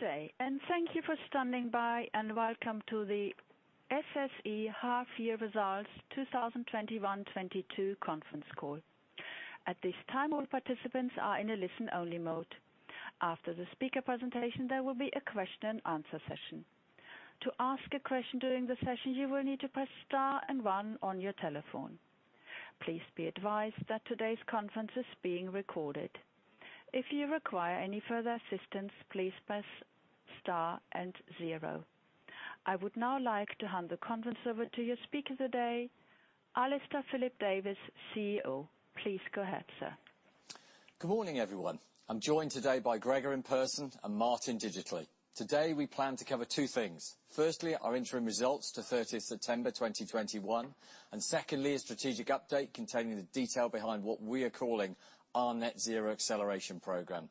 Good day, and thank you for standing by, and welcome to the SSE half year results 2021/22 conference call. At this time, all participants are in a listen-only mode. After the speaker presentation, there will be a question-and-answer session. To ask a question during the session, you will need to press star and one on your telephone. Please be advised that today's conference is being recorded. If you require any further assistance, please press star and zero. I would now like to hand the conference over to your speaker today, Alistair Phillips-Davies, CEO. Please go ahead, sir. Good morning, everyone. I'm joined today by Gregor in person and Martin digitally. Today, we plan to cover two things. Firstly, our interim results to September 30th, 2021, and secondly, a strategic update containing the detail behind what we are calling our Net Zero Acceleration Programme.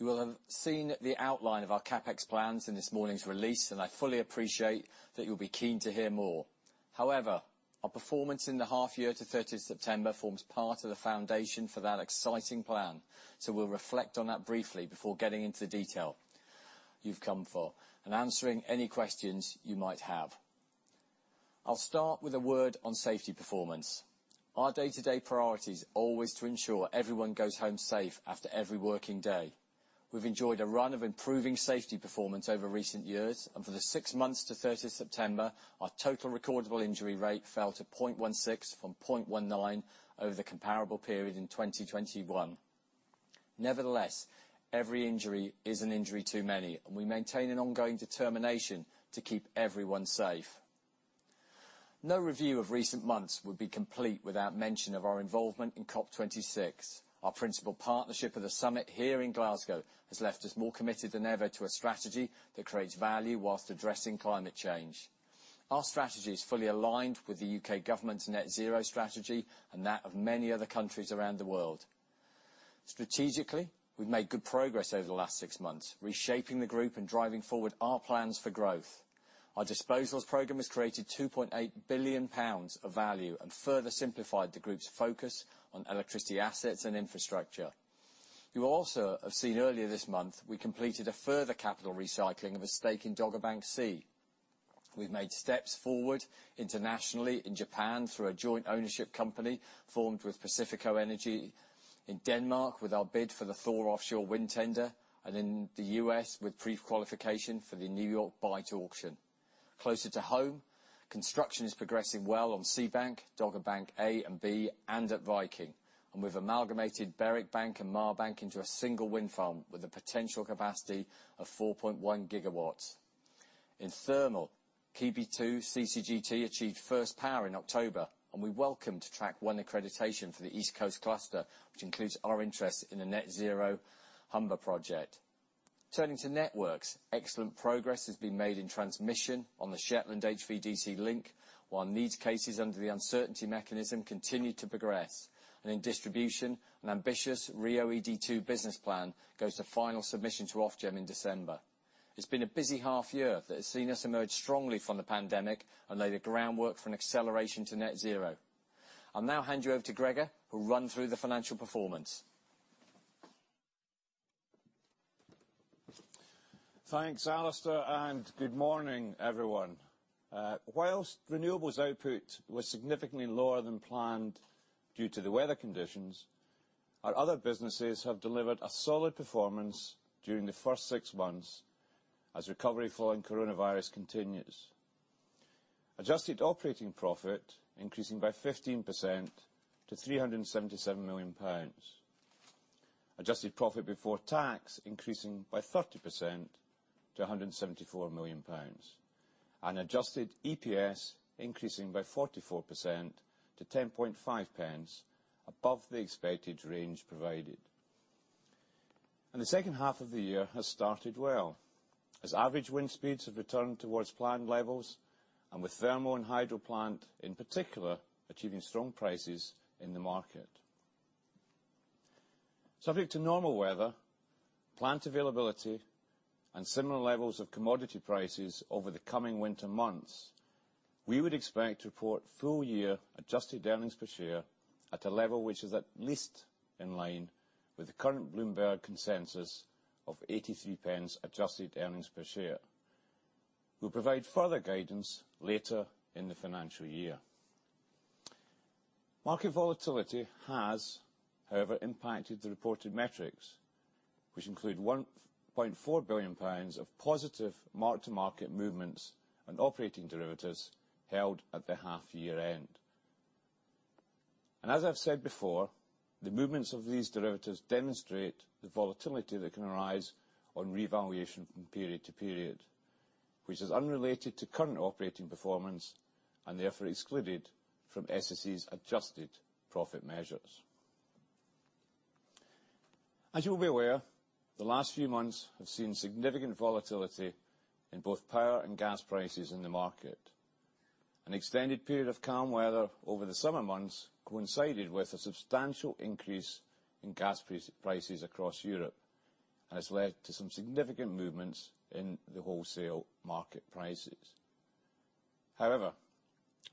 You will have seen the outline of our CapEx plans in this morning's release, and I fully appreciate that you'll be keen to hear more. However, our performance in the half year to September 30th forms part of the foundation for that exciting plan. We'll reflect on that briefly before getting into the detail you've come for and answering any questions you might have. I'll start with a word on safety performance. Our day-to-day priority is always to ensure everyone goes home safe after every working day. We've enjoyed a run of improving safety performance over recent years, and for the six months to September 30th, our total recordable injury rate fell to 0.16 from 0.19 over the comparable period in 2021. Nevertheless, every injury is an injury too many, and we maintain an ongoing determination to keep everyone safe. No review of recent months would be complete without mention of our involvement in COP26. Our principal partnership with the summit here in Glasgow has left us more committed than ever to a strategy that creates value while addressing climate change. Our strategy is fully aligned with the U.K. government's net zero strategy and that of many other countries around the world. Strategically, we've made good progress over the last six months, reshaping the group and driving forward our plans for growth. Our disposals program has created 2.8 billion pounds of value and further simplified the group's focus on electricity assets and infrastructure. You also have seen earlier this month we completed a further capital recycling of a stake in Dogger Bank C. We've made steps forward internationally in Japan through a joint ownership company formed with Pacifico Energy. In Denmark with our bid for the Thor offshore wind tender, and in the U.S. with pre-qualification for the New York Bight auction. Closer to home, construction is progressing well on Seagreen, Dogger Bank A and B, and at Viking. We've amalgamated Berwick Bank and Marr Bank into a single wind farm with a potential capacity of 4.1 GW. In thermal, Keadby 2 CCGT achieved first power in October, and we welcomed Track 1 accreditation for the East Coast Cluster, which includes our interest in the Net Zero Humber project. Turning to networks, excellent progress has been made in transmission on the Shetland HVDC Link, while need cases under the uncertainty mechanism continue to progress. In distribution, an ambitious RIIO-ED2 business plan goes to final submission to Ofgem in December. It's been a busy half year that has seen us emerge strongly from the pandemic and lay the groundwork for an acceleration to net zero. I'll now hand you over to Gregor, who'll run through the financial performance. Thanks, Alistair, and good morning, everyone. While renewables output was significantly lower than planned due to the weather conditions, our other businesses have delivered a solid performance during the first six months as recovery following coronavirus continues. Adjusted operating profit increasing by 15% to 377 million pounds. Adjusted profit before tax increasing by 30% to 174 million pounds. Adjusted EPS increasing by 44% to 0.105, above the expected range provided. The second half of the year has started well, as average wind speeds have returned towards planned levels and with thermal and hydro plant, in particular, achieving strong prices in the market. Subject to normal weather, plant availability, and similar levels of commodity prices over the coming winter months, we would expect to report full year adjusted earnings per share at a level which is at least in line with the current Bloomberg consensus of 0.83 adjusted earnings per share. We'll provide further guidance later in the financial year. Market volatility has, however, impacted the reported metrics, which include 1.4 billion pounds of positive mark-to-market movements and operating derivatives held at the half year-end. As I've said before, the movements of these derivatives demonstrate the volatility that can arise on revaluation from period to period, which is unrelated to current operating performance and therefore excluded from SSE's adjusted profit measures. As you'll be aware, the last few months have seen significant volatility in both power and gas prices in the market. An extended period of calm weather over the summer months coincided with a substantial increase in gas prices across Europe and has led to some significant movements in the wholesale market prices. However,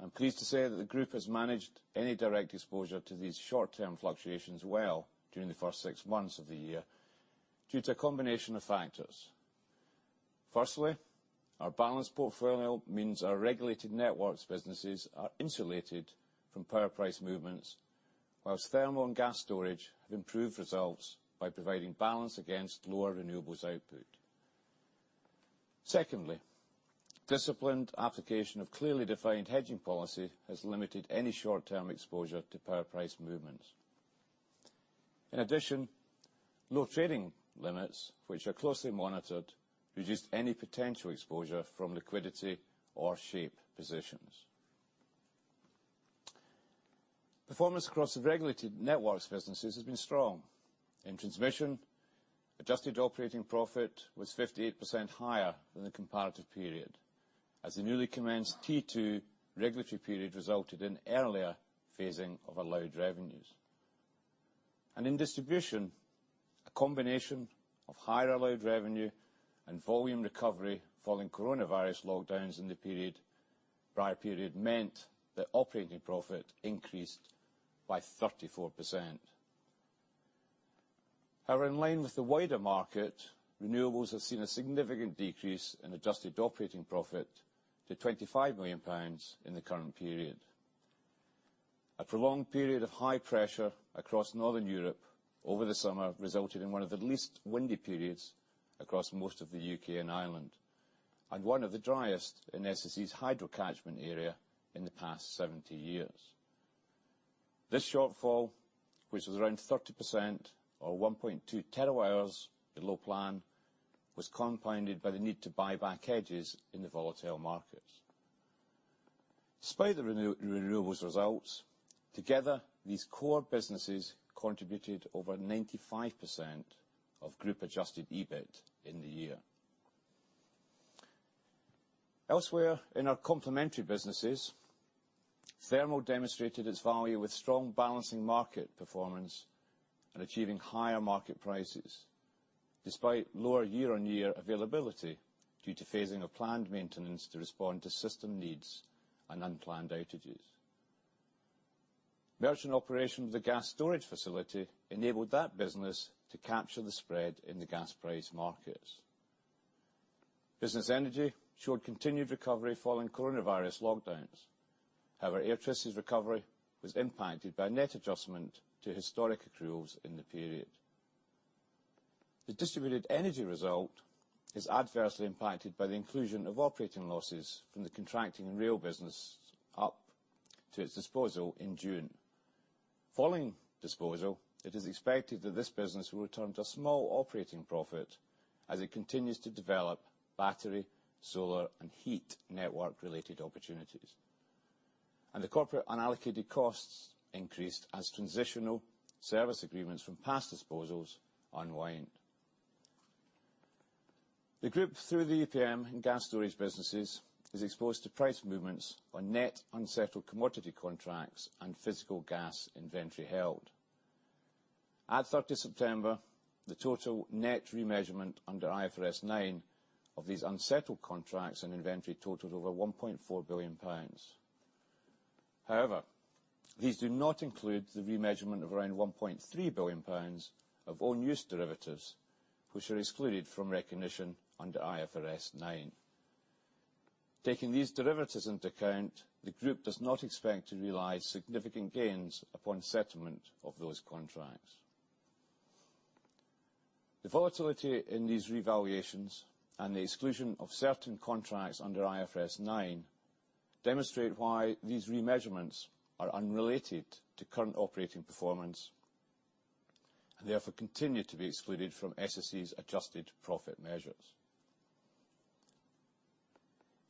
I'm pleased to say that the group has managed any direct exposure to these short-term fluctuations well during the first six months of the year due to a combination of factors. Firstly, our balanced portfolio means our regulated networks businesses are insulated from power price movements, while thermal and gas storage have improved results by providing balance against lower renewables output. Secondly, disciplined application of clearly defined hedging policy has limited any short-term exposure to power price movements. In addition, low trading limits, which are closely monitored, reduced any potential exposure from liquidity or shape positions. Performance across the regulated networks businesses has been strong. In transmission, adjusted operating profit was 58% higher than the comparative period, as the newly commenced T2 regulatory period resulted in earlier phasing of allowed revenues. In distribution, a combination of higher allowed revenue and volume recovery following coronavirus lockdowns in the prior period meant that operating profit increased by 34%. However, in line with the wider market, renewables have seen a significant decrease in adjusted operating profit to 25 million pounds in the current period. A prolonged period of high pressure across Northern Europe over the summer resulted in one of the least windy periods across most of the U.K. and Ireland, and one of the driest in SSE's hydro catchment area in the past 70 years. This shortfall, which was around 30% or 1.2 TWh below plan, was compounded by the need to buy back hedges in the volatile markets. Despite the renewables results, together, these core businesses contributed over 95% of group-adjusted EBIT in the year. Elsewhere in our complementary businesses, Thermal demonstrated its value with strong balancing market performance and achieving higher market prices despite lower year-on-year availability due to phasing of planned maintenance to respond to system needs and unplanned outages. Merchant operation of the gas storage facility enabled that business to capture the spread in the gas price markets. Business Energy showed continued recovery following coronavirus lockdowns. However, Airtricity's recovery was impacted by a net adjustment to historic accruals in the period. The distributed energy result is adversely impacted by the inclusion of operating losses from the Contracting and Rail business up to its disposal in June. Following disposal, it is expected that this business will return to a small operating profit as it continues to develop battery, solar and heat network-related opportunities. The corporate unallocated costs increased as transitional service agreements from past disposals unwind. The group, through the EPM and gas storage businesses, is exposed to price movements on net unsettled commodity contracts and physical gas inventory held. At September 30, the total net remeasurement under IFRS 9 of these unsettled contracts and inventory totaled over 1.4 billion pounds. However, these do not include the remeasurement of around 1.3 billion pounds of own-use derivatives, which are excluded from recognition under IFRS 9. Taking these derivatives into account, the group does not expect to realize significant gains upon settlement of those contracts. The volatility in these revaluations and the exclusion of certain contracts under IFRS 9 demonstrate why these remeasurements are unrelated to current operating performance and therefore continue to be excluded from SSE's adjusted profit measures.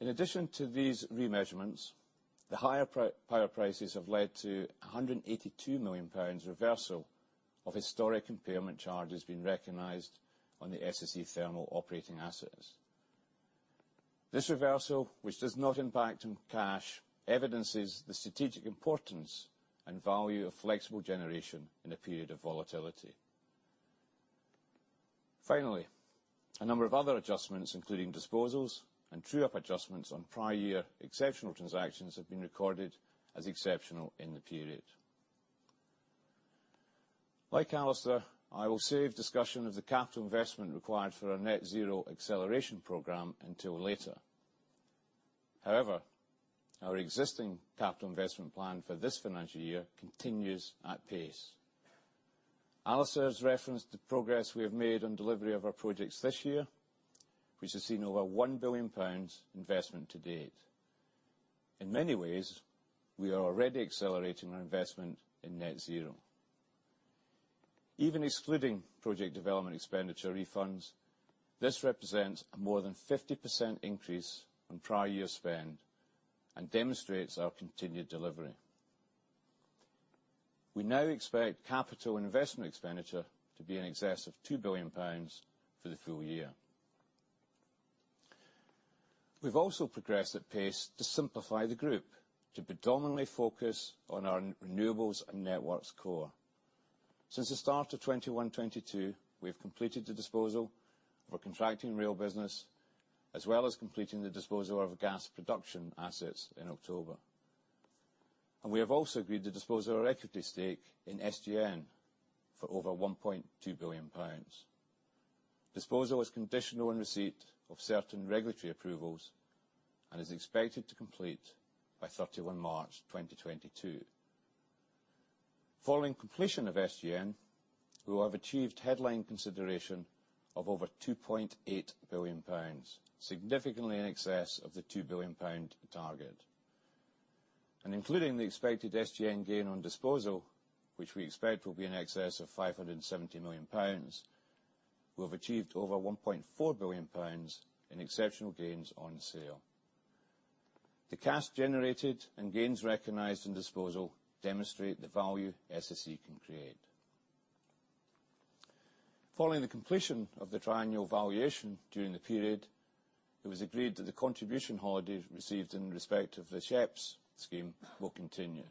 In addition to these remeasurements, the higher power prices have led to 182 million pounds reversal of historic impairment charges being recognized on the SSE Thermal operating assets. This reversal, which does not impact on cash, evidences the strategic importance and value of flexible generation in a period of volatility. Finally, a number of other adjustments, including disposals and true-up adjustments on prior year exceptional transactions have been recorded as exceptional in the period. Like Alistair, I will save discussion of the capital investment required for our Net Zero Acceleration Programme until later. However, our existing capital investment plan for this financial year continues apace. Alistair has referenced the progress we have made on delivery of our projects this year, which has seen over 1 billion pounds investment to date. In many ways, we are already accelerating our investment in net zero. Even excluding project development expenditure refunds, this represents a more than 50% increase on prior year spend and demonstrates our continued delivery. We now expect capital and investment expenditure to be in excess of 2 billion pounds for the full year. We've also progressed at pace to simplify the group, to predominantly focus on our Renewables and Networks core. Since the start of 2021/2022, we've completed the disposal of our Contracting and Rail business, as well as completing the disposal of gas production assets in October. We have also agreed to dispose of our equity stake in SGN for over 1.2 billion pounds. Disposal was conditional on receipt of certain regulatory approvals, and is expected to complete by March 31, 2022. Following completion of SGN, we will have achieved headline consideration of over 2.8 billion pounds, significantly in excess of the 2 billion pound target. Including the expected SGN gain on disposal, which we expect will be in excess of 570 million pounds, we have achieved over 1.4 billion pounds in exceptional gains on sale. The cash generated and gains recognized in disposal demonstrate the value SSE can create. Following the completion of the triennial valuation during the period, it was agreed that the contribution holiday received in respect of the SHEPS scheme will continue.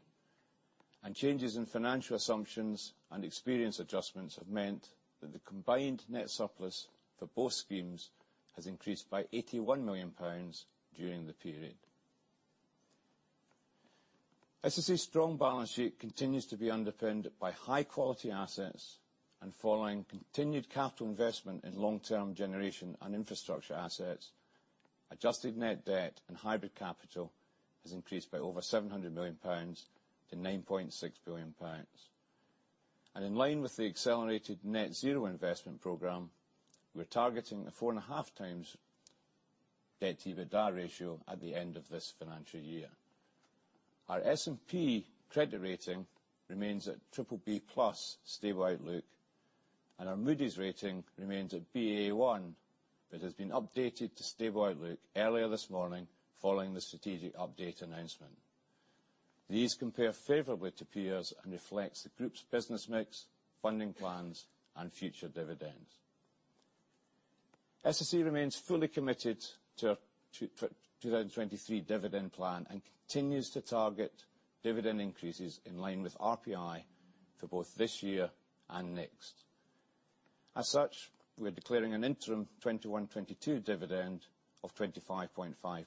Changes in financial assumptions and experience adjustments have meant that the combined net surplus for both schemes has increased by 81 million pounds during the period. SSE's strong balance sheet continues to be underpinned by high-quality assets and following continued capital investment in long-term generation and infrastructure assets, adjusted net debt and hybrid capital has increased by over 700 million pounds to 9.6 billion pounds. In line with the accelerated net zero investment program, we're targeting a 4.5x debt-to-EBITDA ratio at the end of this financial year. Our S&P credit rating remains at BBB+ stable outlook, and our Moody's rating remains at Baa1, but has been updated to stable outlook earlier this morning following the strategic update announcement. These compare favorably to peers and reflects the group's business mix, funding plans, and future dividends. SSE remains fully committed to 2023 dividend plan, and continues to target dividend increases in line with RPI for both this year and next. As such, we're declaring an interim 2021-2022 dividend of 0.255.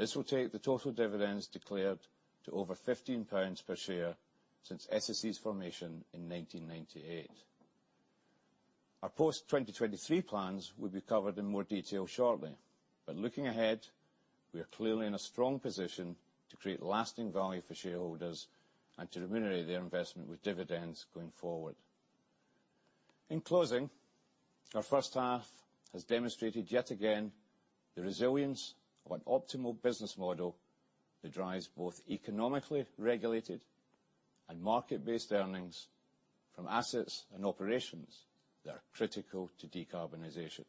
This will take the total dividends declared to over 15 pounds per share since SSE's formation in 1998. Our post-2023 plans will be covered in more detail shortly. Looking ahead, we are clearly in a strong position to create lasting value for shareholders and to remunerate their investment with dividends going forward. In closing, our first half has demonstrated yet again the resilience of an optimal business model that drives both economically regulated and market-based earnings from assets and operations that are critical to decarbonization.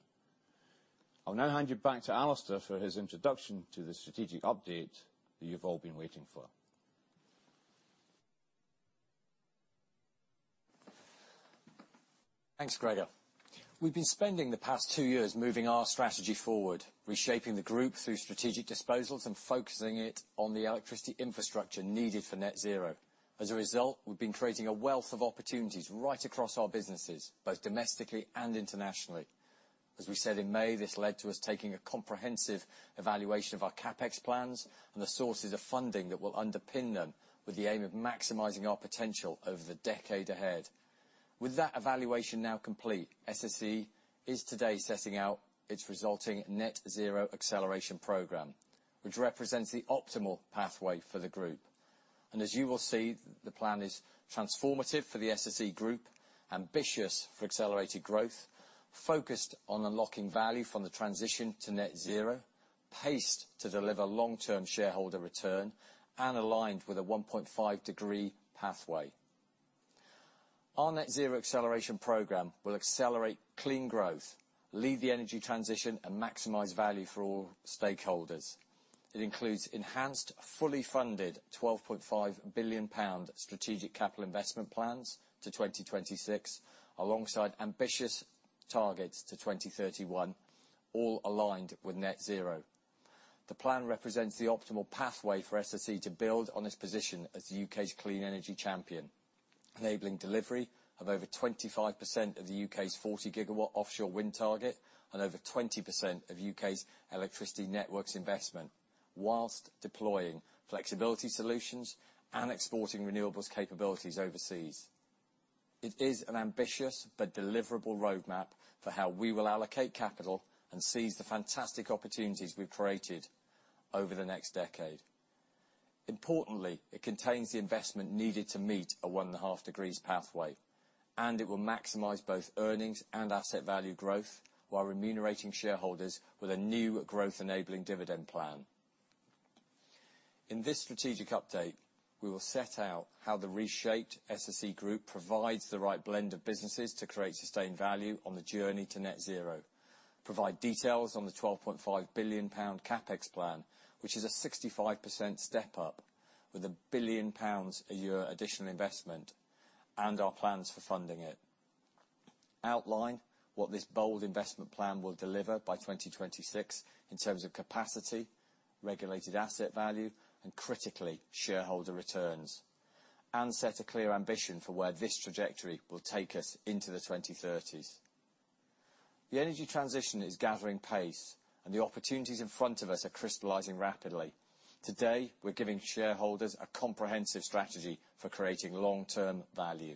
I'll now hand you back to Alistair for his introduction to the strategic update that you've all been waiting for. Thanks, Gregor. We've been spending the past two years moving our strategy forward, reshaping the group through strategic disposals and focusing it on the electricity infrastructure needed for net zero. As a result, we've been creating a wealth of opportunities right across our businesses, both domestically and internationally. As we said in May, this led to us taking a comprehensive evaluation of our CapEx plans and the sources of funding that will underpin them with the aim of maximizing our potential over the decade ahead. With that evaluation now complete, SSE is today setting out its resulting Net Zero Acceleration Programme, which represents the optimal pathway for the group. As you will see, the plan is transformative for the SSE group, ambitious for accelerated growth, focused on unlocking value from the transition to net zero, paced to deliver long-term shareholder return, and aligned with a 1.5-degree pathway. Our Net Zero Acceleration Programme will accelerate clean growth, lead the energy transition, and maximize value for all stakeholders. It includes enhanced, fully funded GBP 12.5 billion strategic capital investment plans to 2026, alongside ambitious targets to 2031, all aligned with Net Zero. The plan represents the optimal pathway for SSE to build on its position as the U.K.'s clean energy champion, enabling delivery of over 25% of the U.K.'s 40 GW offshore wind target and over 20% of U.K.'s electricity networks investment, while deploying flexibility solutions and exporting renewables capabilities overseas. It is an ambitious but deliverable roadmap for how we will allocate capital and seize the fantastic opportunities we've created over the next decade. Importantly, it contains the investment needed to meet a 1.5 degrees pathway, and it will maximize both earnings and asset value growth while remunerating shareholders with a new growth-enabling dividend plan. In this strategic update, we will set out how the reshaped SSE group provides the right blend of businesses to create sustained value on the journey to net zero. Provide details on the 12.5 billion pound CapEx plan, which is a 65% step up with 1 billion pounds a year additional investment, and our plans for funding it. Outline what this bold investment plan will deliver by 2026 in terms of capacity, regulated asset value, and critically, shareholder returns. Set a clear ambition for where this trajectory will take us into the 2030s. The energy transition is gathering pace, and the opportunities in front of us are crystallizing rapidly. Today, we're giving shareholders a comprehensive strategy for creating long-term value.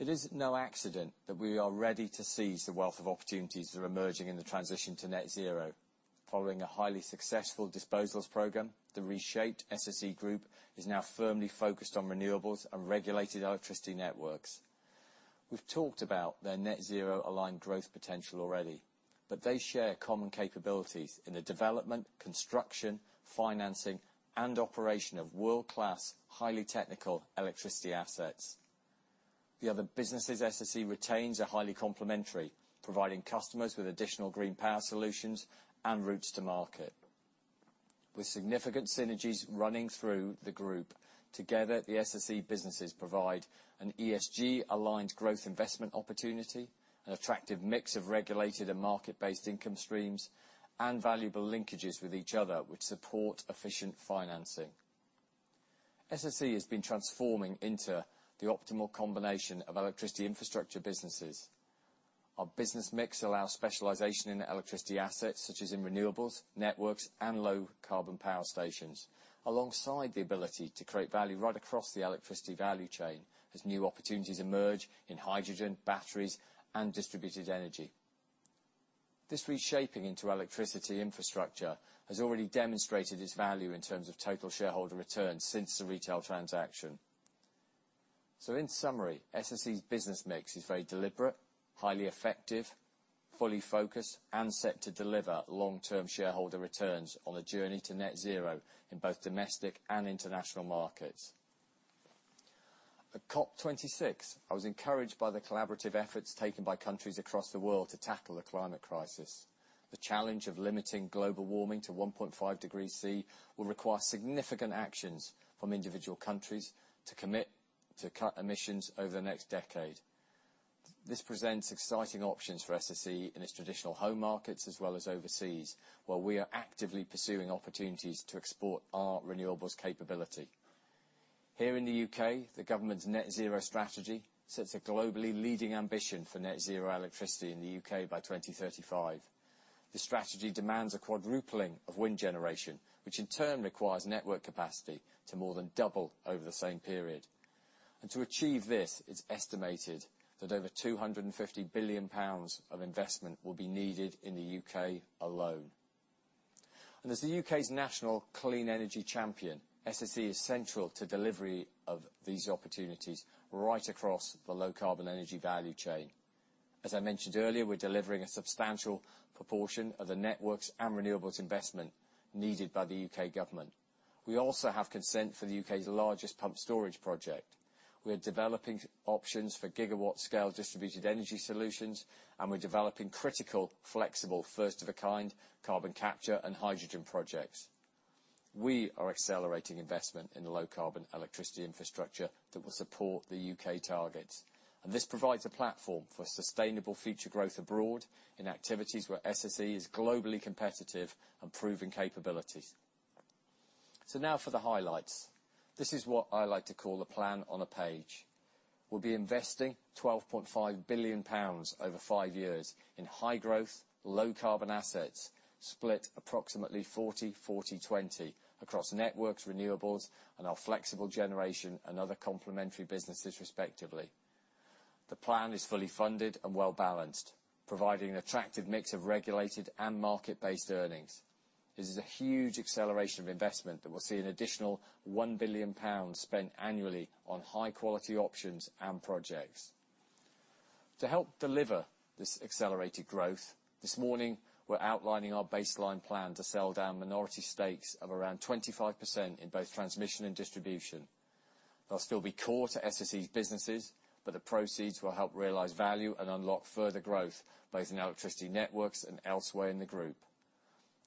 It is no accident that we are ready to seize the wealth of opportunities that are emerging in the transition to net zero. Following a highly successful disposals program, the reshaped SSE group is now firmly focused on renewables and regulated electricity networks. We've talked about their net zero aligned growth potential already, but they share common capabilities in the development, construction, financing, and operation of world-class, highly technical electricity assets. The other businesses SSE retains are highly complementary, providing customers with additional green power solutions and routes to market. With significant synergies running through the group, together, the SSE businesses provide an ESG-aligned growth investment opportunity, an attractive mix of regulated and market-based income streams, and valuable linkages with each other which support efficient financing. SSE has been transforming into the optimal combination of electricity infrastructure businesses. Our business mix allows specialization in electricity assets, such as in renewables, networks, and low carbon power stations, alongside the ability to create value right across the electricity value chain as new opportunities emerge in hydrogen, batteries, and distributed energy. This reshaping into electricity infrastructure has already demonstrated its value in terms of total shareholder returns since the retail transaction. In summary, SSE's business mix is very deliberate, highly effective, fully focused, and set to deliver long-term shareholder returns on the journey to net zero in both domestic and international markets. At COP26, I was encouraged by the collaborative efforts taken by countries across the world to tackle the climate crisis. The challenge of limiting global warming to 1.5 degrees C will require significant actions from individual countries to commit to cut emissions over the next decade. This presents exciting options for SSE in its traditional home markets as well as overseas, where we are actively pursuing opportunities to export our renewables capability. Here in the U.K., the government's net zero strategy sets a globally leading ambition for net zero electricity in the U.K. by 2035. The strategy demands a quadrupling of wind generation, which in turn requires network capacity to more than double over the same period. To achieve this, it's estimated that over 250 billion pounds of investment will be needed in the U.K. alone. As the U.K.'s national clean energy champion, SSE is central to delivery of these opportunities right across the low-carbon energy value chain. As I mentioned earlier, we're delivering a substantial proportion of the networks and renewables investment needed by the U.K. government. We also have consent for the U.K.'s largest pumped storage project. We're developing options for gigawatt-scale distributed energy solutions, and we're developing critical, flexible, first-of-a-kind carbon capture and hydrogen projects. We are accelerating investment in the low-carbon electricity infrastructure that will support the U.K. targets. This provides a platform for sustainable future growth abroad in activities where SSE is globally competitive and proven capabilities. Now for the highlights. This is what I like to call a plan on a page. We'll be investing 12.5 billion pounds over five years in high-growth, low-carbon assets, split approximately 40/40/20 across networks, renewables, and our flexible generation and other complementary businesses, respectively. The plan is fully funded and well-balanced, providing an attractive mix of regulated and market-based earnings. This is a huge acceleration of investment that will see an additional 1 billion pounds spent annually on high-quality options and projects. To help deliver this accelerated growth, this morning, we're outlining our baseline plan to sell down minority stakes of around 25% in both transmission and distribution. They'll still be core to SSE's businesses, but the proceeds will help realize value and unlock further growth, both in our electricity networks and elsewhere in the group.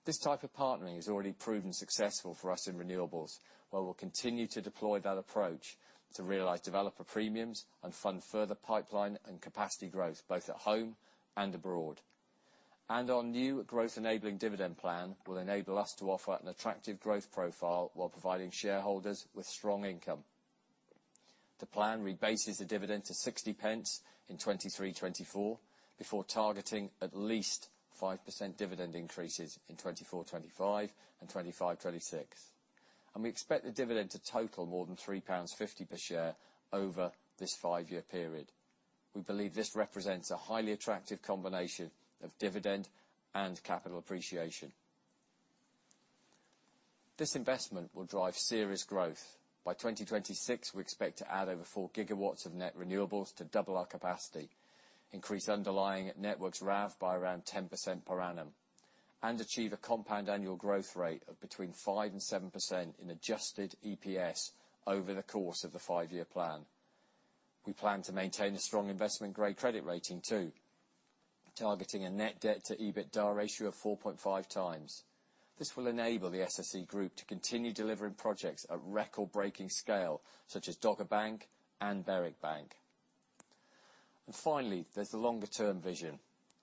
This type of partnering has already proven successful for us in renewables, where we'll continue to deploy that approach to realize developer premiums and fund further pipeline and capacity growth, both at home and abroad. Our new growth-enabling dividend plan will enable us to offer an attractive growth profile while providing shareholders with strong income. The plan rebases the dividend to 0.60 in 2023-2024, before targeting at least 5% dividend increases in 2024-2025, and 2025-2026. We expect the dividend to total more than 3.50 pounds per share over this five-year period. We believe this represents a highly attractive combination of dividend and capital appreciation. This investment will drive serious growth. By 2026, we expect to add over 4 GW of net renewables to double our capacity, increase underlying networks RAV by around 10% per annum, and achieve a compound annual growth rate of between 5% and 7% in adjusted EPS over the course of the five-year plan. We plan to maintain a strong investment-grade credit rating too, targeting a net debt-to-EBITDA ratio of 4.5x. This will enable the SSE Group to continue delivering projects at record-breaking scale, such as Dogger Bank and Berwick Bank. Finally, there's the longer-term vision.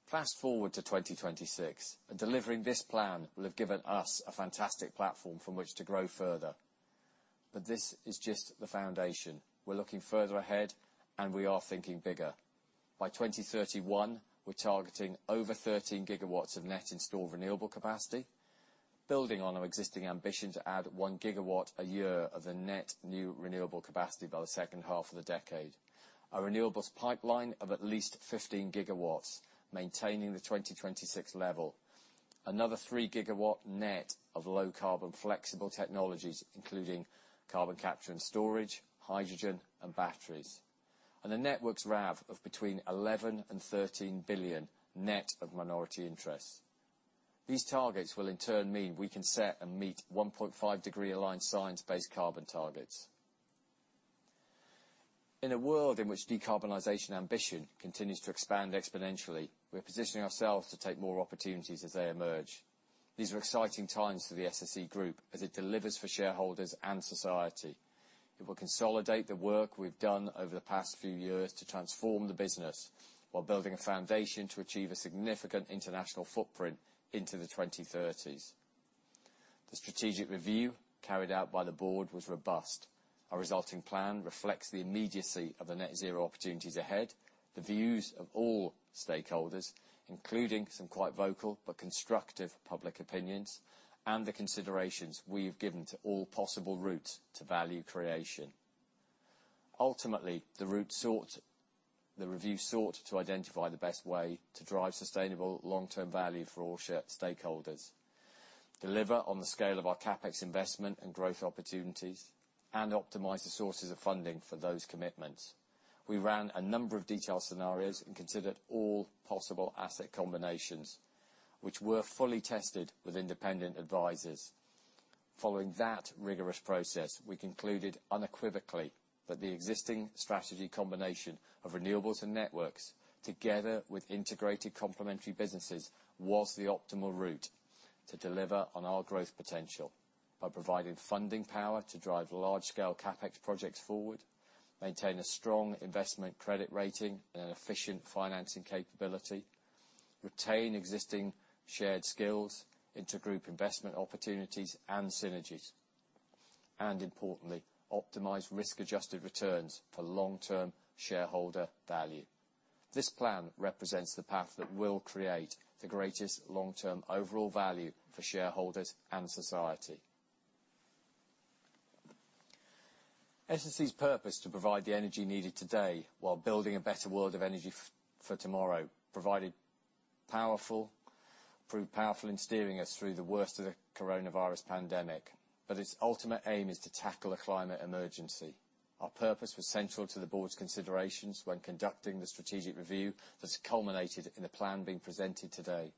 Fast-forward to 2026, and delivering this plan will have given us a fantastic platform from which to grow further. This is just the foundation. We're looking further ahead, and we are thinking bigger. By 2031, we're targeting over 13 GW of net installed renewable capacity, building on our existing ambition to add 1 GW a year of net new renewable capacity by the second half of the decade. Our renewables pipeline of at least 15 GW, maintaining the 2026 level. Another 3 GW net of low-carbon flexible technologies, including carbon capture and storage, hydrogen and batteries. The network's RAV of between 11 billion and 13 billion, net of minority interests. These targets will in turn mean we can set and meet 1.5-degree aligned Science-Based Targets carbon targets. In a world in which decarbonization ambition continues to expand exponentially, we're positioning ourselves to take more opportunities as they emerge. These are exciting times for the SSE Group as it delivers for shareholders and society. It will consolidate the work we've done over the past few years to transform the business, while building a foundation to achieve a significant international footprint into the 2030s. The strategic review carried out by the board was robust. Our resulting plan reflects the immediacy of the net-zero opportunities ahead, the views of all stakeholders, including some quite vocal but constructive public opinions, and the considerations we've given to all possible routes to value creation. Ultimately, the review sought to identify the best way to drive sustainable long-term value for all stakeholders, deliver on the scale of our CapEx investment and growth opportunities, and optimize the sources of funding for those commitments. We ran a number of detailed scenarios, and considered all possible asset combinations, which were fully tested with independent advisors. Following that rigorous process, we concluded unequivocally that the existing strategy combination of renewables and networks, together with integrated complementary businesses, was the optimal route to deliver on our growth potential by providing funding power to drive large-scale CapEx projects forward, maintain a strong investment credit rating and an efficient financing capability, retain existing shared skills, intergroup investment opportunities and synergies. Importantly, optimize risk-adjusted returns for long-term shareholder value. This plan represents the path that will create the greatest long-term overall value for shareholders and society. SSE's purpose to provide the energy needed today while building a better world of energy for tomorrow proved powerful in steering us through the worst of the coronavirus pandemic, but its ultimate aim is to tackle the climate emergency. Our purpose was central to the board's considerations when conducting the strategic review that's culminated in the plan being presented today.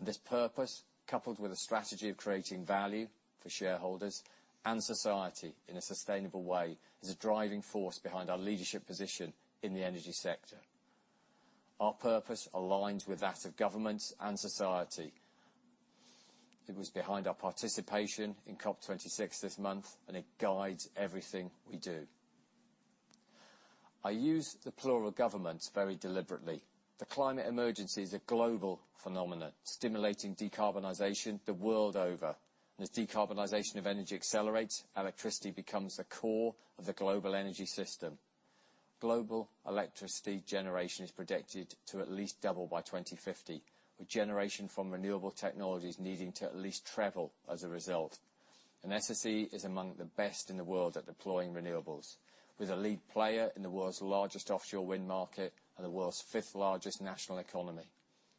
This purpose, coupled with a strategy of creating value for shareholders and society in a sustainable way, is the driving force behind our leadership position in the energy sector. Our purpose aligns with that of governments and society. It was behind our participation in COP26 this month, and it guides everything we do. I use the plural governments very deliberately. The climate emergency is a global phenomenon, stimulating decarbonization the world over. As decarbonization of energy accelerates, electricity becomes the core of the global energy system. Global electricity generation is predicted to at least double by 2050, with generation from renewable technologies needing to at least treble as a result. SSE is among the best in the world at deploying renewables. We're the lead player in the world's largest offshore wind market and the world's fifth-largest national economy.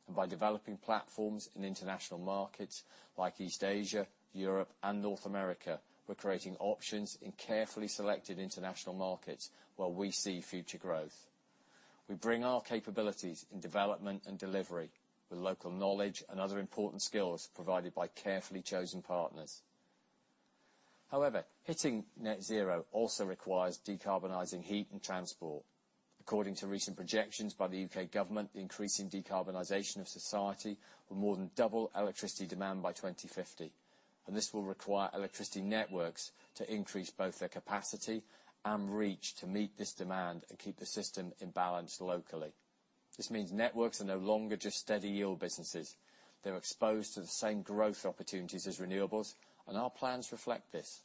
By developing platforms in international markets like East Asia, Europe and North America, we're creating options in carefully selected international markets where we see future growth. We bring our capabilities in development and delivery with local knowledge and other important skills provided by carefully chosen partners. However, hitting net zero also requires decarbonizing heat and transport. According to recent projections by the U.K. government, the increasing decarbonization of society will more than double electricity demand by 2050, and this will require electricity networks to increase both their capacity and reach to meet this demand and keep the system in balance locally. This means networks are no longer just steady yield businesses. They're exposed to the same growth opportunities as renewables, and our plans reflect this.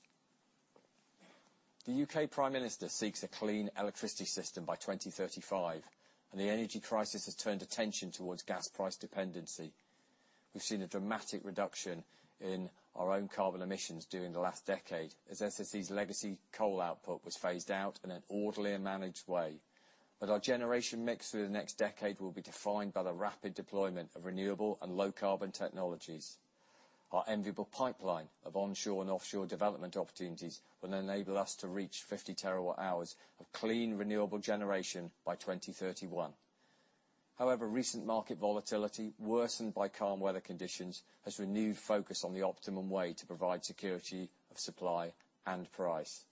The U.K. Prime Minister seeks a clean electricity system by 2035, and the energy crisis has turned attention towards gas price dependency. We've seen a dramatic reduction in our own carbon emissions during the last decade, as SSE's legacy coal output was phased out in an orderly and managed way. Our generation mix through the next decade will be defined by the rapid deployment of renewable and low-carbon technologies. Our enviable pipeline of onshore and offshore development opportunities will enable us to reach 50 TWh of clean, renewable generation by 2031. However, recent market volatility, worsened by calm weather conditions, has renewed focus on the optimum way to provide security of supply and price.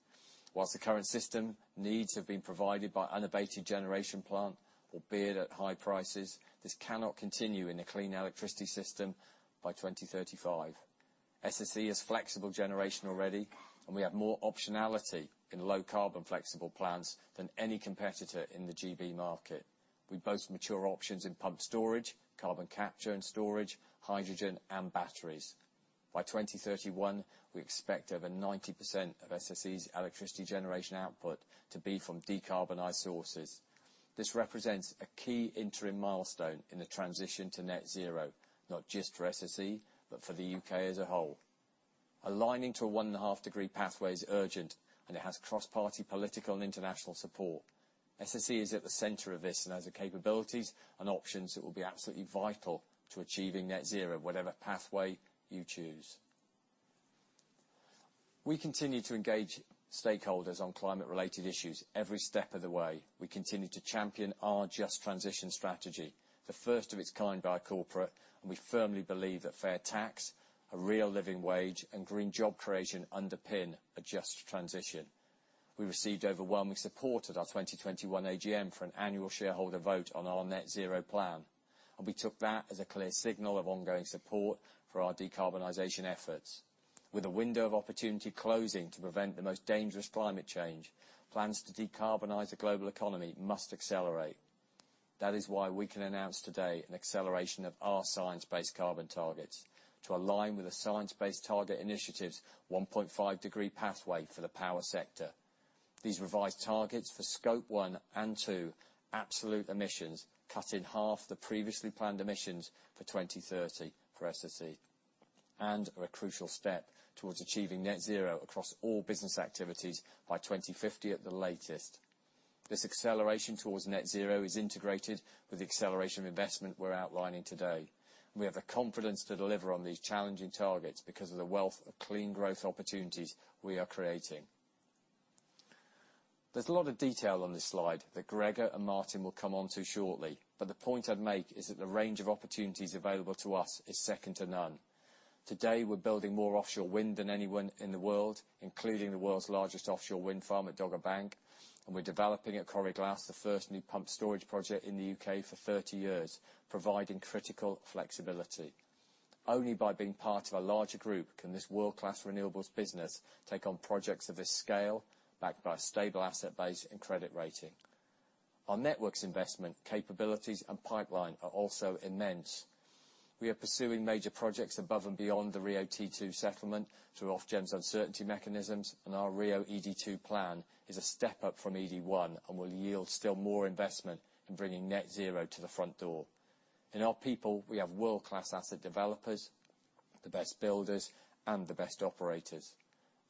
Whilst the current system needs have been provided by unabated generation plant, albeit at high prices, this cannot continue in a clean electricity system by 2035. SSE is flexible generation already, and we have more optionality in low carbon flexible plants than any competitor in the GB market. We boast mature options in pumped storage, carbon capture and storage, hydrogen and batteries. By 2031, we expect over 90% of SSE's electricity generation output to be from decarbonized sources. This represents a key interim milestone in the transition to net zero, not just for SSE, but for the U.K. as a whole. Aligning to a 1.5-degree pathway is urgent, and it has cross-party political and international support. SSE is at the center of this and has the capabilities and options that will be absolutely vital to achieving net zero, whatever pathway you choose. We continue to engage stakeholders on climate-related issues every step of the way. We continue to champion our just transition strategy, the first of its kind by a corporate, and we firmly believe that fair tax, a real living wage, and green job creation underpin a just transition. We received overwhelming support at our 2021 AGM for an annual shareholder vote on our net zero plan, and we took that as a clear signal of ongoing support for our decarbonization efforts. With a window of opportunity closing to prevent the most dangerous climate change, plans to decarbonize the global economy must accelerate. That is why we can announce today an acceleration of our science-based carbon targets to align with the Science Based Targets initiative's 1.5-degree pathway for the power sector. These revised targets for Scope 1 and 2 absolute emissions cut in half the previously planned emissions for 2030 for SSE and are a crucial step towards achieving net zero across all business activities by 2050 at the latest. This acceleration towards net zero is integrated with the accelerated investment we're outlining today. We have the confidence to deliver on these challenging targets because of the wealth of clean growth opportunities we are creating. There's a lot of detail on this slide that Gregor and Martin will come onto shortly, but the point I'd make is that the range of opportunities available to us is second to none. Today, we're building more offshore wind than anyone in the world, including the world's largest offshore wind farm at Dogger Bank, and we're developing at Coire Glas, the first new pumped storage project in the U.K. for 30 years, providing critical flexibility. Only by being part of a larger group can this world-class renewables business take on projects of this scale, backed by a stable asset base and credit rating. Our networks investment capabilities and pipeline are also immense. We are pursuing major projects above and beyond the RIIO-T2 settlement through Ofgem's uncertainty mechanisms, and our RIIO-ED2 plan is a step up from ED1 and will yield still more investment in bringing net zero to the front door. In our people, we have world-class asset developers, the best builders, and the best operators.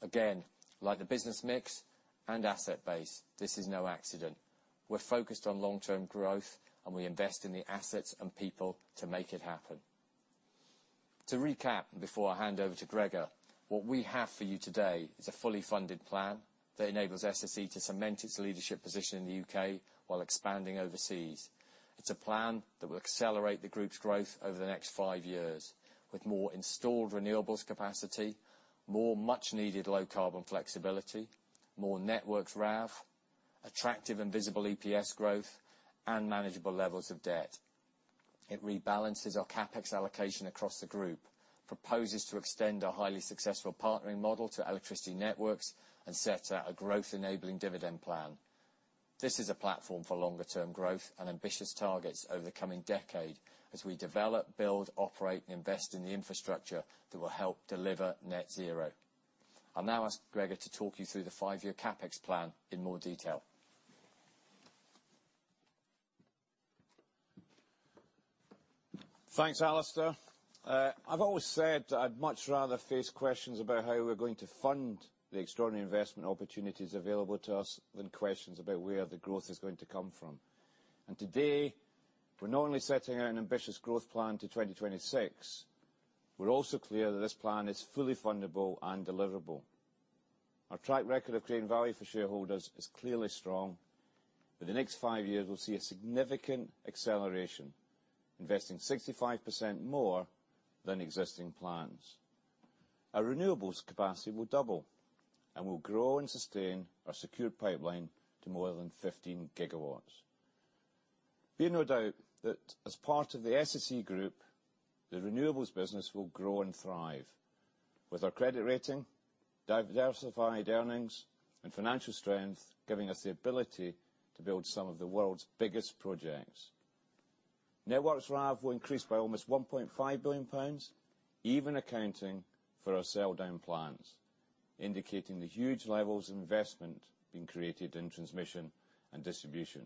Again, like the business mix and asset base, this is no accident. We're focused on long-term growth, and we invest in the assets and people to make it happen. To recap, before I hand over to Gregor, what we have for you today is a fully funded plan that enables SSE to cement its leadership position in the U.K. while expanding overseas. It's a plan that will accelerate the group's growth over the next five years with more installed renewables capacity, more much-needed low-carbon flexibility, more networks RAV, attractive and visible EPS growth, and manageable levels of debt. It rebalances our CapEx allocation across the group, proposes to extend our highly successful partnering model to electricity networks, and sets out a growth-enabling dividend plan. This is a platform for longer-term growth and ambitious targets over the coming decade as we develop, build, operate, and invest in the infrastructure that will help deliver net zero. I'll now ask Gregor to talk you through the five-year CapEx plan in more detail. Thanks, Alistair. I've always said that I'd much rather face questions about how we're going to fund the extraordinary investment opportunities available to us than questions about where the growth is going to come from. Today, we're not only setting out an ambitious growth plan to 2026, we're also clear that this plan is fully fundable and deliverable. Our track record of creating value for shareholders is clearly strong. For the next five years, we'll see a significant acceleration, investing 65% more than existing plans. Our renewables capacity will double, and we'll grow and sustain our secure pipeline to more than 15 GW. Be in no doubt that as part of the SSE group, the renewables business will grow and thrive with our credit rating, diversified earnings, and financial strength giving us the ability to build some of the world's biggest projects. Networks RAV will increase by almost 1.5 billion pounds, even accounting for our sell-down plans, indicating the huge levels of investment being created in transmission and distribution.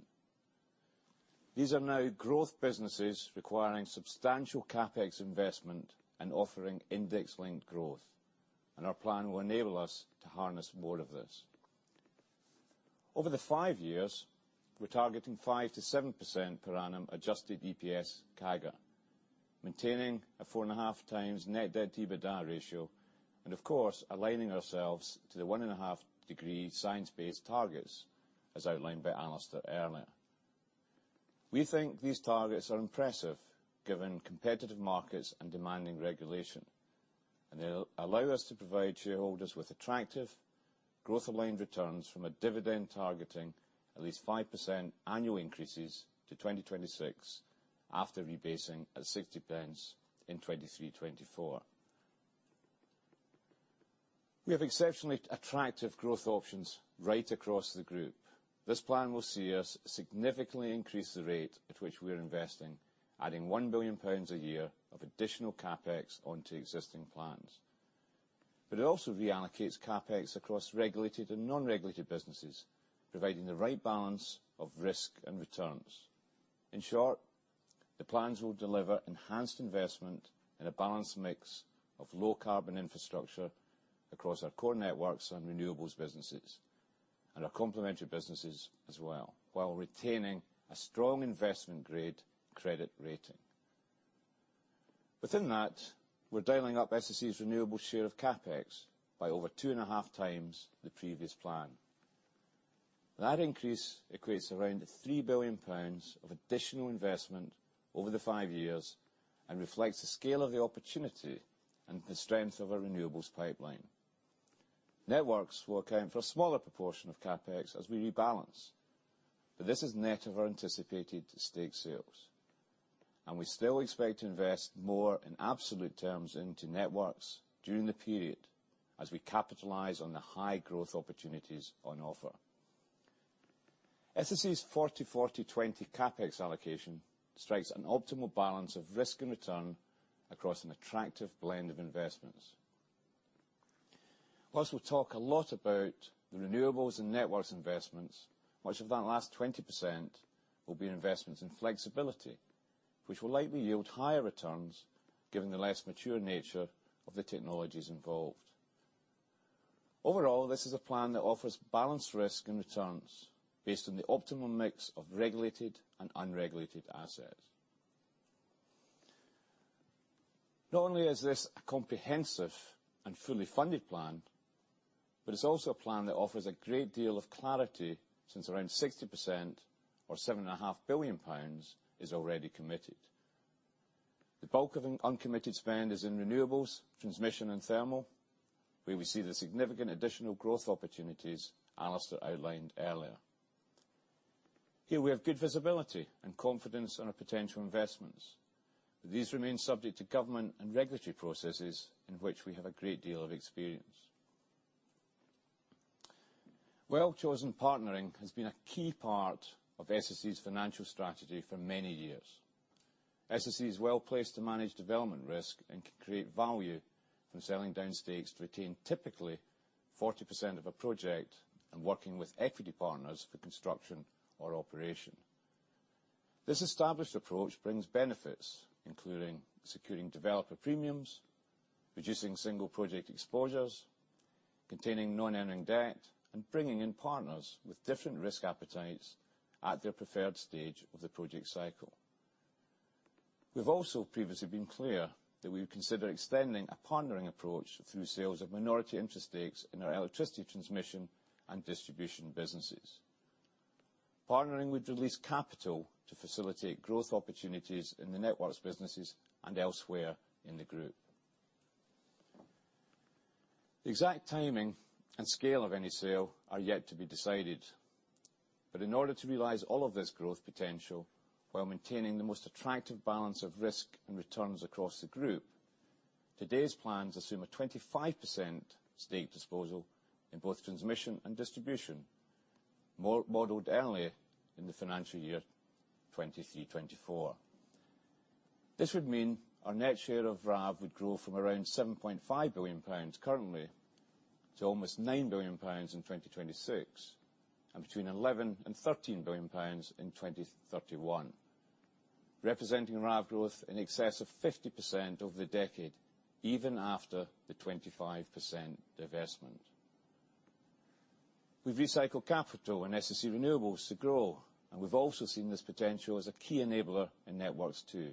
These are now growth businesses requiring substantial CapEx investment and offering index-linked growth, and our plan will enable us to harness more of this. Over the five years, we're targeting 5%-7% per annum adjusted EPS CAGR, maintaining a 4.5x net debt to EBITDA ratio, and of course, aligning ourselves to the 1.5-degree Science Based Targets as outlined by Alistair earlier. We think these targets are impressive given competitive markets and demanding regulation, and they'll allow us to provide shareholders with attractive growth-aligned returns from a dividend targeting at least 5% annual increases to 2026 after rebasing at 0.60 pounds in 2024. We have exceptionally attractive growth options right across the group. This plan will see us significantly increase the rate at which we are investing, adding 1 billion pounds a year of additional CapEx onto existing plans. It also reallocates CapEx across regulated and non-regulated businesses, providing the right balance of risk and returns. In short, the plans will deliver enhanced investment and a balanced mix of low carbon infrastructure across our core networks and renewables businesses, and our complementary businesses as well, while retaining a strong investment-grade credit rating. Within that, we're dialing up SSE's renewables share of CapEx by over 2.5x the previous plan. That increase equates to around 3 billion pounds of additional investment over the five years and reflects the scale of the opportunity and the strength of our renewables pipeline. Networks will account for a smaller proportion of CapEx as we rebalance, but this is net of our anticipated stake sales. We still expect to invest more in absolute terms into networks during the period as we capitalize on the high growth opportunities on offer. SSE's 40/40/20 CapEx allocation strikes an optimal balance of risk and return across an attractive blend of investments. While we talk a lot about the renewables and networks investments, much of that last 20% will be in investments in flexibility, which will likely yield higher returns given the less mature nature of the technologies involved. Overall, this is a plan that offers balanced risk and returns based on the optimum mix of regulated and unregulated assets. Not only is this a comprehensive and fully funded plan, but it's also a plan that offers a great deal of clarity since around 60% or 7.5 billion pounds is already committed. The bulk of an uncommitted spend is in renewables, transmission, and thermal, where we see the significant additional growth opportunities Alistair outlined earlier. Here we have good visibility and confidence on our potential investments, but these remain subject to government and regulatory processes in which we have a great deal of experience. Well-chosen partnering has been a key part of SSE's financial strategy for many years. SSE is well-placed to manage development risk and can create value from selling down stakes to retain typically 40% of a project and working with equity partners for construction or operation. This established approach brings benefits, including securing developer premiums, reducing single project exposures, containing non-earning debt, and bringing in partners with different risk appetites at their preferred stage of the project cycle. We've also previously been clear that we would consider extending a partnering approach through sales of minority interest stakes in our electricity transmission and distribution businesses. Partnering would release capital to facilitate growth opportunities in the networks businesses and elsewhere in the group. The exact timing and scale of any sale are yet to be decided. In order to realize all of this growth potential while maintaining the most attractive balance of risk and returns across the group, today's plans assume a 25% stake disposal in both transmission and distribution, modeled annually in the financial year 2024. This would mean our net share of RAV would grow from around 7.5 billion pounds currently to almost 9 billion pounds in 2026, and between 11 billion and 13 billion pounds in 2031, representing RAV growth in excess of 50% over the decade, even after the 25% divestment. We've recycled capital in SSE Renewables to grow, and we've also seen this potential as a key enabler in networks too.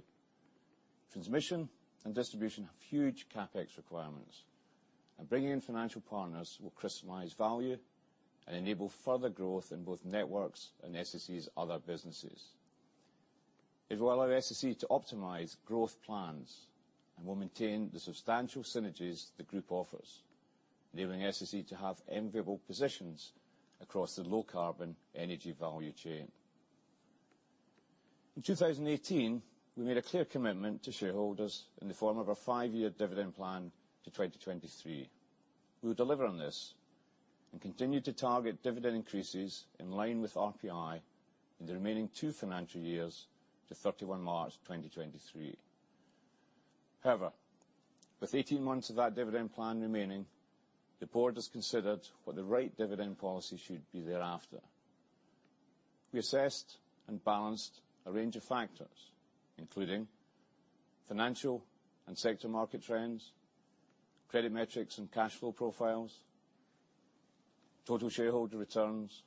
Transmission and distribution have huge CapEx requirements, and bringing in financial partners will crystallize value and enable further growth in both networks and SSE's other businesses. It will allow SSE to optimize growth plans and will maintain the substantial synergies the group offers, enabling SSE to have enviable positions across the low-carbon energy value chain. In 2018, we made a clear commitment to shareholders in the form of a five-year dividend plan to 2023. We will deliver on this and continue to target dividend increases in line with RPI in the remaining two financial years to March 31, 2023. However, with 18 months of that dividend plan remaining, the board has considered what the right dividend policy should be thereafter. We assessed and balanced a range of factors, including financial and sector market trends, credit metrics and cash flow profiles, total shareholder returns,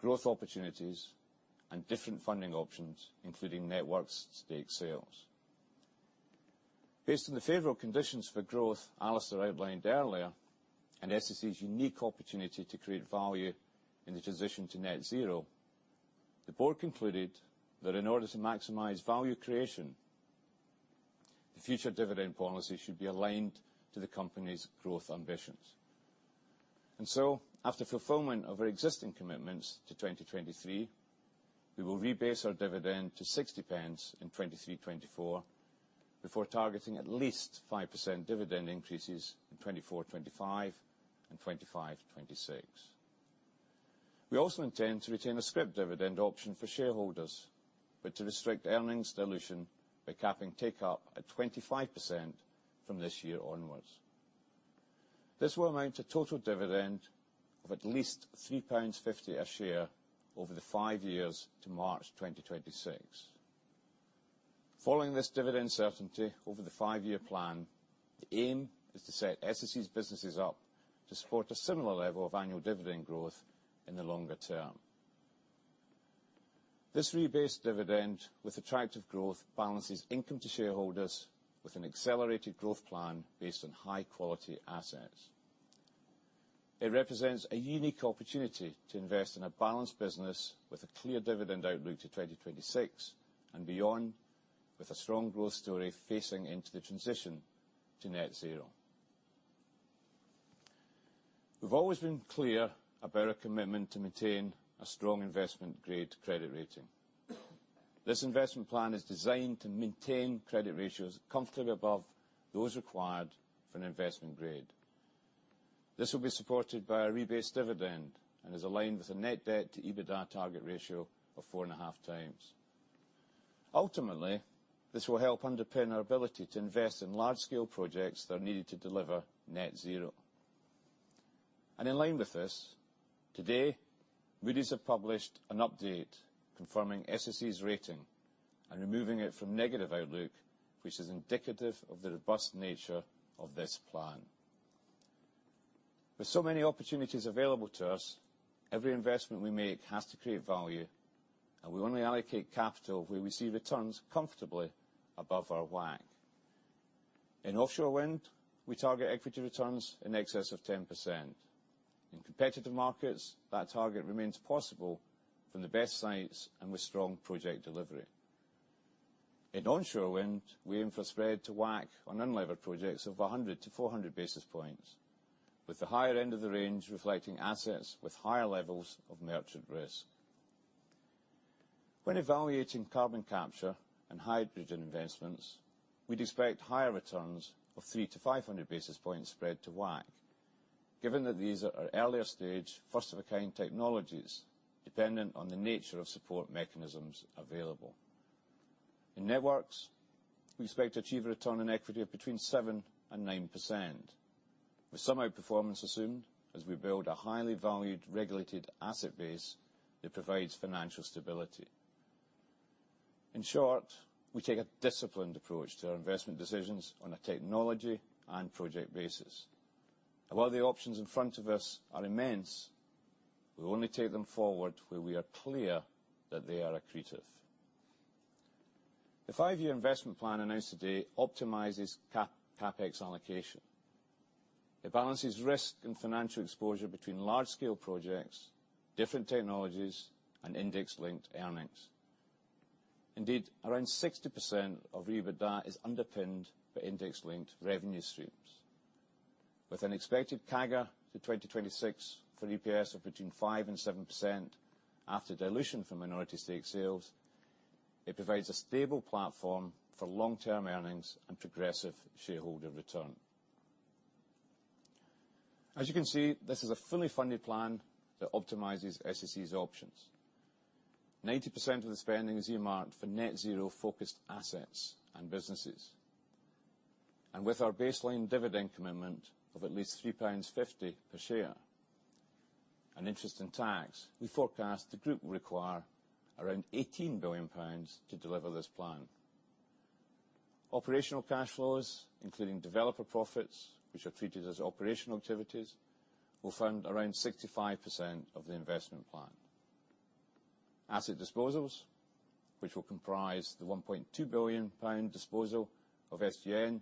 growth opportunities, and different funding options, including networks stake sales. Based on the favorable conditions for growth Alistair outlined earlier and SSE's unique opportunity to create value in the transition to net zero, the board concluded that in order to maximize value creation. The future dividend policy should be aligned to the company's growth ambitions. After fulfillment of our existing commitments to 2023, we will rebase our dividend to 0.60 in 2023/2024, before targeting at least 5% dividend increases in 2024/2025 and 2025/2026. We also intend to retain a scrip dividend option for shareholders, but to restrict earnings dilution by capping take-up at 25% from this year onwards. This will amount to total dividend of at least 3.50 pounds a share over the five years to March 2026. Following this dividend certainty over the five-year plan, the aim is to set SSE's businesses up to support a similar level of annual dividend growth in the longer term. This rebased dividend with attractive growth balances income to shareholders with an accelerated growth plan based on high-quality assets. It represents a unique opportunity to invest in a balanced business with a clear dividend outlook to 2026 and beyond, with a strong growth story facing into the transition to net zero. We've always been clear about our commitment to maintain a strong investment-grade credit rating. This investment plan is designed to maintain credit ratios comfortably above those required for an investment grade. This will be supported by a rebased dividend and is aligned with a net debt to EBITDA target ratio of 4.5x. Ultimately, this will help underpin our ability to invest in large-scale projects that are needed to deliver net zero. In line with this, today, Moody's have published an update confirming SSE's rating and removing it from negative outlook, which is indicative of the robust nature of this plan. With so many opportunities available to us, every investment we make has to create value, and we only allocate capital where we see returns comfortably above our WACC. In offshore wind, we target equity returns in excess of 10%. In competitive markets, that target remains possible from the best sites and with strong project delivery. In onshore wind, we aim for a spread to WACC on unlevered projects of 100-400 basis points, with the higher end of the range reflecting assets with higher levels of merchant risk. When evaluating carbon capture and hydrogen investments, we'd expect higher returns of 300-500 basis points spread to WACC, given that these are our earlier-stage, first-of-a-kind technologies dependent on the nature of support mechanisms available. In networks, we expect to achieve a return on equity of between 7%-9%, with some outperformance assumed as we build a highly valued regulated asset base that provides financial stability. In short, we take a disciplined approach to our investment decisions on a technology and project basis. While the options in front of us are immense, we will only take them forward where we are clear that they are accretive. The five-year investment plan announced today optimizes CapEx allocation. It balances risk and financial exposure between large-scale projects, different technologies, and index-linked earnings. Indeed, around 60% of EBITDA is underpinned by index-linked revenue streams. With an expected CAGR to 2026 for EPS of between 5%-7% after dilution from minority stake sales, it provides a stable platform for long-term earnings and progressive shareholder return. As you can see, this is a fully funded plan that optimizes SSE's options. 90% of the spending is earmarked for net-zero-focused assets and businesses. With our baseline dividend commitment of at least 3.50 pounds per share and interest in tax, we forecast the group will require around 18 billion pounds to deliver this plan. Operational cash flows, including developer profits, which are treated as operational activities, will fund around 65% of the investment plan. Asset disposals, which will comprise the 1.2 billion pound disposal of SGN,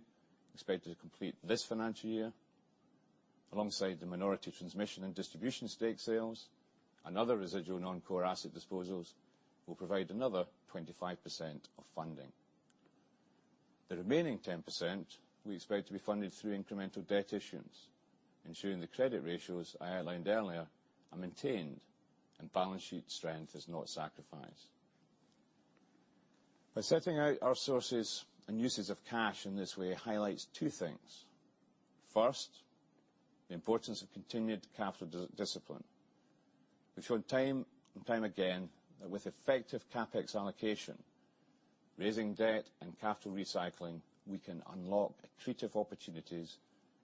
expected to complete this financial year, alongside the minority transmission and distribution stake sales and other residual non-core asset disposals, will provide another 25% of funding. The remaining 10% we expect to be funded through incremental debt issuance, ensuring the credit ratios I outlined earlier are maintained and balance sheet strength is not sacrificed. By setting out our sources and uses of cash in this way highlights two things. First, the importance of continued capital discipline. We've shown time and time again that with effective CapEx allocation, raising debt and capital recycling, we can unlock accretive opportunities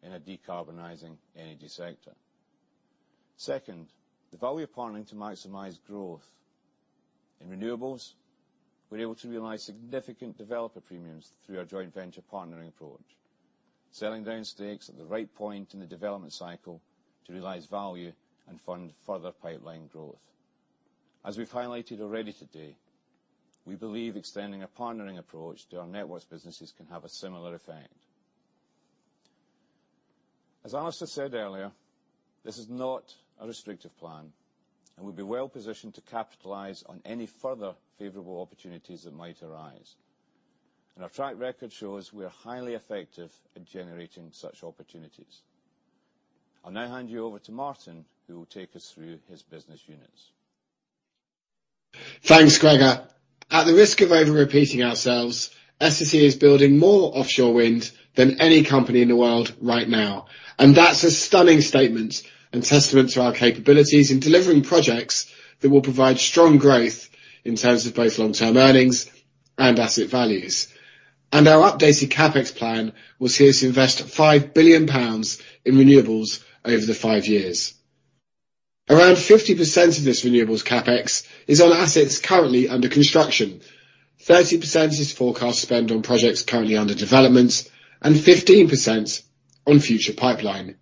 in a decarbonizing energy sector. Second, the value of partnering to maximize growth. In renewables, we're able to realize significant developer premiums through our joint venture partnering approach, selling down stakes at the right point in the development cycle to realize value and fund further pipeline growth. As we've highlighted already today, we believe extending a partnering approach to our networks businesses can have a similar effect. As Alistair said earlier, this is not a restrictive plan, and we'll be well-positioned to capitalize on any further favorable opportunities that might arise. Our track record shows we are highly effective at generating such opportunities. I'll now hand you over to Martin, who will take us through his business units. Thanks, Gregor. At the risk of over-repeating ourselves, SSE is building more offshore wind than any company in the world right now, and that's a stunning statement and testament to our capabilities in delivering projects that will provide strong growth in terms of both long-term earnings and asset values. Our updated CapEx plan will see us invest 5 billion pounds in renewables over the five years. Around 50% of this renewables CapEx is on assets currently under construction. 30% is forecast spend on projects currently under development, and 15% on future pipeline.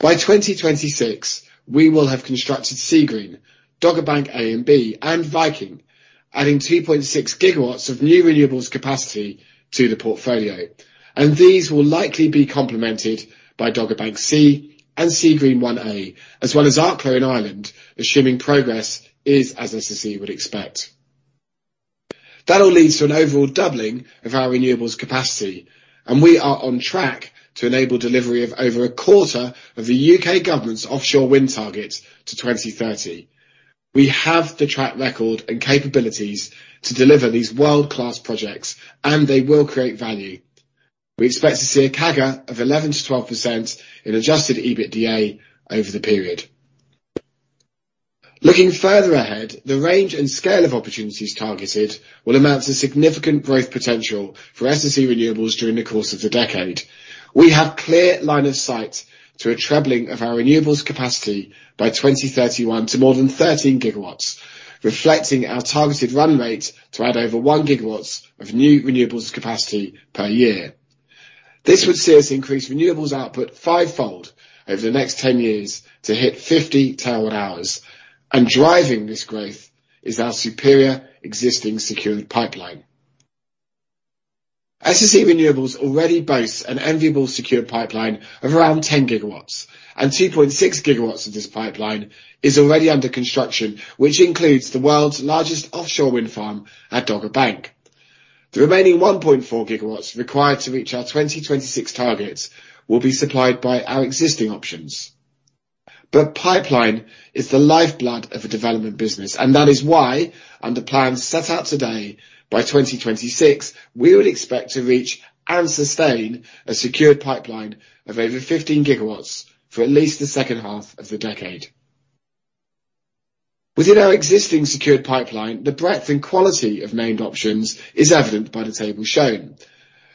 By 2026, we will have constructed Seagreen, Dogger Bank A and B, and Viking, adding 2.6 GW of new renewables capacity to the portfolio. These will likely be complemented by Dogger Bank C and Seagreen 1A, as well as Arklow in Ireland, assuming progress is as SSE would expect. That all leads to an overall doubling of our renewables capacity, and we are on track to enable delivery of over a quarter of the U.K. government's offshore wind target to 2030. We have the track record and capabilities to deliver these world-class projects, and they will create value. We expect to see a CAGR of 11%-12% in adjusted EBITDA over the period. Looking further ahead, the range and scale of opportunities targeted will amount to significant growth potential for SSE Renewables during the course of the decade. We have clear line of sight to a trebling of our renewables capacity by 2031 to more than 13 GW, reflecting our targeted run rate to add over 1 GW of new renewables capacity per year. This would see us increase renewables output fivefold over the next ten years to hit 50 TWh. Driving this growth is our superior existing secured pipeline. SSE Renewables already boasts an enviable secured pipeline of around 10 GW and 2.6 GW of this pipeline is already under construction, which includes the world's largest offshore wind farm at Dogger Bank. The remaining 1.4 GW required to reach our 2026 targets will be supplied by our existing options. Pipeline is the lifeblood of a development business, and that is why, under plans set out today, by 2026, we would expect to reach and sustain a secured pipeline of over 15 GW for at least the second half of the decade. Within our existing secured pipeline, the breadth and quality of named options is evident by the table shown.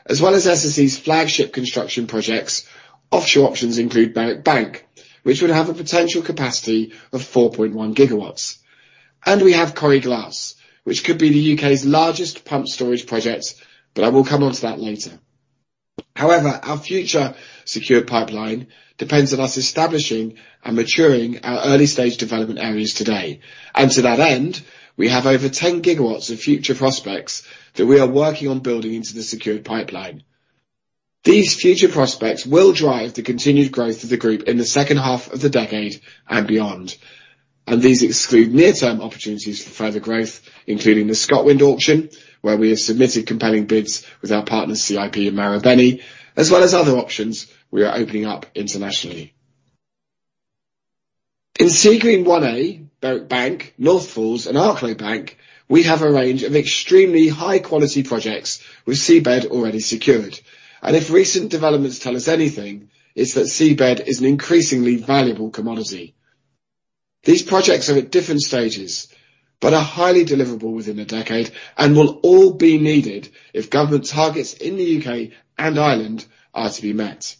As well as SSE's flagship construction projects, offshore options include Berwick Bank, which would have a potential capacity of 4.1 GW. We have Coire Glas, which could be the U.K.'s largest pumped storage project, but I will come on to that later. However, our future secured pipeline depends on us establishing and maturing our early-stage development areas today. To that end, we have over 10 GW of future prospects that we are working on building into the secured pipeline. These future prospects will drive the continued growth of the group in the second half of the decade and beyond. These exclude near-term opportunities for further growth, including the ScotWind auction, where we have submitted compelling bids with our partners CIP and Marubeni, as well as other options we are opening up internationally. In Seagreen 1A, Berwick Bank, North Falls, and Arklow Bank, we have a range of extremely high-quality projects with seabed already secured. If recent developments tell us anything, it's that seabed is an increasingly valuable commodity. These projects are at different stages, but are highly deliverable within a decade and will all be needed if government targets in the U.K. and Ireland are to be met.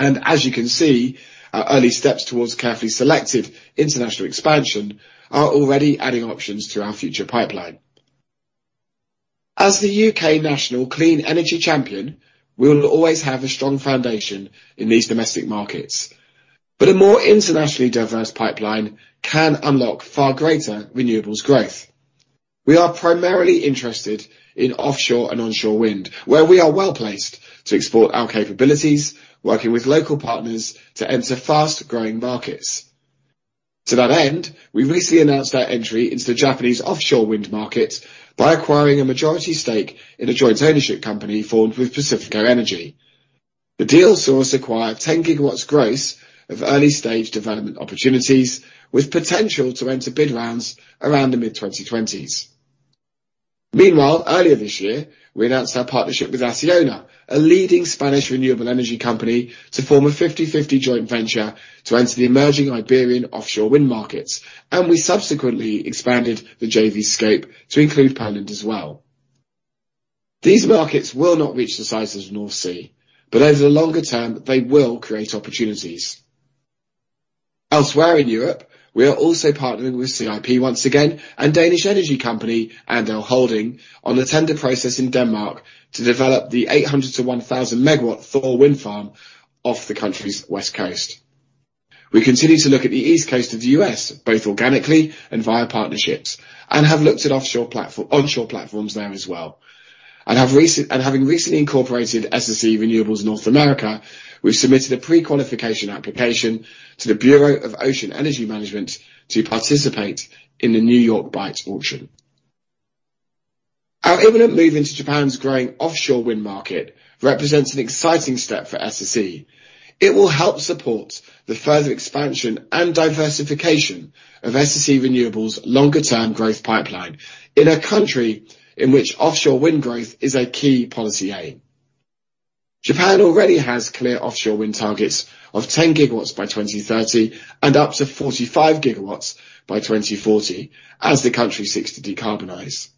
As you can see, our early steps towards carefully selected international expansion are already adding options to our future pipeline. As the U.K. national clean energy champion, we will always have a strong foundation in these domestic markets. A more internationally diverse pipeline can unlock far greater renewables growth. We are primarily interested in offshore and onshore wind, where we are well-placed to export our capabilities, working with local partners to enter fast-growing markets. To that end, we recently announced our entry into the Japanese offshore wind market by acquiring a majority stake in a joint ownership company formed with Pacifico Energy. The deal saw us acquire 10 GW gross of early-stage development opportunities with potential to enter bid rounds around the mid-2020s. Meanwhile, earlier this year, we announced our partnership with Acciona, a leading Spanish renewable energy company, to form a 50/50 joint venture to enter the emerging Iberian offshore wind markets. We subsequently expanded the JV scope to include Poland as well. These markets will not reach the size of the North Sea, but over the longer term, they will create opportunities. Elsewhere in Europe, we are also partnering with Copenhagen Infrastructure Partners once again and Danish energy company, Andel, on the tender process in Denmark to develop the 800 MW-1,000 MW Thor wind farm off the country's west coast. We continue to look at the East Coast of the U.S. both organically and via partnerships, and have looked at offshore and onshore platforms there as well. And having recently incorporated SSE Renewables North America, we've submitted a pre-qualification application to the Bureau of Ocean Energy Management to participate in the New York Bight auction. Our imminent move into Japan's growing offshore wind market represents an exciting step for SSE. It will help support the further expansion and diversification of SSE Renewables' longer-term growth pipeline in a country in which offshore wind growth is a key policy aim. Japan already has clear offshore wind targets of 10 GW by 2030, and up to 45 GW by 2040 as the country seeks to decarbonize.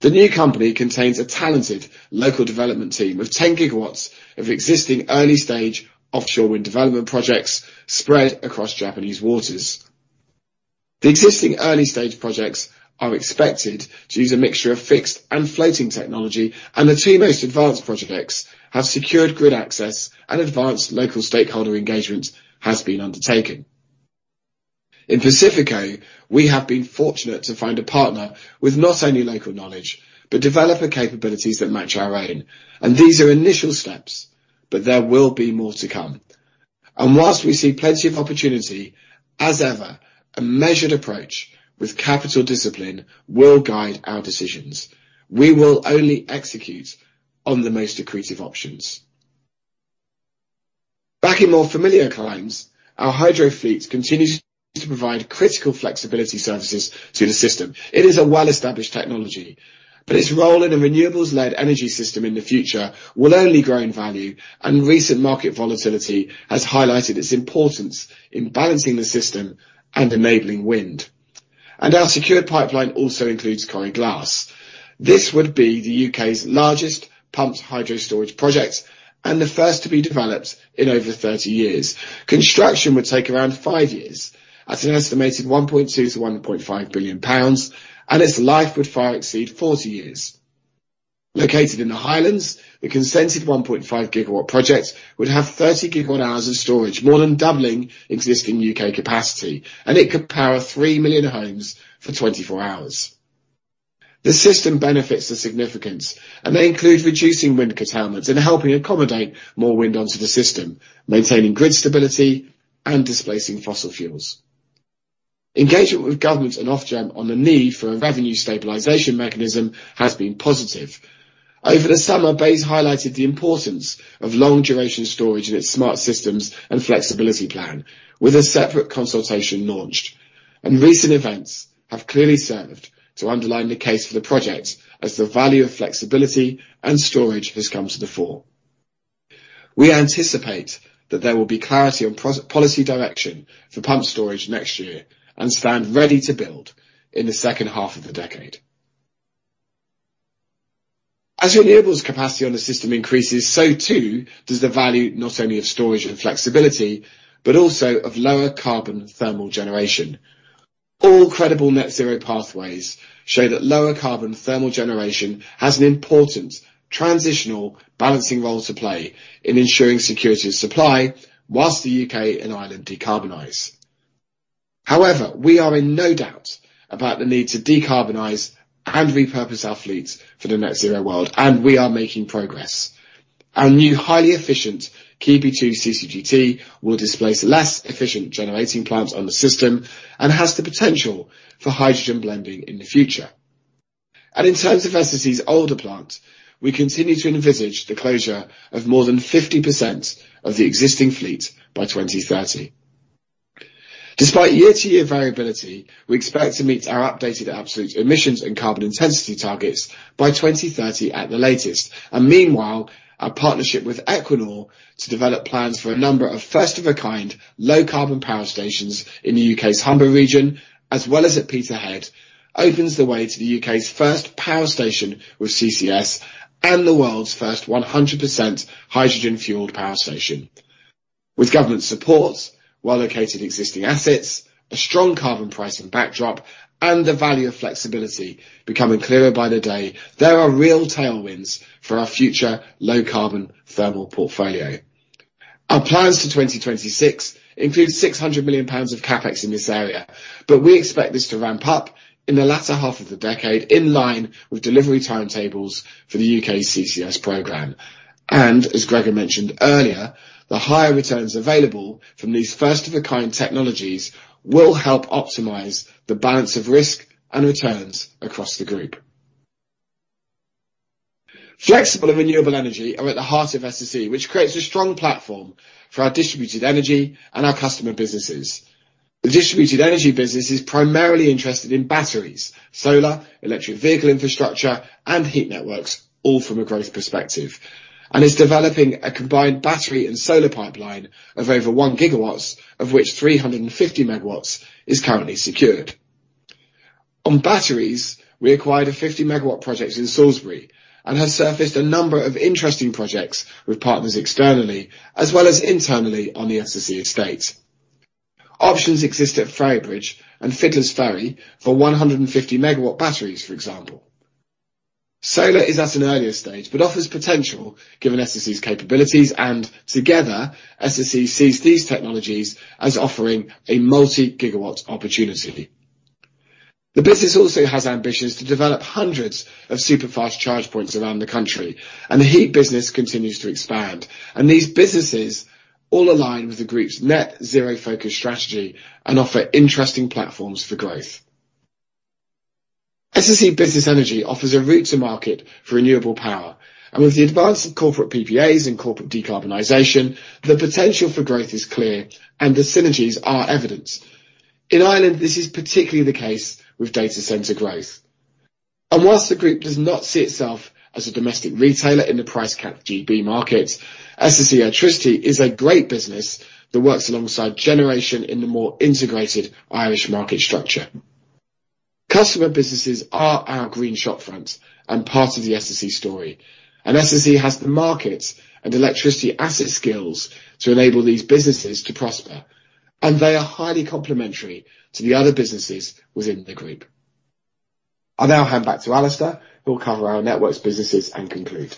The new company contains a talented local development team and 10 GW of existing early-stage offshore wind development projects spread across Japanese waters. The existing early-stage projects are expected to use a mixture of fixed and floating technology, and the two most advanced projects have secured grid access and advanced local stakeholder engagement has been undertaken. In Pacifico Energy, we have been fortunate to find a partner with not only local knowledge, but developer capabilities that match our own. These are initial steps, but there will be more to come. While we see plenty of opportunity, as ever, a measured approach with capital discipline will guide our decisions. We will only execute on the most accretive options. Back in more familiar climes, our hydro fleet continues to provide critical flexibility services to the system. It is a well-established technology, but its role in a renewables-led energy system in the future will only grow in value, and recent market volatility has highlighted its importance in balancing the system and enabling wind. Our secure pipeline also includes Coire Glas. This would be the UK's largest pumped hydro storage project and the first to be developed in over 30 years. Construction would take around five years at an estimated 1.2 billion-1.5 billion pounds, and its life would far exceed 40 years. Located in the Highlands, the consented 1.5 GW project would have 30 GWh of storage, more than doubling existing U.K. capacity, and it could power 3 million homes for 24 hours. The system benefits are significant, and they include reducing wind curtailment and helping accommodate more wind onto the system, maintaining grid stability and displacing fossil fuels. Engagement with government and Ofgem on the need for a revenue stabilization mechanism has been positive. Over the summer, BEIS highlighted the importance of long-duration storage in its smart systems and flexibility plan with a separate consultation launched, and recent events have clearly served to underline the case for the project as the value of flexibility and storage has come to the fore. We anticipate that there will be clarity on CfD policy direction for pumped storage next year, and stand ready to build in the second half of the decade. As renewables capacity on the system increases, so too does the value not only of storage and flexibility, but also of lower carbon thermal generation. All credible net zero pathways show that lower carbon thermal generation has an important transitional balancing role to play in ensuring security of supply while the U.K. and Ireland decarbonize. However, we are in no doubt about the need to decarbonize and repurpose our fleets for the net zero world, and we are making progress. Our new highly efficient Keadby 2 CCGT will displace less efficient generating plants on the system and has the potential for hydrogen blending in the future. In terms of SSE's older plants, we continue to envisage the closure of more than 50% of the existing fleet by 2030. Despite year-to-year variability, we expect to meet our updated absolute emissions and carbon intensity targets by 2030 at the latest. Meanwhile, our partnership with Equinor to develop plans for a number of first-of-a-kind low-carbon power stations in the U.K.'s Humber region, as well as at Peterhead, opens the way to the U.K.'s first power station with CCS and the world's first 100% hydrogen-fueled power station. With government support, well-located existing assets, a strong carbon pricing backdrop, and the value of flexibility becoming clearer by the day, there are real tailwinds for our future low-carbon thermal portfolio. Our plans for 2026 include 600 million pounds of CapEx in this area, but we expect this to ramp up in the latter half of the decade in line with delivery timetables for the U.K. CCS program. As Gregor mentioned earlier, the higher returns available from these first-of-a-kind technologies will help optimize the balance of risk and returns across the group. Flexible and renewable energy are at the heart of SSE, which creates a strong platform for our distributed energy and our customer businesses. The distributed energy business is primarily interested in batteries, solar, electric vehicle infrastructure, and heat networks, all from a growth perspective. It is developing a combined battery and solar pipeline of over 1 GW, of which 350 MW is currently secured. On batteries, we acquired a 50 MW project in Salisbury and has surfaced a number of interesting projects with partners externally as well as internally on the SSE estate. Options exist at Ferrybridge and Fiddler's Ferry for 150 MW batteries, for example. Solar is at an earlier stage, but offers potential given SSE's capabilities, and together, SSE sees these technologies as offering a multi-GW opportunity. The business also has ambitions to develop hundreds of super-fast charge points around the country, and the heat business continues to expand. These businesses all align with the group's net zero focus strategy and offer interesting platforms for growth. SSE Business Energy offers a route to market for renewable power, and with the advance of corporate PPAs and corporate decarbonization, the potential for growth is clear and the synergies are evident. In Ireland, this is particularly the case with data center growth. Whilst the group does not see itself as a domestic retailer in the price cap GB market, SSE Airtricity is a great business that works alongside generation in the more integrated Irish market structure. Customer businesses are our green shop front and part of the SSE story. SSE has the markets and electricity asset skills to enable these businesses to prosper, and they are highly complementary to the other businesses within the group. I'll now hand back to Alistair, who'll cover our networks businesses and conclude.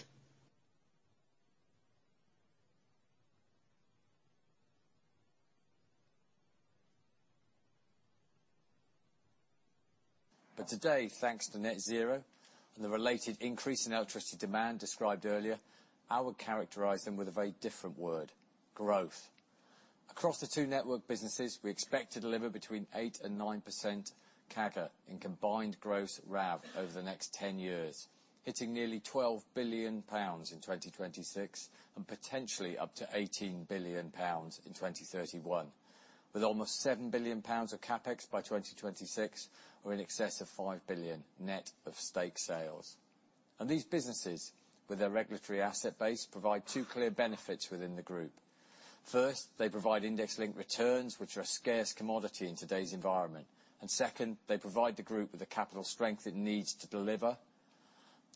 Today, thanks to net zero and the related increase in electricity demand described earlier, I would characterize them with a very different word, growth. Across the two network businesses, we expect to deliver 8%-9% CAGR in combined gross RAV over the next 10 years, hitting nearly 12 billion pounds in 2026, and potentially up to 18 billion pounds in 2031. With almost 7 billion pounds of CapEx by 2026 or in excess of 5 billion net of stake sales. These businesses, with their regulatory asset base, provide two clear benefits within the group. First, they provide index-linked returns, which are a scarce commodity in today's environment. Second, they provide the group with the capital strength it needs to deliver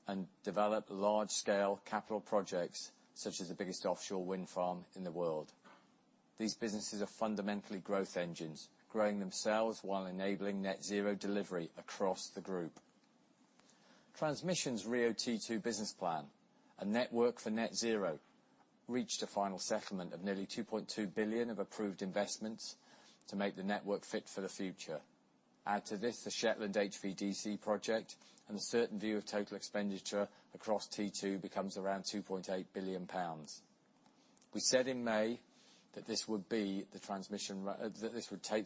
and develop large-scale capital projects, such as the biggest offshore wind farm in the world. These businesses are fundamentally growth engines, growing themselves while enabling net zero delivery across the group. Transmission's RIIO-T2 business plan, a network for net zero, reached a final settlement of nearly 2.2 billion of approved investments to make the network fit for the future. Add to this, the Shetland HVDC Link and a certain view of total expenditure across T2 becomes around 2.8 billion pounds. We said in May that this would take the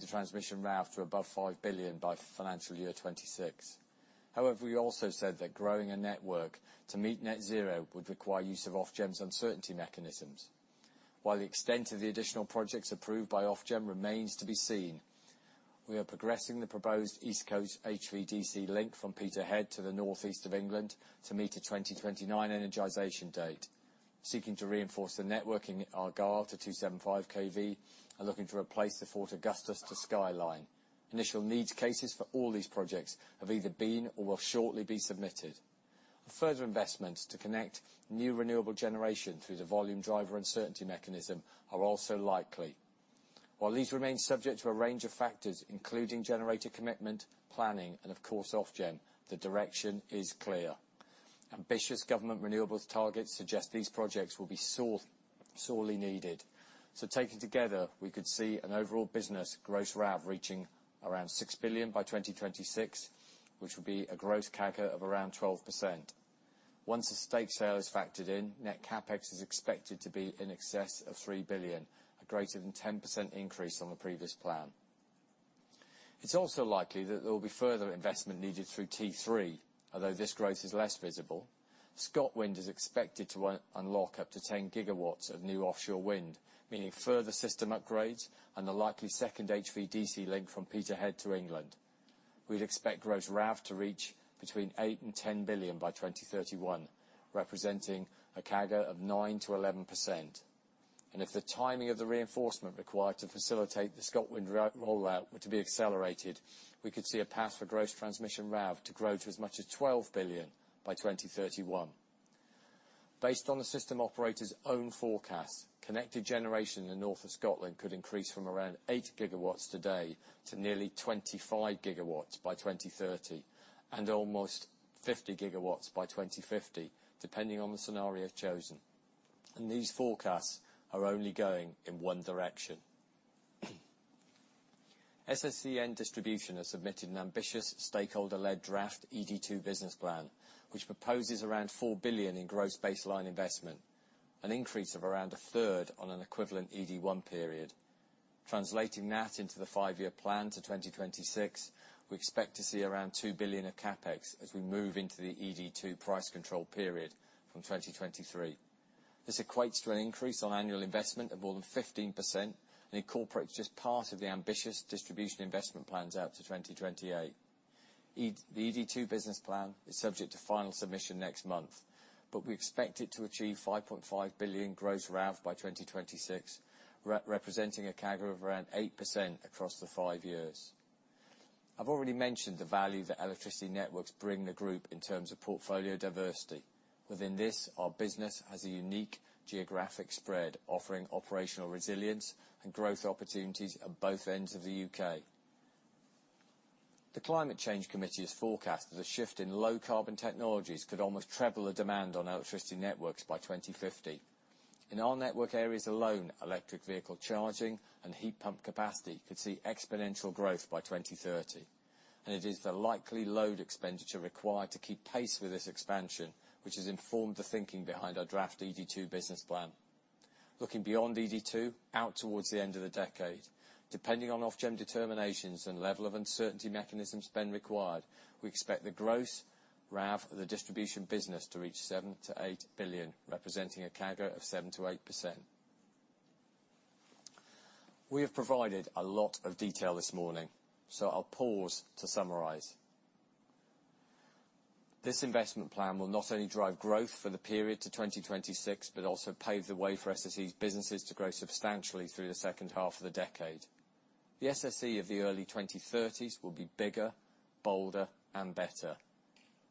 transmission RAV to above 5 billion by financial year 2026. However, we also said that growing a network to meet net zero would require use of Ofgem's uncertainty mechanisms. While the extent of the additional projects approved by Ofgem remains to be seen, we are progressing the proposed East Coast HVDC link from Peterhead to the northeast of England to meet a 2029 energization date, seeking to reinforce the network in Argyll to 275 kV, and looking to replace the Fort Augustus to Skye line. Initial need cases for all these projects have either been or will shortly be submitted. Further investments to connect new renewable generation through the volume driver uncertainty mechanism are also likely. While these remain subject to a range of factors, including generator commitment, planning, and of course, Ofgem, the direction is clear. Ambitious government renewables targets suggest these projects will be sorely needed. Taken together, we could see an overall business gross RAV reaching around 6 billion by 2026, which would be a gross CAGR of around 12%. Once the stake sale is factored in, net CapEx is expected to be in excess of 3 billion, a greater than 10% increase on the previous plan. It's also likely that there will be further investment needed through T3, although this growth is less visible. ScotWind is expected to unlock up to 10 GW of new offshore wind, meaning further system upgrades and the likely second HVDC link from Peterhead to England. We'd expect gross RAV to reach between 8 billion and 10 billion by 2031, representing a CAGR of 9%-11%. If the timing of the reinforcement required to facilitate the ScotWind rollout were to be accelerated, we could see a path for gross transmission RAV to grow to as much as 12 billion by 2031. Based on the system operator's own forecast, connected generation in the north of Scotland could increase from around 8 GW today to nearly 25 GW by 2030, and almost 50 GW by 2050, depending on the scenario chosen. These forecasts are only going in one direction. SSEN Distribution has submitted an ambitious stakeholder-led draft ED2 business plan, which proposes around 4 billion in gross baseline investment, an increase of around a third on an equivalent ED1 period. Translating that into the five-year plan to 2026, we expect to see around 2 billion of CapEx as we move into the ED2 price control period from 2023. This equates to an increase on annual investment of more than 15% and incorporates just part of the ambitious distribution investment plans out to 2028. The ED2 business plan is subject to final submission next month, but we expect it to achieve 5.5 billion gross RAV by 2026, representing a CAGR of around 8% across the five years. I've already mentioned the value that electricity networks bring the group in terms of portfolio diversity. Within this, our business has a unique geographic spread, offering operational resilience and growth opportunities at both ends of the U.K. The Climate Change Committee has forecasted a shift in low-carbon technologies could almost treble the demand on our trusted networks by 2050. In our network areas alone, electric vehicle charging and heat pump capacity could see exponential growth by 2030. It is the likely load expenditure required to keep pace with this expansion, which has informed the thinking behind our draft ED2 business plan. Looking beyond ED2, out towards the end of the decade, depending on Ofgem determinations and level of uncertainty mechanisms then required, we expect the gross RAV of the distribution business to reach 7 billion-8 billion, representing a CAGR of 7%-8%. We have provided a lot of detail this morning, so I'll pause to summarize. This investment plan will not only drive growth for the period to 2026, but also pave the way for SSE's businesses to grow substantially through the second half of the decade. The SSE of the early 2030s will be bigger, bolder, and better.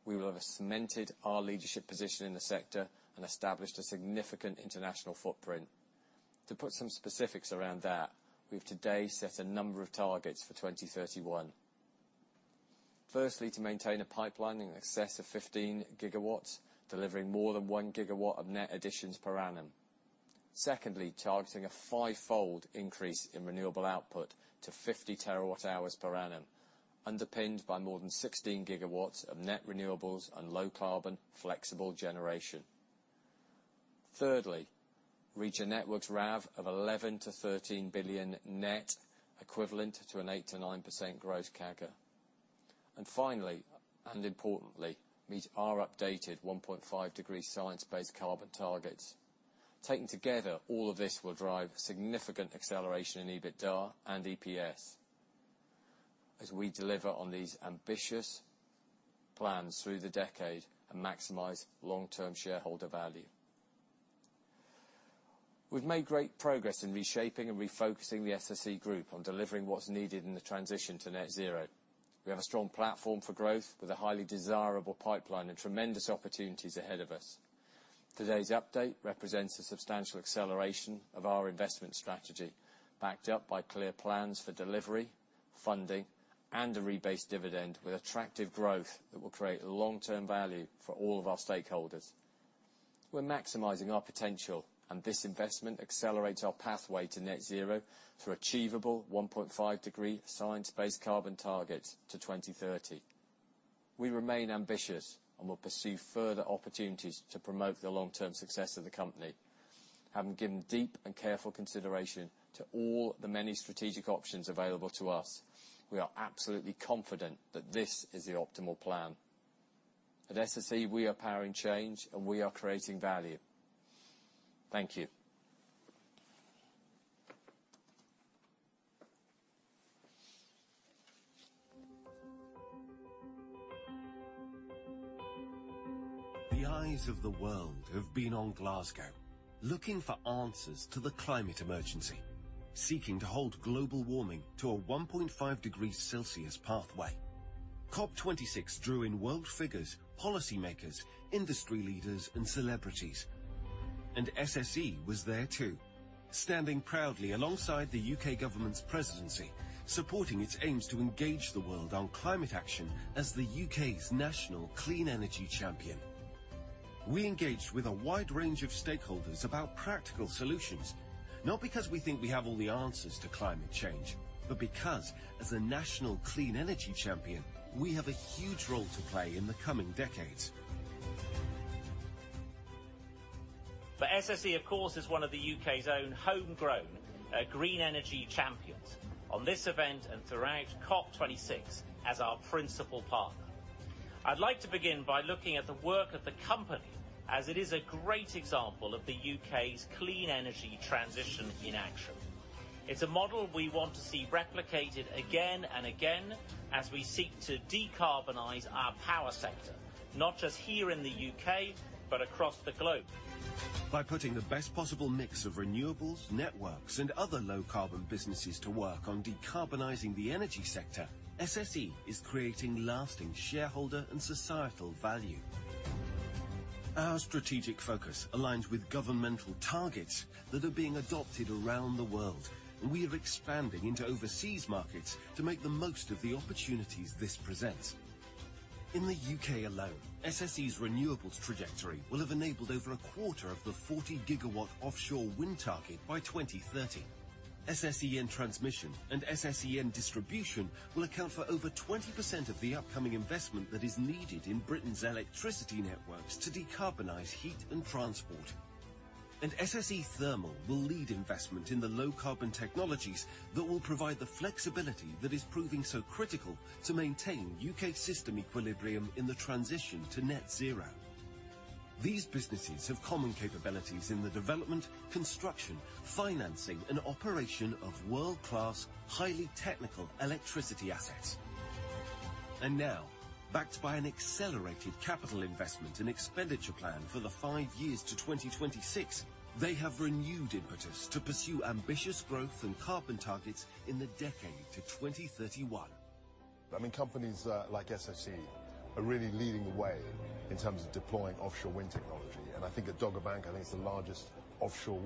We will have cemented our leadership position in the sector and established a significant international footprint. To put some specifics around that, we've today set a number of targets for 2031. Firstly, to maintain a pipeline in excess of 15 GW, delivering more than 1 GW of net additions per annum. Secondly, targeting a fivefold increase in renewable output to 50 TWh per annum, underpinned by more than 16 GW of net renewables and low carbon flexible generation. Thirdly, reach a networks RAV of 11 billion-13 billion net, equivalent to an 8%-9% growth CAGR. Finally, and importantly, meet our updated 1.5-degree science-based carbon targets. Taken together, all of this will drive significant acceleration in EBITDA and EPS as we deliver on these ambitious plans through the decade and maximize long-term shareholder value. We've made great progress in reshaping and refocusing the SSE group on delivering what's needed in the transition to net zero. We have a strong platform for growth with a highly desirable pipeline and tremendous opportunities ahead of us. Today's update represents a substantial acceleration of our investment strategy, backed up by clear plans for delivery, funding, and a rebased dividend with attractive growth that will create long-term value for all of our stakeholders. We're maximizing our potential, and this investment accelerates our pathway to net zero through achievable 1.5-degree science-based carbon targets to 2030. We remain ambitious and will pursue further opportunities to promote the long-term success of the company. Having given deep and careful consideration to all the many strategic options available to us, we are absolutely confident that this is the optimal plan. At SSE, we are powering change, and we are creating value. Thank you. The eyes of the world have been on Glasgow, looking for answers to the climate emergency, seeking to hold global warming to a 1.5-degree Celsius pathway. COP26 drew in world figures, policymakers, industry leaders, and celebrities. SSE was there too, standing proudly alongside the U.K. government's presidency, supporting its aims to engage the world on climate action as the U.K.'s national clean energy champion. We engaged with a wide range of stakeholders about practical solutions, not because we think we have all the answers to climate change, but because, as the national clean energy champion, we have a huge role to play in the coming decades. SSE, of course, is one of the U.K.'s own homegrown green energy champions on this event and throughout COP26 as our principal partner. I'd like to begin by looking at the work of the company as it is a great example of the U.K.'s clean energy transition in action. It's a model we want to see replicated again and again as we seek to decarbonize our power sector, not just here in the U.K., but across the globe. By putting the best possible mix of renewables, networks, and other low carbon businesses to work on decarbonizing the energy sector, SSE is creating lasting shareholder and societal value. Our strategic focus aligns with governmental targets that are being adopted around the world, and we are expanding into overseas markets to make the most of the opportunities this presents. In the U.K. alone, SSE's renewables trajectory will have enabled over a quarter of the 40 GW offshore wind target by 2030. SSEN Transmission and SSEN Distribution will account for over 20% of the upcoming investment that is needed in Britain's electricity networks to decarbonize heat and transport. SSE Thermal will lead investment in the low carbon technologies that will provide the flexibility that is proving so critical to maintain U.K. system equilibrium in the transition to net zero. These businesses have common capabilities in the development, construction, financing, and operation of world-class, highly technical electricity assets. Now, backed by an accelerated capital investment and expenditure plan for the five years to 2026, they have renewed impetus to pursue ambitious growth and carbon targets in the decade to 2031. I mean, companies like SSE are really leading the way in terms of deploying offshore wind technology. I think that Dogger Bank is the largest offshore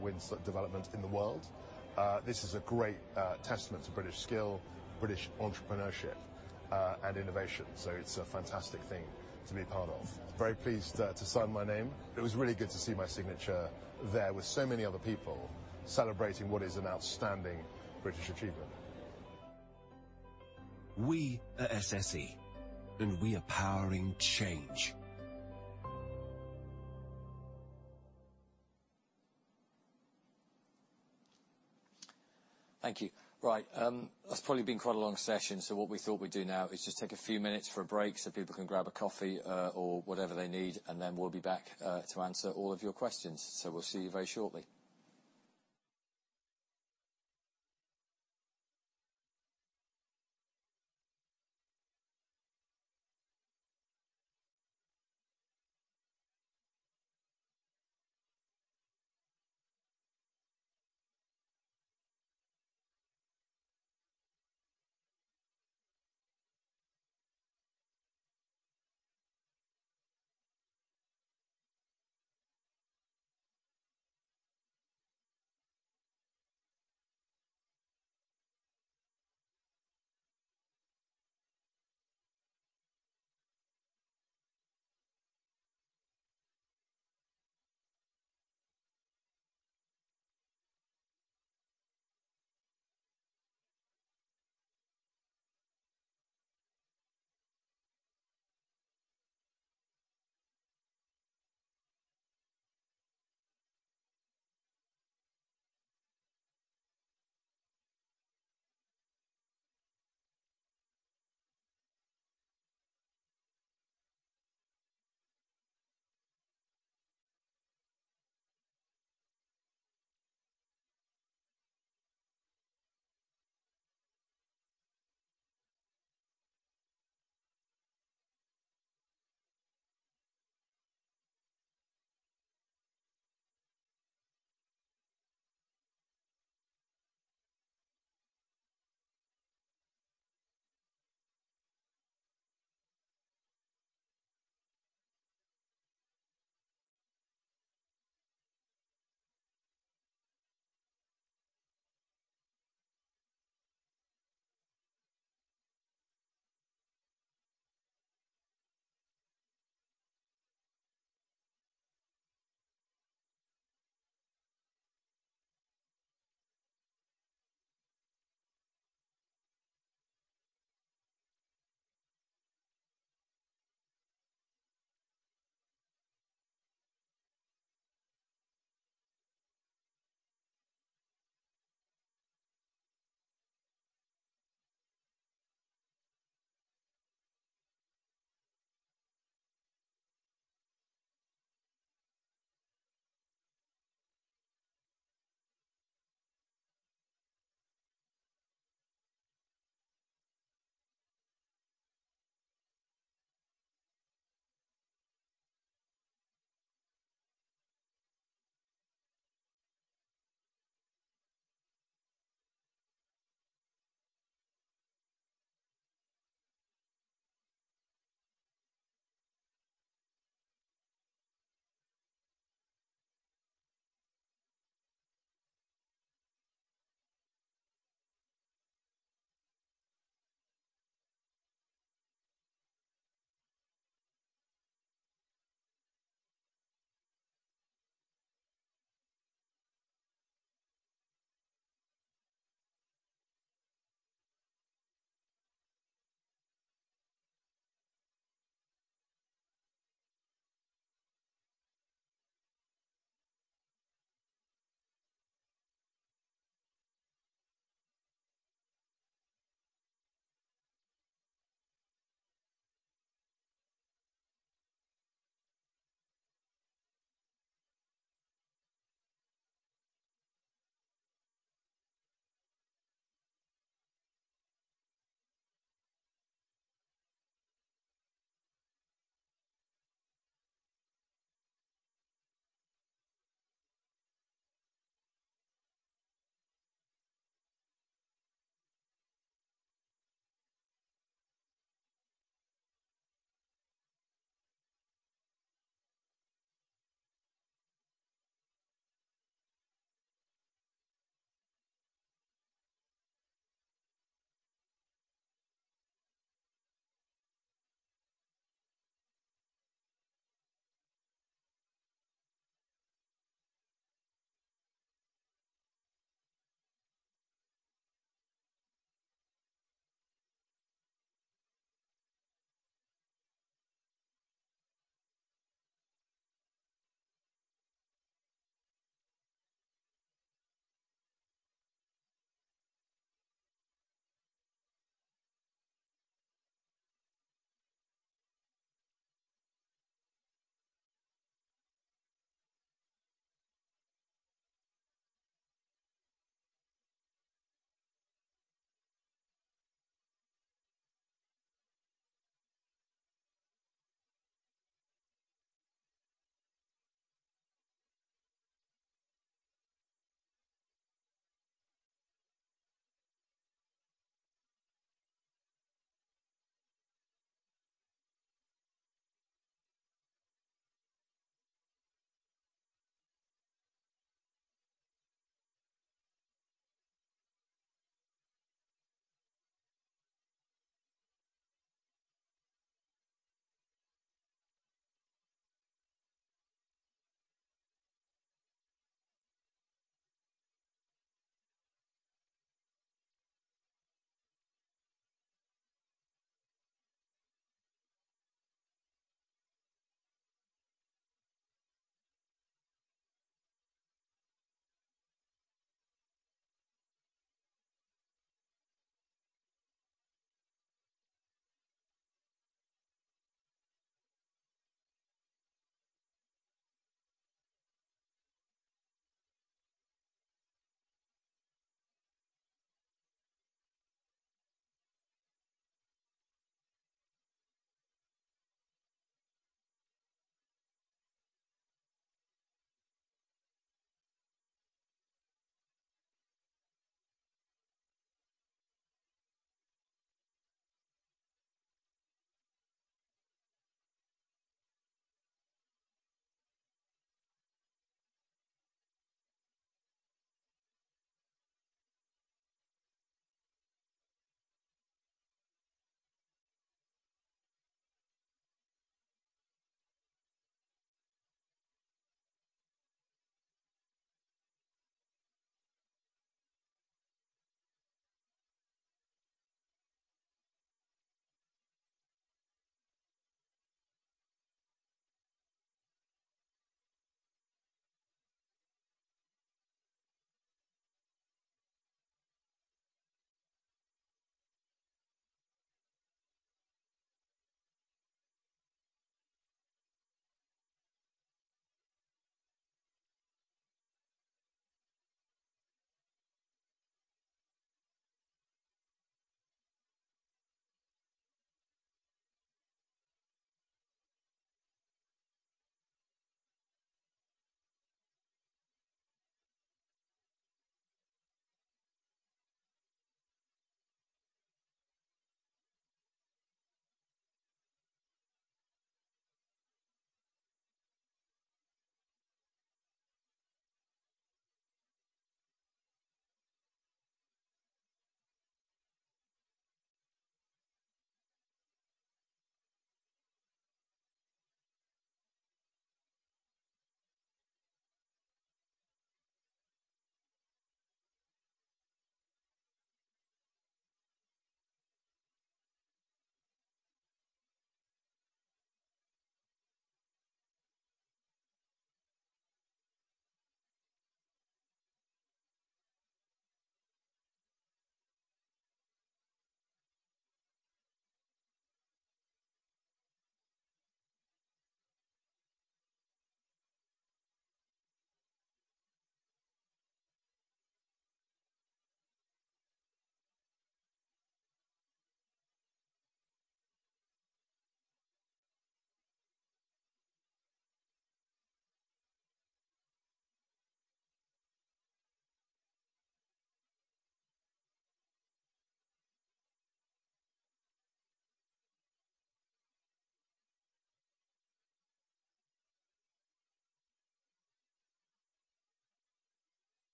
wind development in the world. This is a great testament to British skill, British entrepreneurship, and innovation. It's a fantastic thing to be a part of. Very pleased to sign my name. It was really good to see my signature there with so many other people celebrating what is an outstanding British achievement. We are SSE, and we are powering change. Thank you. Right. That's probably been quite a long session. What we thought we'd do now is just take a few minutes for a break so people can grab a coffee, or whatever they need, and then we'll be back to answer all of your questions. We'll see you very shortly.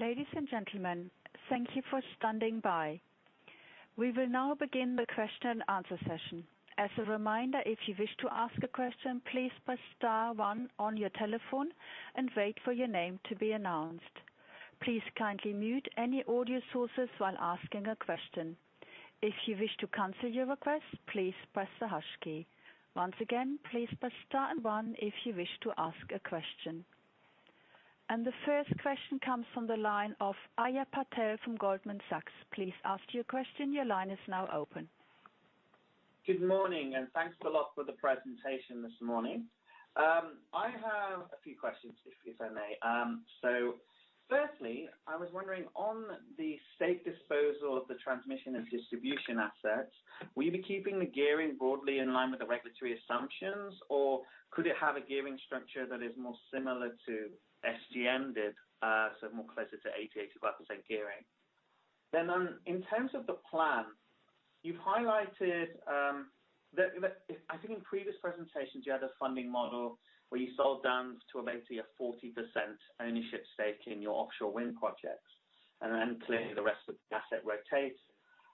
Ladies and gentlemen, thank you for standing by. We will now begin the question-and-answer session. As a reminder, if you wish to ask a question, please press star one on your telephone and wait for your name to be announced. Please kindly mute any audio sources while asking a question. If you wish to cancel your request, please press the hash key. Once again, please press star and one if you wish to ask a question. The first question comes from the line of Ajay Patel from Goldman Sachs. Please ask your question. Your line is now open. Good morning, and thanks a lot for the presentation this morning. I have a few questions if I may. Firstly, I was wondering on the sale disposal of the transmission and distribution assets, will you be keeping the gearing broadly in line with the regulatory assumptions? Or could it have a gearing structure that is more similar to SGN did, more closer to 85% gearing? In terms of the plan, you've highlighted that I think in previous presentations you had a funding model where you sold down to about a 40% ownership stake in your offshore wind projects, and then clearly the rest of the asset rotates.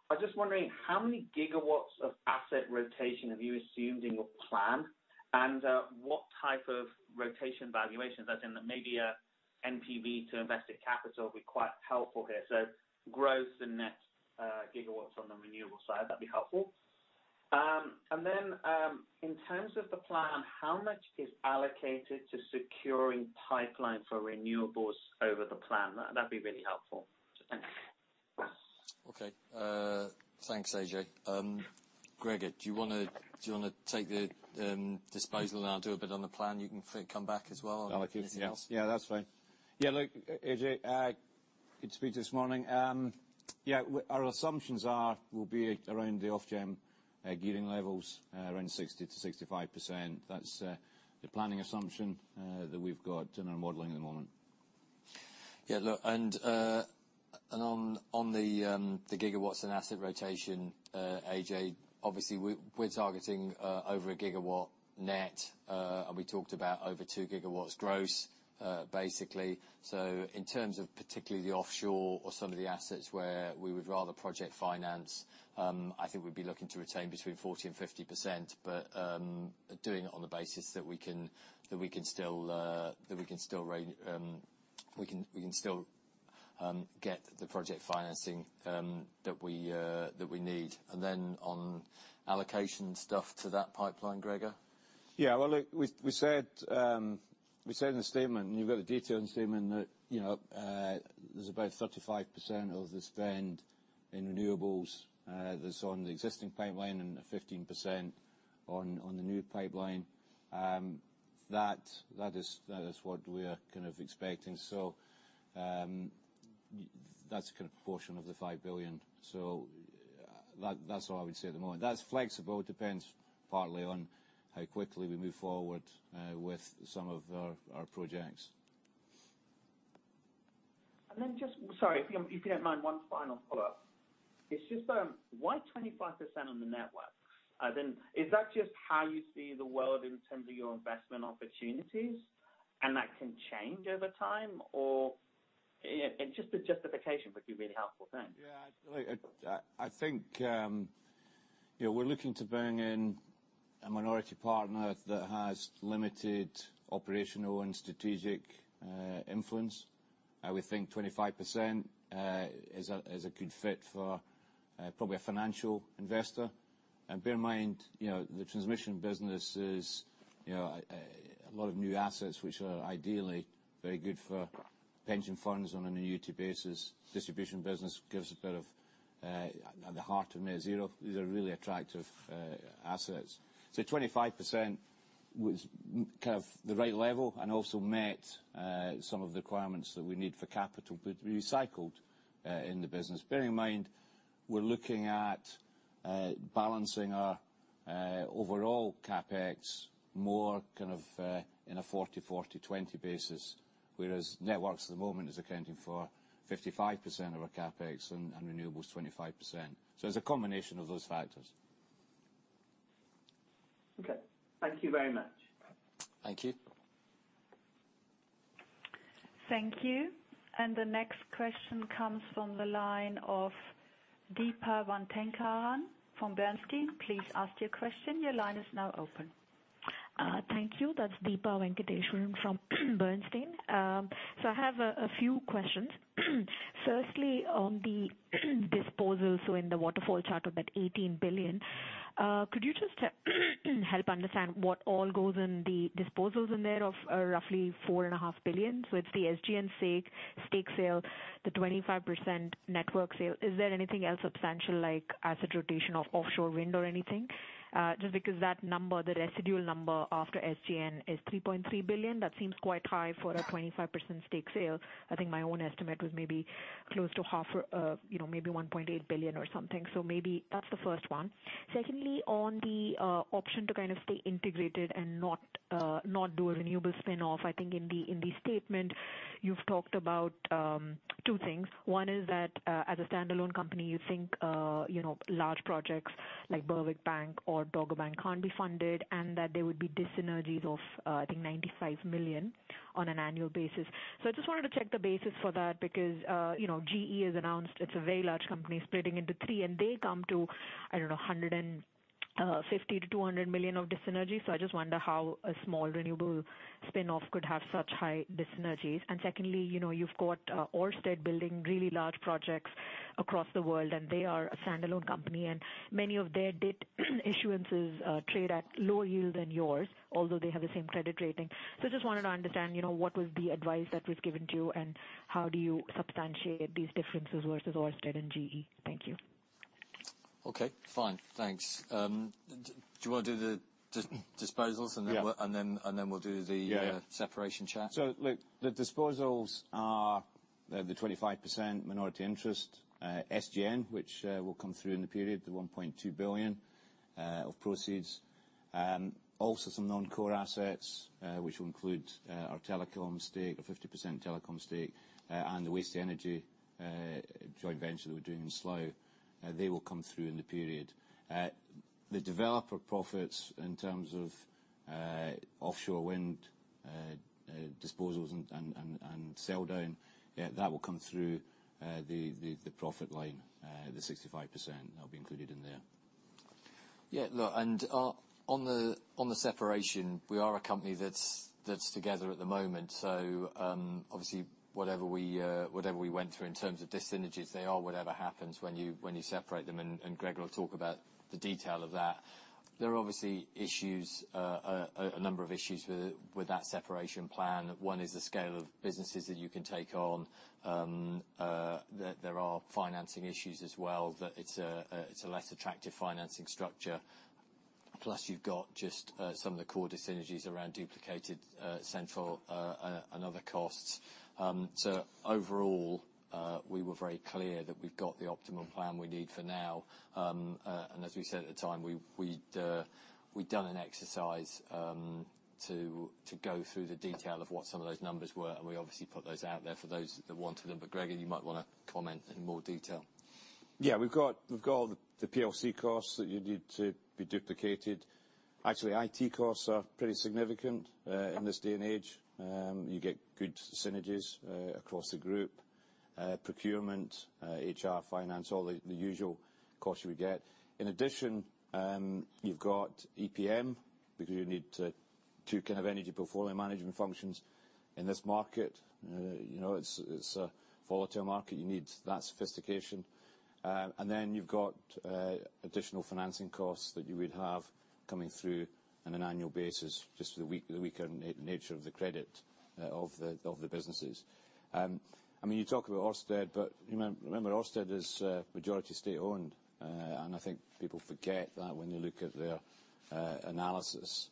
I'm just wondering how many gigawatts of asset rotation have you assumed in your plan, and what type of rotation valuations? As in maybe a NPV to invested capital would be quite helpful here. Gross and net gigawatts on the renewable side, that'd be helpful. In terms of the plan, how much is allocated to securing pipeline for renewables over the plan? That'd be really helpful. Thank you. Okay. Thanks, Ajay. Gregor, do you wanna take the disposal, and I'll do a bit on the plan? You can come back as well on anything else. I'll look at it, yeah. Yeah, that's fine. Yeah, look, Ajay, good to speak to you this morning. Yeah, our assumptions are we'll be around the Ofgem gearing levels around 60%-65%. That's the planning assumption that we've got in our modeling at the moment. Yeah, look, on the gigawatts and asset rotation, Ajay, obviously we're targeting over 1 GW net, and we talked about over 2 GW gross, basically. In terms of particularly the offshore or some of the assets where we would rather project finance, I think we'd be looking to retain between 40%-50%, but doing it on the basis that we can still get the project financing that we need. On allocation stuff to that pipeline, Gregor? Yeah. Well, look, we said in the statement, and you've got the detail in the statement that, you know, there's about 35% of the spend in renewables, that's on the existing pipeline and 15% on the new pipeline. That is what we're kind of expecting. That's a kind of portion of the 5 billion. That's all I would say at the moment. That's flexible. It depends partly on how quickly we move forward with some of our projects. Sorry, if you don't mind one final follow-up. It's just, why 25% on the network? Is that just how you see the world in terms of your investment opportunities, and that can change over time? Just a justification would be really helpful. Thanks. Yeah. Like, I think, you know, we're looking to bring in a minority partner that has limited operational and strategic influence. We think 25% is a good fit for probably a financial investor. Bear in mind, you know, the transmission business is, you know, a lot of new assets, which are ideally very good for pension funds on an annuity basis. The distribution business is at the heart of net zero. These are really attractive assets. 25% was kind of the right level and also met some of the requirements that we need for capital to be recycled in the business. Bearing in mind, we're looking at balancing our overall CapEx more kind of in a 40/40/20 basis, whereas networks at the moment is accounting for 55% of our CapEx and renewables 25%. It's a combination of those factors. Okay. Thank you very much. Thank you. Thank you. The next question comes from the line of Deepa Venkateswaran from Bernstein. Please ask your question. Your line is now open. Thank you. That's Deepa Venkateswaran from Bernstein. I have a few questions. Firstly, on the disposals in the waterfall chart of that 18 billion, could you just help understand what all goes in the disposals in there of roughly 4.5 billion? It's the SGN stake sale, the 25% network sale. Is there anything else substantial like asset rotation of offshore wind or anything? Just because that number, the residual number after SGN is 3.3 billion, that seems quite high for a 25% stake sale. I think my own estimate was maybe close to half or, you know, maybe 1.8 billion or something. Maybe that's the first one. Secondly, on the option to kind of stay integrated and not do a renewable spin-off, I think in the statement, you've talked about two things. One is that as a standalone company, you think you know large projects like Berwick Bank or Dogger Bank can't be funded and that there would be dis-synergies of I think 95 million on an annual basis. I just wanted to check the basis for that because you know GE has announced it's a very large company splitting into three, and they come to I don't know $150 million-$200 million of dis-synergies. I just wonder how a small renewable spin-off could have such high dis-synergies. Secondly, you know, you've got Ørsted building really large projects across the world, and they are a standalone company, and many of their debt issuances trade at lower yield than yours, although they have the same credit rating. Just wanted to understand, you know, what was the advice that was given to you, and how do you substantiate these differences versus Ørsted and GE? Thank you. Okay. Fine. Thanks. Do you wanna do the disposals? Yeah. We'll do the- Yeah. separation chat? Look, the disposals are the 25% minority interest SGN, which will come through in the period, the 1.2 billion of proceeds. Also some non-core assets, which will include our 50% telecom stake and the waste-to-energy joint venture that we're doing in Slough. They will come through in the period. The developer profits in terms of offshore wind disposals and sell down, yeah, that will come through the profit line. The 65%, that'll be included in there. Yeah. Look, on the separation, we are a company that's together at the moment, so obviously whatever we went through in terms of dis-synergies, they are whatever happens when you separate them, and Gregor will talk about the detail of that. There are obviously issues, a number of issues with that separation plan. One is the scale of businesses that you can take on. There are financing issues as well, that it's a less attractive financing structure. Plus you've got just some of the core dis-synergies around duplicated central and other costs. Overall, we were very clear that we've got the optimum plan we need for now. As we said at the time, we'd done an exercise to go through the detail of what some of those numbers were, and we obviously put those out there for those that wanted them. Gregor, you might wanna comment in more detail. We've got the PLC costs that you need to be duplicated. Actually, IT costs are pretty significant in this day and age. You get good synergies across the group. Procurement, HR, finance, all the usual costs you would get. In addition, you've got EPM, because you need two kinds of energy portfolio management functions in this market. You know, it's a volatile market. You need that sophistication. Then you've got additional financing costs that you would have coming through on an annual basis, just for the weaker nature of the credit of the businesses. I mean, you talk about Ørsted, but remember Ørsted is majority state-owned. I think people forget that when you look at their analysis.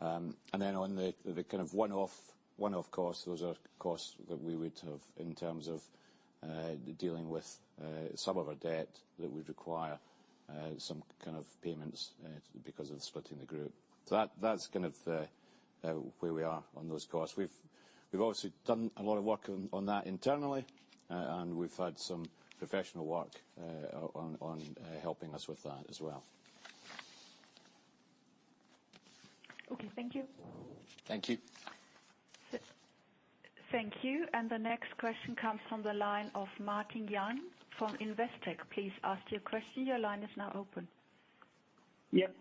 On the kind of one-off costs, those are costs that we would have in terms of dealing with some of our debt that would require some kind of payments because of splitting the group. That that's kind of where we are on those costs. We've obviously done a lot of work on that internally, and we've had some professional work on helping us with that as well. Okay, thank you. Thank you. Thank you. The next question comes from the line of Martin Young from Investec. Please ask your question. Your line is now open. Yep,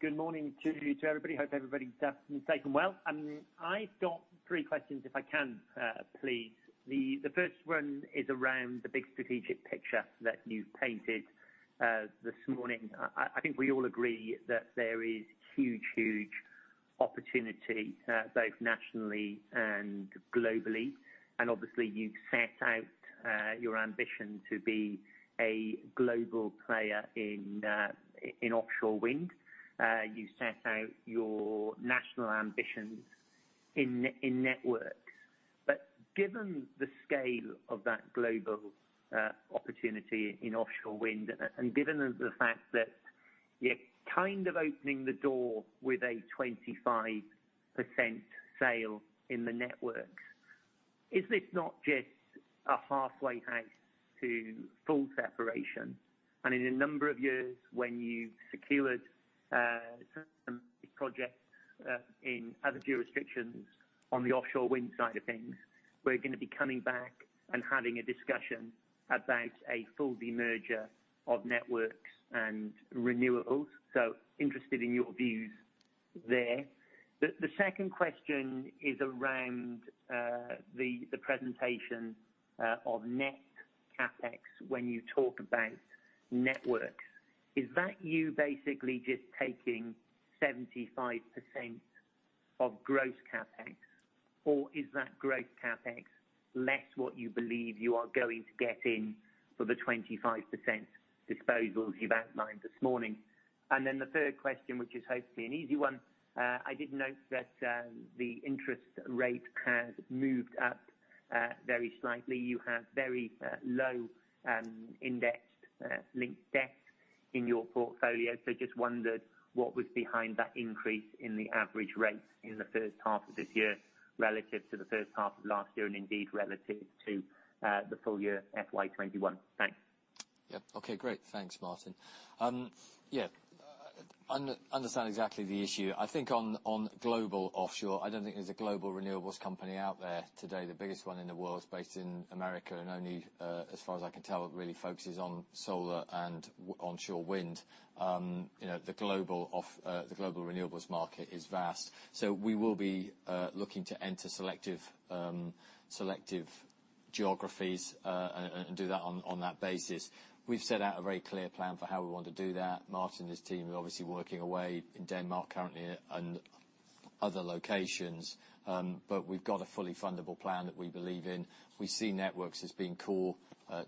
good morning to everybody. Hope everybody's staying well. I've got three questions, if I can please. The first one is around the big strategic picture that you've painted this morning. I think we all agree that there is huge opportunity both nationally and globally. Obviously you've set out your ambition to be a global player in offshore wind. You set out your national ambitions in networks. Given the scale of that global opportunity in offshore wind, and given the fact that you're kind of opening the door with a 25% sale in the network, is this not just a halfway house to full separation? In a number of years when you've secured some projects in other jurisdictions on the offshore wind side of things, we're gonna be coming back and having a discussion about a full demerger of networks and renewables. Interested in your views there. The second question is around the presentation of net CapEx when you talk about networks. Is that you basically just taking 75% of gross CapEx, or is that gross CapEx less what you believe you are going to get in for the 25% disposals you've outlined this morning? The third question, which is hopefully an easy one, I did note that the interest rate has moved up very slightly. You have very low index-linked debt in your portfolio. Just wondered what was behind that increase in the average rate in the first half of this year relative to the first half of last year, and indeed relative to the full year FY 2021. Thanks. Yeah. Okay, great. Thanks, Martin. Yeah. I understand exactly the issue. I think on global offshore, I don't think there's a global renewables company out there today. The biggest one in the world is based in America, and only, as far as I can tell, it really focuses on solar and onshore wind. You know, the global renewables market is vast. We will be looking to enter selective geographies, and do that on that basis. We've set out a very clear plan for how we want to do that. Martin and his team are obviously working away in Denmark currently and other locations. We've got a fully fundable plan that we believe in. We see networks as being core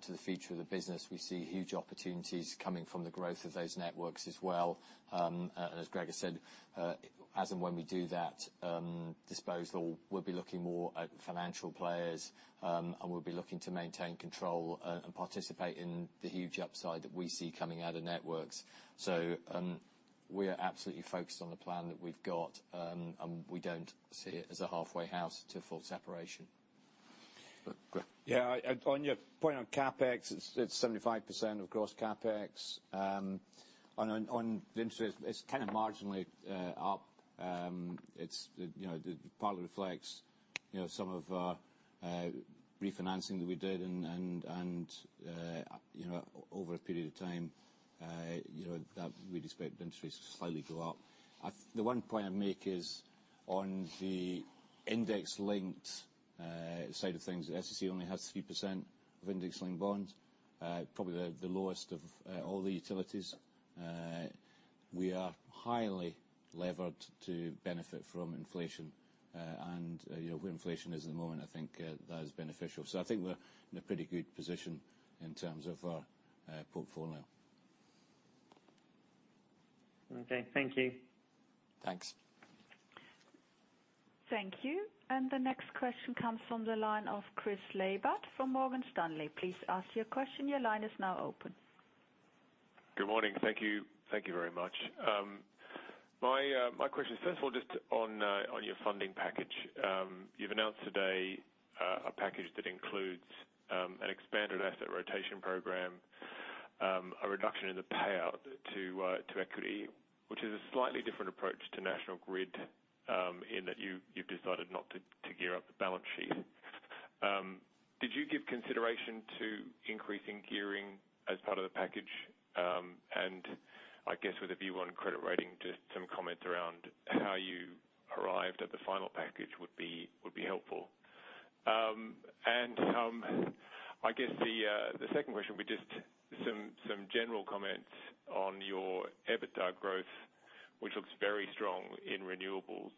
to the future of the business. We see huge opportunities coming from the growth of those networks as well. As Gregor said, as and when we do that disposal, we'll be looking more at financial players, and we'll be looking to maintain control and participate in the huge upside that we see coming out of networks. We're absolutely focused on the plan that we've got. We don't see it as a halfway house to full separation. Gregor? Yeah, on your point on CapEx, it's 75% of gross CapEx. On the interest, it's kind of marginally up. It's, you know, it partly reflects, you know, some of our refinancing that we did and, you know, over a period of time, you know, that we'd expect the interest rates to slightly go up. The one point I'd make is on the index-linked side of things, SSE only has 3% of index-linked bonds, probably the lowest of all the utilities. We are highly levered to benefit from inflation. You know, where inflation is at the moment, I think that is beneficial. I think we're in a pretty good position in terms of our portfolio. Okay, thank you. Thanks. Thank you. The next question comes from the line of Chris Laybutt from Morgan Stanley. Please ask your question. Your line is now open. Good morning. Thank you. Thank you very much. My question is first of all, just on your funding package. You've announced today a package that includes an expanded asset rotation program, a reduction in the payout to equity, which is a slightly different approach to National Grid, in that you've decided not to gear up the balance sheet. Did you give consideration to increasing gearing as part of the package? I guess with a Baa1 credit rating, just some comments around how you arrived at the final package would be helpful. I guess the second question would be just some general comments on your EBITDA growth, which looks very strong in renewables.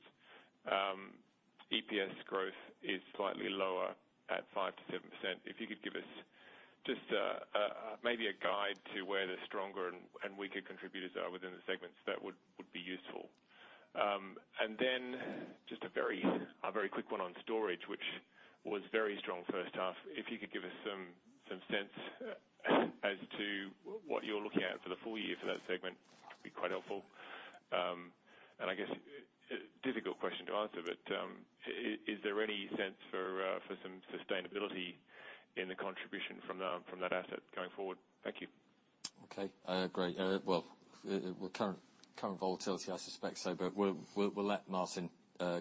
EPS growth is slightly lower at 5%-7%. If you could give us just maybe a guide to where the stronger and weaker contributors are within the segments, that would be useful. Then just a very quick one on storage, which was very strong first half. If you could give us some sense as to what you're looking at for the full year for that segment, it'd be quite helpful. I guess a difficult question to answer, but is there any sense for some sustainability in the contribution from that asset going forward? Thank you. Okay, great. Well, with current volatility, I suspect so, but we'll let Martin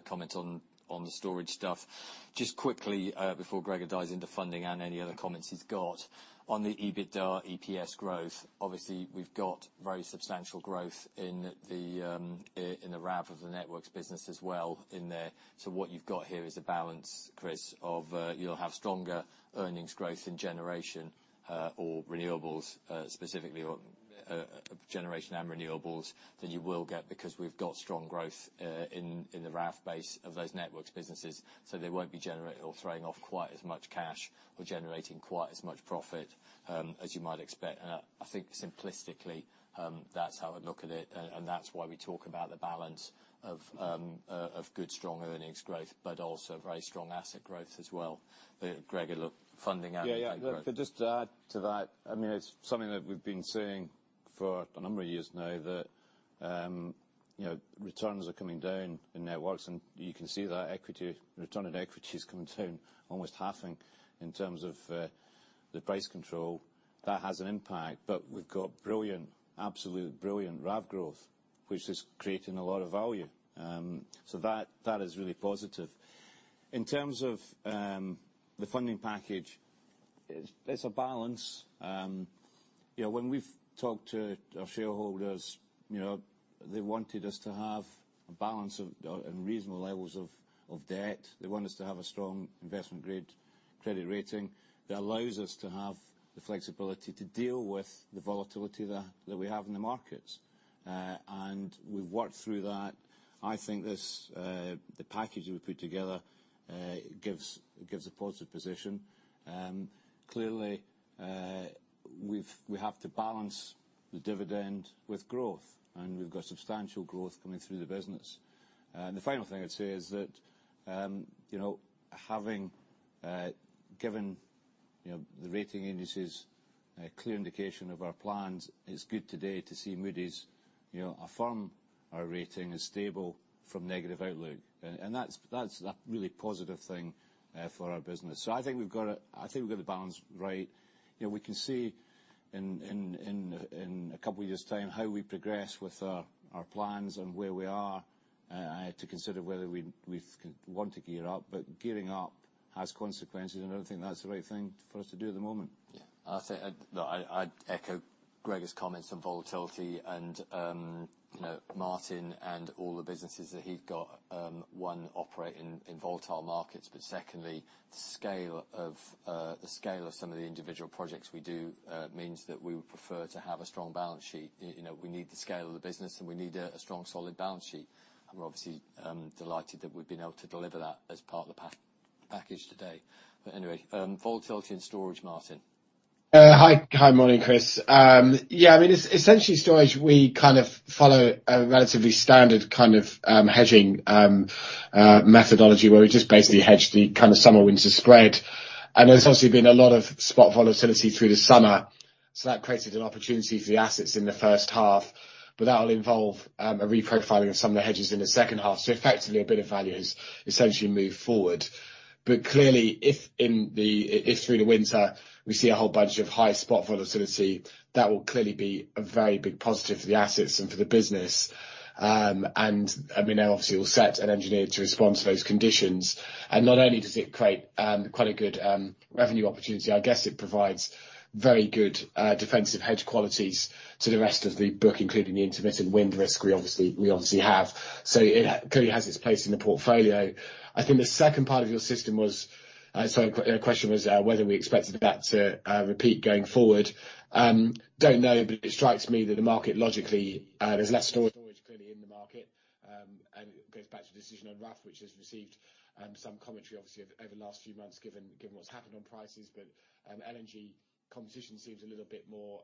comment on the storage stuff. Just quickly, before Gregor dives into funding and any other comments he's got. On the EBITDA EPS growth, obviously, we've got very substantial growth in the RAV of the networks business as well in there. So what you've got here is a balance, Chris, of, you'll have stronger earnings growth in generation or renewables, specifically, or generation and renewables than you will get because we've got strong growth in the RAV base of those networks businesses. So they won't be generating or throwing off quite as much cash or generating quite as much profit as you might expect. I think simplistically, that's how I look at it, and that's why we talk about the balance of good strong earnings growth, but also very strong asset growth as well. Gregor, look, funding and- Yeah, yeah. EBITDA growth. To just add to that, I mean, it's something that we've been seeing for a number of years now that, you know, returns are coming down in networks, and you can see that equity, return on equity is coming down, almost halving in terms of the price control. That has an impact. We've got absolutely brilliant RAV growth, which is creating a lot of value. That is really positive. In terms of the funding package, it's a balance. You know, when we've talked to our shareholders, you know, they wanted us to have a balance of and reasonable levels of debt. They want us to have a strong investment-grade credit rating that allows us to have the flexibility to deal with the volatility that we have in the markets. We've worked through that. I think this the package that we've put together gives a positive position. Clearly, we have to balance the dividend with growth, and we've got substantial growth coming through the business. The final thing I'd say is that, you know, having given you know the rating agencies a clear indication of our plans, it's good today to see Moody's you know affirm our rating is stable from negative outlook. That's a really positive thing for our business. I think we've got it. I think we've got the balance right. You know, we can see in a couple of years' time how we progress with our plans and where we are to consider whether we want to gear up. Gearing up has consequences, I don't think that's the right thing for us to do at the moment. I'd echo Gregor's comments on volatility. You know, Martin and all the businesses that he's got operate in volatile markets, but secondly, the scale of some of the individual projects we do means that we would prefer to have a strong balance sheet. You know, we need the scale of the business, and we need a strong solid balance sheet. We're obviously delighted that we've been able to deliver that as part of the package today. Anyway, volatility and storage, Martin. Hi, morning, Chris. Yeah, I mean, essentially storage, we kind of follow a relatively standard kind of hedging methodology, where we just basically hedge the kind of summer/winter spread. There's obviously been a lot of spot volatility through the summer, so that created an opportunity for the assets in the first half. That will involve a reprofiling of some of the hedges in the second half. Effectively, a bit of value has essentially moved forward. Clearly, if through the winter we see a whole bunch of high spot volatility, that will clearly be a very big positive for the assets and for the business. I mean, obviously we're set and engineered to respond to those conditions. Not only does it create quite a good revenue opportunity. I guess it provides very good defensive hedge qualities to the rest of the book, including the intermittent wind risk we obviously have. It clearly has its place in the portfolio. I think the second part of your question was, sorry, your question was, whether we expected that to repeat going forward. Don't know, but it strikes me that the market logically, there's less storage clearly in the market, and it goes back to the decision on Rough, which has received some commentary obviously over the last few months, given what's happened on prices. LNG competition seems a little bit more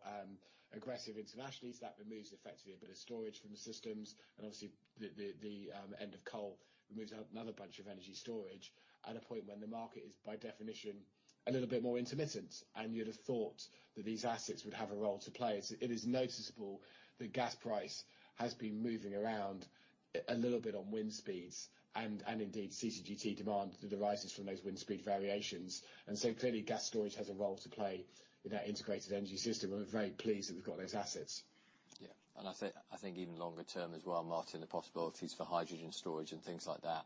aggressive internationally, so that removes effectively a bit of storage from the systems. Obviously the end of coal removes another bunch of energy storage at a point when the market is by definition a little bit more intermittent. You'd have thought that these assets would have a role to play. It is noticeable that the gas price has been moving around a little bit on wind speeds, and indeed CCGT demand that arises from those wind speed variations. Clearly gas storage has a role to play in our integrated energy system, and we're very pleased that we've got those assets. Yeah. I think even longer term as well, Martin, the possibilities for hydrogen storage and things like that,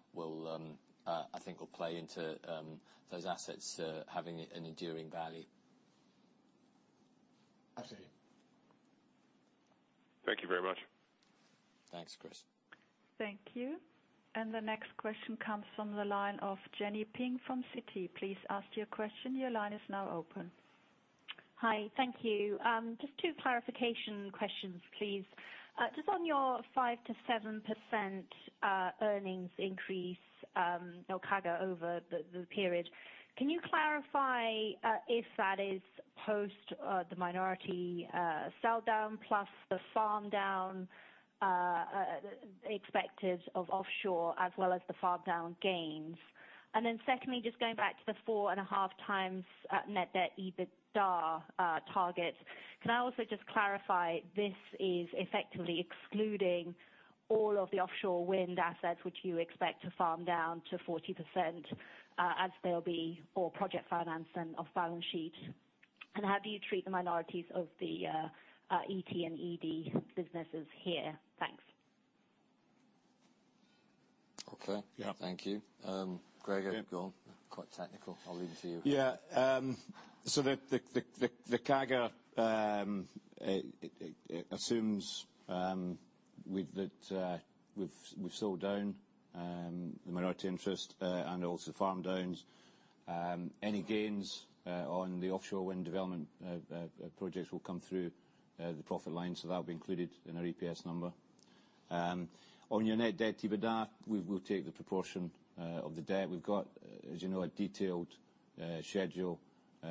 I think, will play into those assets having an enduring value. Absolutely. Thank you very much. Thanks, Chris. Thank you. The next question comes from the line of Jenny Ping from Citi. Please ask your question, your line is now open. Hi. Thank you. Just two clarification questions, please. Just on your 5%-7% earnings increase or CAGR over the period, can you clarify if that is post the minority sell down plus the farm down expected of offshore as well as the farm down gains? Then secondly, just going back to the 4.5x net debt EBITDA target, can I also just clarify this is effectively excluding all of the offshore wind assets which you expect to farm down to 40%, as they'll be all project finance and off-balance sheet? And how do you treat the minorities of the ET and ED businesses here? Thanks. Okay. Yeah. Thank you. Gregor, go on. Quite technical. I'll leave it to you. The CAGR assumes with that we've sold down the minority interest and also farm downs. Any gains on the offshore wind development projects will come through the profit line, so that will be included in our EPS number. On your net debt to EBITDA, we will take the proportion of the debt. We've got, as you know, a detailed schedule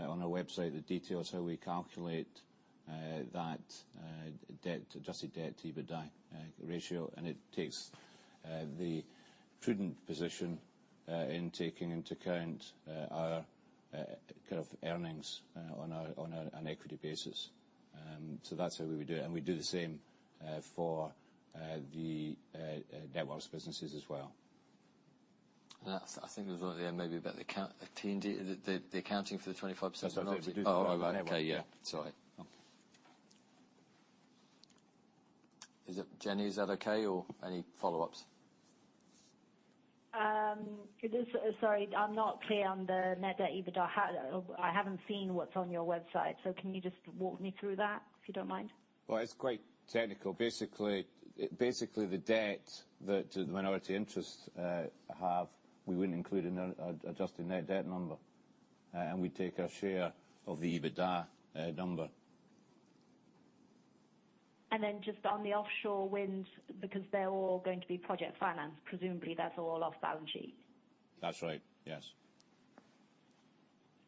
on our website that details how we calculate that adjusted debt to EBITDA ratio. It takes the prudent position in taking into account our kind of earnings on an equity basis. That's how we would do it. We do the same for the diverse businesses as well. That's, I think there's one there maybe about the count T&D, the accounting for the 20%. Sorry. Oh, okay. Yeah. Sorry. Is it, Jenny, is that okay or any follow-ups? Sorry, I'm not clear on the net debt EBITDA. I haven't seen what's on your website. Can you just walk me through that, if you don't mind? Well, it's quite technical. Basically, the debt that the minority interests have, we wouldn't include in our adjusted net debt number. We take our share of the EBITDA number. Just on the offshore wind, because they're all going to be project finance, presumably that's all off balance sheet? That's right, yes.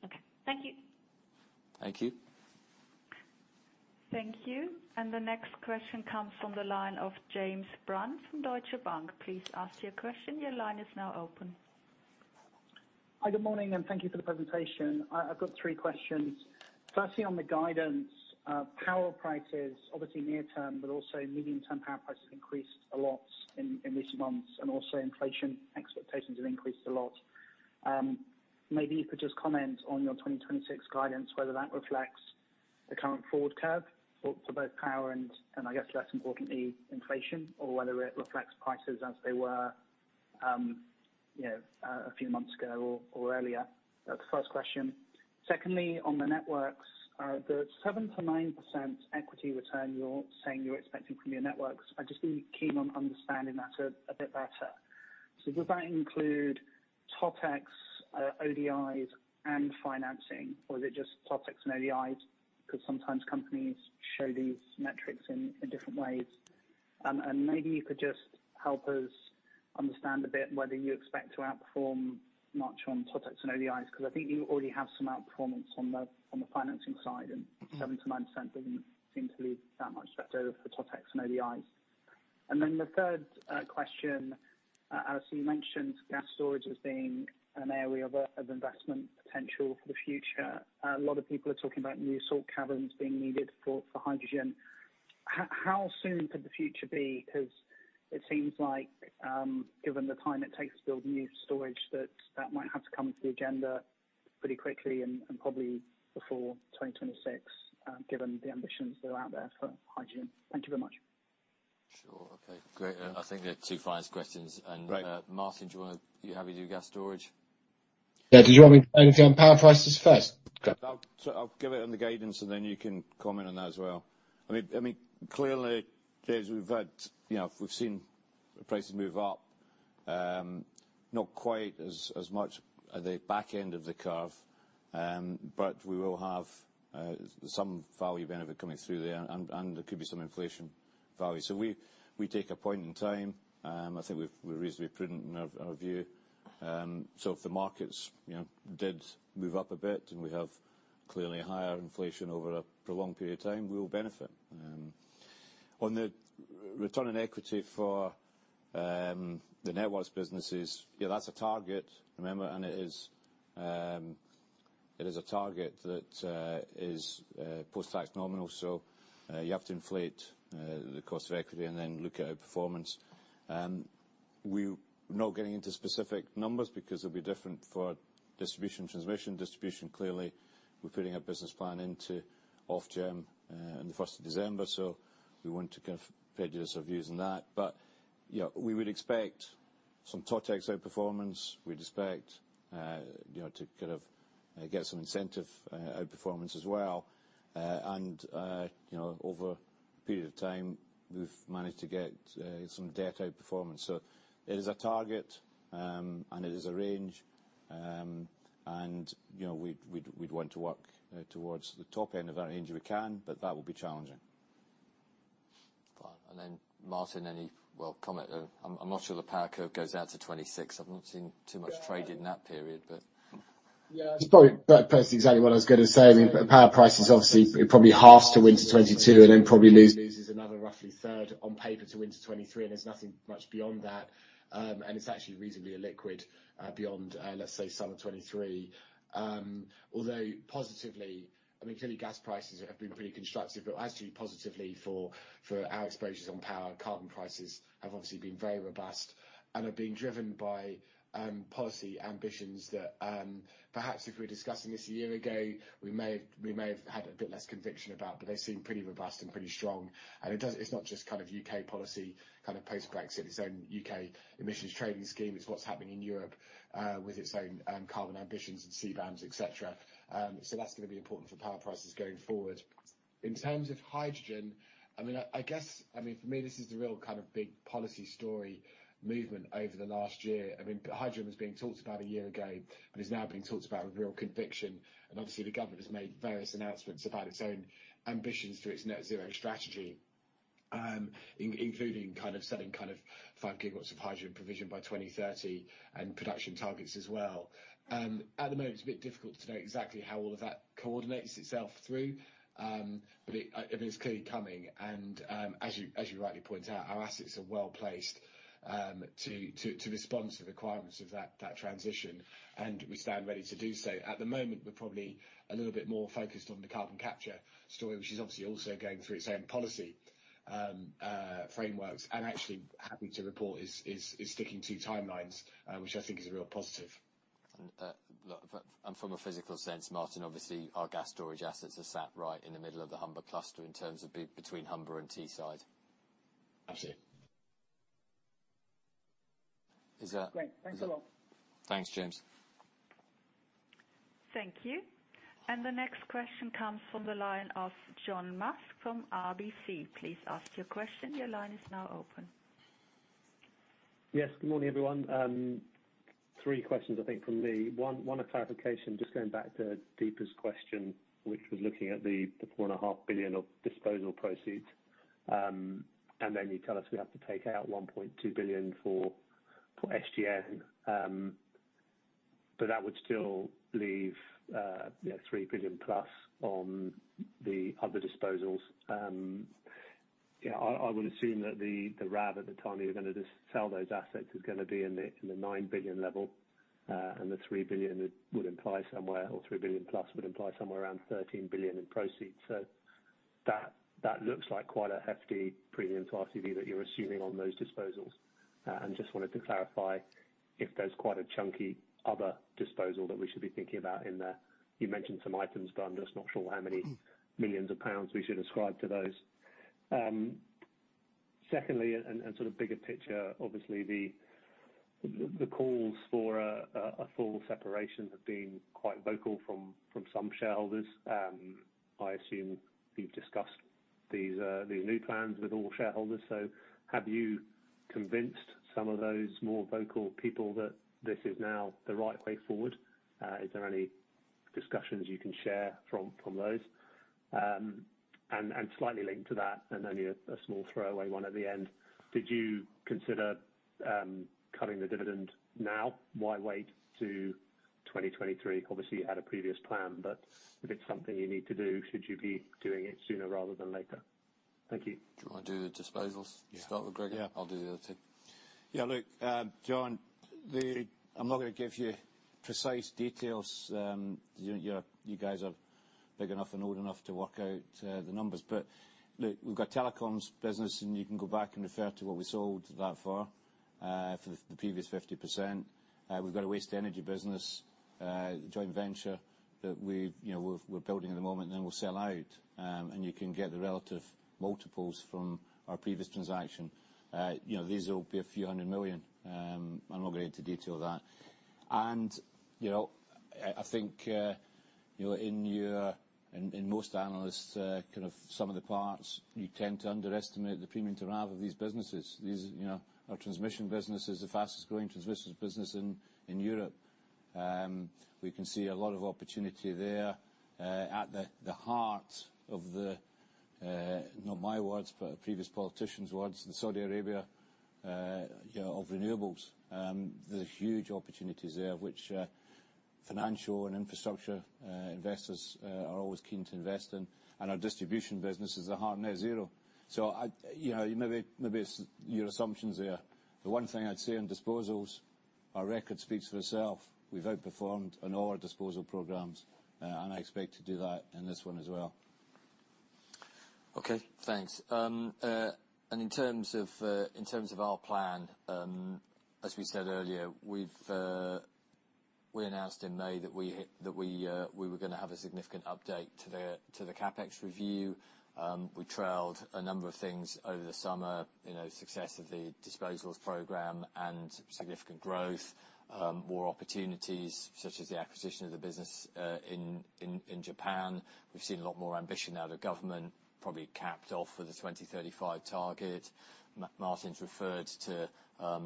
Okay. Thank you. Thank you. Thank you. The next question comes from the line of James Brand from Deutsche Bank. Please ask your question, your line is now open. Hi, good morning, and thank you for the presentation. I've got three questions. Firstly, on the guidance, power prices, obviously near term, but also medium-term power prices increased a lot in recent months, and also inflation expectations have increased a lot. Maybe you could just comment on your 2026 guidance, whether that reflects the current forward curve for both power and, I guess less importantly, inflation, or whether it reflects prices as they were, you know, a few months ago or earlier. That's the first question. Secondly, on the networks, the 7%-9% equity return you're saying you're expecting from your networks, I'm just really keen on understanding that bit better. So would that include totex, ODIs, and financing? Or is it just totex and ODIs? 'Cause sometimes companies show these metrics in different ways. Maybe you could just help us understand a bit whether you expect to outperform much on totex and ODIs, 'cause I think you already have some outperformance on the, on the financing side, and 7%-9% doesn't seem to leave that much left over for totex and ODIs. The third question, as you mentioned, gas storage as being an area of investment potential for the future. A lot of people are talking about new salt caverns being needed for hydrogen. How soon could the future be? 'Cause it seems like, given the time it takes to build new storage, that might have to come to the agenda pretty quickly and probably before 2026, given the ambitions that are out there for hydrogen. Thank you very much. Sure. Okay, great. I think they're two fine questions. Right. Martin, are you happy to do gas storage? Yeah. Did you want me to say anything on power prices first? Okay. I'll give it on the guidance, and then you can comment on that as well. Clearly, James, we've had, you know, we've seen prices move up, not quite as much at the back end of the curve. We will have some value benefit coming through there and there could be some inflation value. We take a point in time. I think we're reasonably prudent in our view. If the markets, you know, did move up a bit, and we have clearly higher inflation over a prolonged period of time, we will benefit. On the return on equity for the networks businesses, yeah, that's a target, remember, and it is a target that is post-tax nominal. You have to inflate the cost of equity and then look at our performance. We're not getting into specific numbers because it'll be different for distribution, transmission. Distribution, clearly, we're putting our business plan into Ofgem on the December 1st, so we don't want to prejudice views on that. Yeah, we would expect some totex outperformance. We'd expect, you know, to kind of get some incentive outperformance as well. You know, over a period of time, we've managed to get some debt outperformance. It is a target and it is a range. You know, we'd want to work towards the top end of that range if we can, but that will be challenging. Fine. Martin, any, well, comment. I'm not sure the power curve goes out to 2026. I've not seen too much trade in that period, but. Yeah. Just probably that's exactly what I was gonna say. I mean, the power price is obviously probably halves to winter 2022 and then probably loses another roughly 1/3 on paper to winter 2023, and there's nothing much beyond that. And it's actually reasonably illiquid beyond, let's say summer 2023. Although positively, I mean, clearly gas prices have been pretty constructive, but actually positively for our exposures on power and carbon prices have obviously been very robust and are being driven by policy ambitions that, perhaps if we're discussing this a year ago, we may have had a bit less conviction about, but they seem pretty robust and pretty strong. It's not just kind of U.K. policy, kind of post-Brexit, its own U.K. emissions trading scheme. It's what's happening in Europe, with its own carbon ambitions and CBAMs, et cetera. That's gonna be important for power prices going forward. In terms of hydrogen, I mean, I guess, for me, this is the real kind of big policy story movement over the last year. I mean, hydrogen was being talked about a year ago, but it's now being talked about with real conviction. Obviously, the government has made various announcements about its own ambitions through its net zero strategy, including kind of setting kind of 5 GW of hydrogen provision by 2030 and production targets as well. At the moment, it's a bit difficult to know exactly how all of that coordinates itself through, but it, I mean, it's clearly coming. As you rightly point out, our assets are well placed to respond to the requirements of that transition, and we stand ready to do so. At the moment, we're probably a little bit more focused on the carbon capture story, which is obviously also going through its own policy frameworks, and actually happy to report is sticking to timelines, which I think is a real positive. From a physical sense, Martin, obviously our gas storage assets are sat right in the middle of the Humber cluster in terms of between Humber and Teesside. Absolutely. Is that- Great. Thanks a lot. Thanks, James. Thank you. The next question comes from the line of John Musk from RBC. Please ask your question. Your line is now open. Yes. Good morning, everyone. Three questions, I think from me. One, a clarification, just going back to Deepa's question, which was looking at the 4.5 billion of disposal proceeds. Then you tell us we have to take out 1.2 billion for SGN. That would still leave, you know, 3+ billion on the other disposals. Yeah, I would assume that the RAV at the time you're gonna dispose of those assets is gonna be in the 9 billion level, and the 3 billion would imply somewhere, or 3+ billion would imply somewhere around 13 billion in proceeds. That looks like quite a hefty premium to RAV that you're assuming on those disposals. Just wanted to clarify if there's quite a chunky other disposal that we should be thinking about in there. You mentioned some items, but I'm just not sure how many millions of pounds we should ascribe to those. Secondly, sort of bigger picture, obviously, the calls for a full separation have been quite vocal from some shareholders. I assume you've discussed these new plans with all shareholders. Have you convinced some of those more vocal people that this is now the right way forward? Is there any discussions you can share from those? Slightly linked to that, only a small throwaway one at the end, did you consider cutting the dividend now? Why wait to 2023? Obviously, you had a previous plan, but if it's something you need to do, should you be doing it sooner rather than later? Thank you. Do you want to do the disposals? Yeah. Start with Gregor. Yeah. I'll do the other two. Yeah, look, John, I'm not going to give you precise details, you guys are big enough and old enough to work out the numbers. Look, we've got telecoms business, and you can go back and refer to what we sold that for the previous 50%. We've got a waste-to-energy business, joint venture that we've, you know, we're building at the moment, and then we'll sell out. You can get the relative multiples from our previous transaction. You know, these will be a few hundred million. I'm not going into detail of that. You know, I think, you know, in most analysts' kind of sum-of-the-parts, you tend to underestimate the premium to RAV of these businesses. You know, our transmission business is the fastest-growing transmission business in Europe. We can see a lot of opportunity there at the heart of, not my words, but a previous politician's words, the Saudi Arabia of renewables. There's huge opportunities there which financial and infrastructure investors are always keen to invest in, and our distribution business is the heart of net zero. I, you know, maybe it's your assumptions there. The one thing I'd say on disposals, our record speaks for itself. We've outperformed on all our disposal programs, and I expect to do that in this one as well. Okay, thanks. In terms of our plan, as we said earlier, we announced in May that we were gonna have a significant update to the CapEx review. We trailed a number of things over the summer, you know, success of the disposals program and significant growth, more opportunities such as the acquisition of the business in Japan. We've seen a lot more ambition out of government, probably capped off with the 2035 target. Martin's referred to a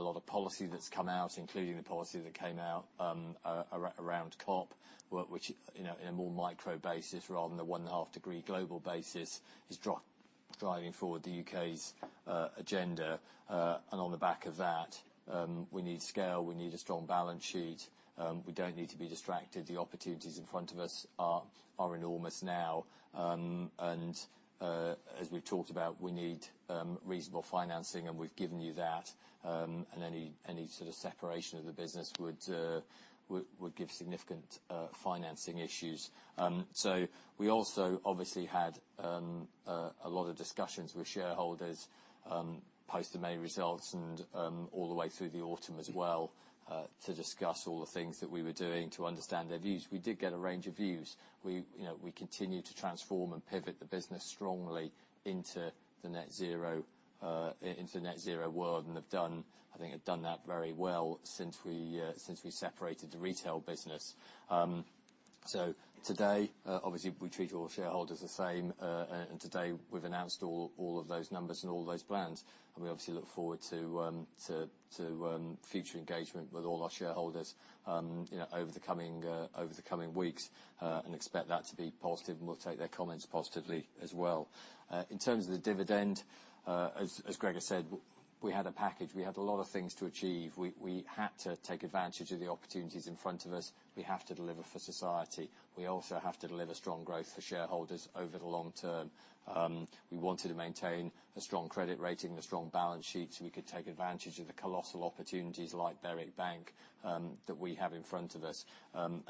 lot of policy that's come out, including the policy that came out around COP, which, you know, in a more micro basis rather than the 1.5-degree global basis, is driving forward the UK's agenda. On the back of that, we need scale, we need a strong balance sheet. We don't need to be distracted. The opportunities in front of us are enormous now. As we've talked about, we need reasonable financing, and we've given you that. Any sort of separation of the business would give significant financing issues. We also obviously had a lot of discussions with shareholders post the May results and all the way through the autumn as well to discuss all the things that we were doing to understand their views. We did get a range of views. We, you know, continue to transform and pivot the business strongly into the net zero world, and, I think, have done that very well since we separated the retail business. Today, obviously we treat all shareholders the same. Today we've announced all of those numbers and all those plans. We obviously look forward to future engagement with all our shareholders, you know, over the coming weeks, and expect that to be positive, and we'll take their comments positively as well. In terms of the dividend, as Gregor has said, we had a package. We had a lot of things to achieve. We had to take advantage of the opportunities in front of us. We have to deliver for society. We also have to deliver strong growth for shareholders over the long term. We wanted to maintain a strong credit rating, a strong balance sheet, so we could take advantage of the colossal opportunities like Berwick Bank that we have in front of us.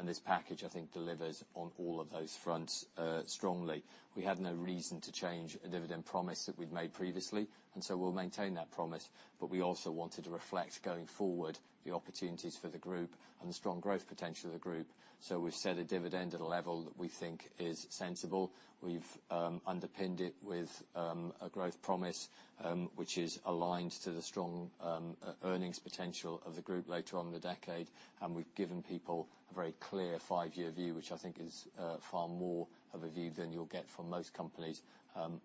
This package, I think, delivers on all of those fronts strongly. We have no reason to change a dividend promise that we've made previously, and we'll maintain that promise. We also wanted to reflect going forward the opportunities for the group and the strong growth potential of the group. We've set a dividend at a level that we think is sensible. We've underpinned it with a growth promise which is aligned to the strong earnings potential of the group later on in the decade. We've given people a very clear five-year view, which I think is far more of a view than you'll get from most companies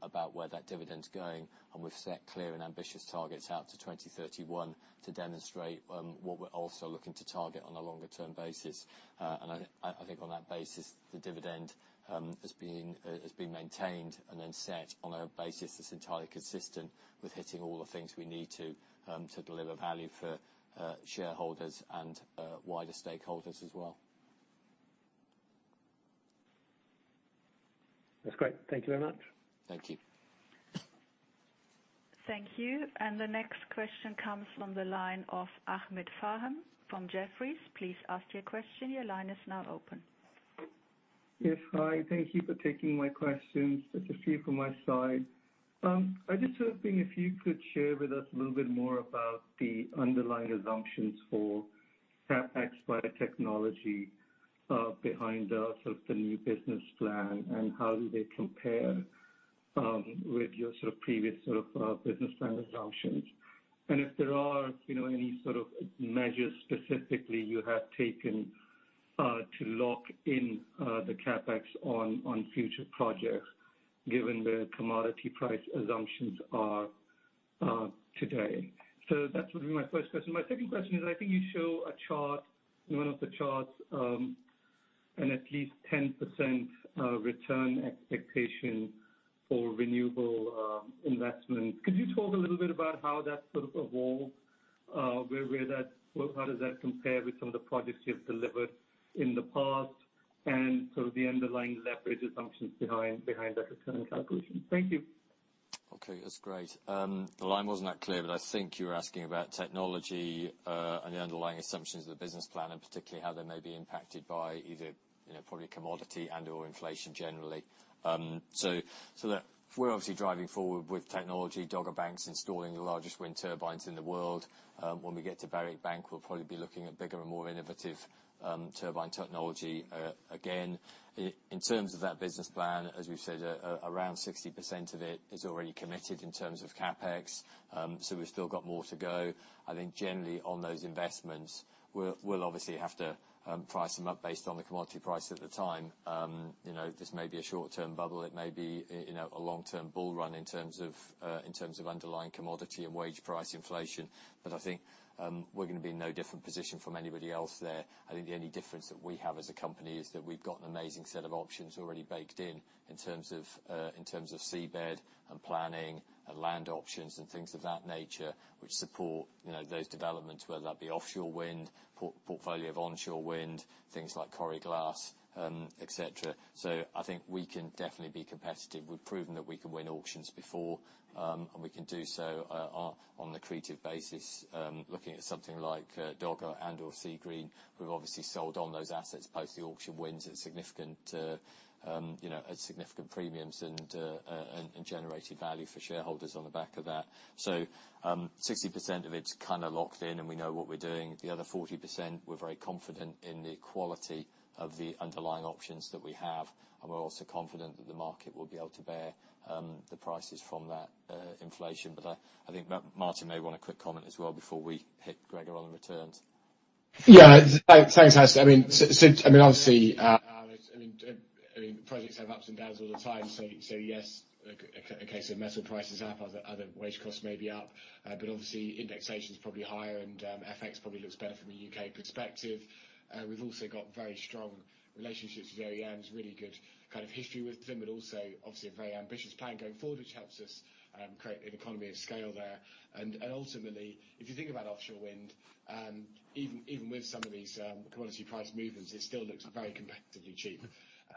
about where that dividend's going. We've set clear and ambitious targets out to 2031 to demonstrate what we're also looking to target on a longer-term basis. I think on that basis, the dividend has been maintained and then set on a basis that's entirely consistent with hitting all the things we need to deliver value for shareholders and wider stakeholders as well. That's great. Thank you very much. Thank you. Thank you. The next question comes from the line of Ahmed Farman from Jefferies. Please ask your question. Your line is now open. Yes. Hi. Thank you for taking my questions. Just a few from my side. I'm just hoping if you could share with us a little bit more about the underlying assumptions for CapEx by technology behind the sort of new business plan and how do they compare with your sort of previous business plan assumptions. And if there are, you know, any sort of measures specifically you have taken to lock in the CapEx on future projects, given the commodity price assumptions are today. That would be my first question. My second question is, I think you show a chart, one of the charts, at least 10% return expectation for renewable investments. Could you talk a little bit about how that sort of evolved? Where that, how does that compare with some of the projects you've delivered in the past? Sort of the underlying leverage assumptions behind that return calculation. Thank you. Okay, that's great. The line wasn't that clear, but I think you were asking about technology and the underlying assumptions of the business plan, and particularly how they may be impacted by either, you know, probably commodity and/or inflation generally. So look, we're obviously driving forward with technology, Dogger Bank's installing the largest wind turbines in the world. When we get to Berwick Bank, we'll probably be looking at bigger and more innovative turbine technology. Again, in terms of that business plan, as we've said, around 60% of it is already committed in terms of CapEx. So we've still got more to go. I think generally on those investments, we'll obviously have to price them up based on the commodity price at the time. You know, this may be a short-term bubble. It may be, you know, a long-term bull run in terms of underlying commodity and wage price inflation. I think we're gonna be in no different position from anybody else there. I think the only difference that we have as a company is that we've got an amazing set of options already baked in terms of seabed and planning and land options and things of that nature, which support, you know, those developments, whether that be offshore wind, portfolio of onshore wind, things like Coire Glas, et cetera. I think we can definitely be competitive. We've proven that we can win auctions before, and we can do so on an accretive basis. Looking at something like Dogger and/or Seagreen, we've obviously sold on those assets post the auction wins at significant premiums and generated value for shareholders on the back of that. 60% of it's kind of locked in and we know what we're doing. The other 40%, we're very confident in the quality of the underlying options that we have, and we're also confident that the market will be able to bear the prices from that inflation. I think Martin may want a quick comment as well before we hit Gregor on the returns. Yeah, thanks, Alistair. I mean, obviously, projects have ups and downs all the time. Yes, a case of metal prices up, other wage costs may be up. But obviously indexation is probably higher and FX probably looks better from a U.K. perspective. We've also got very strong relationships with OEMs. There's really good kind of history with them, but also obviously a very ambitious plan going forward, which helps us create an economy of scale there. Ultimately, if you think about offshore wind, even with some of these commodity price movements, it still looks very competitively cheap.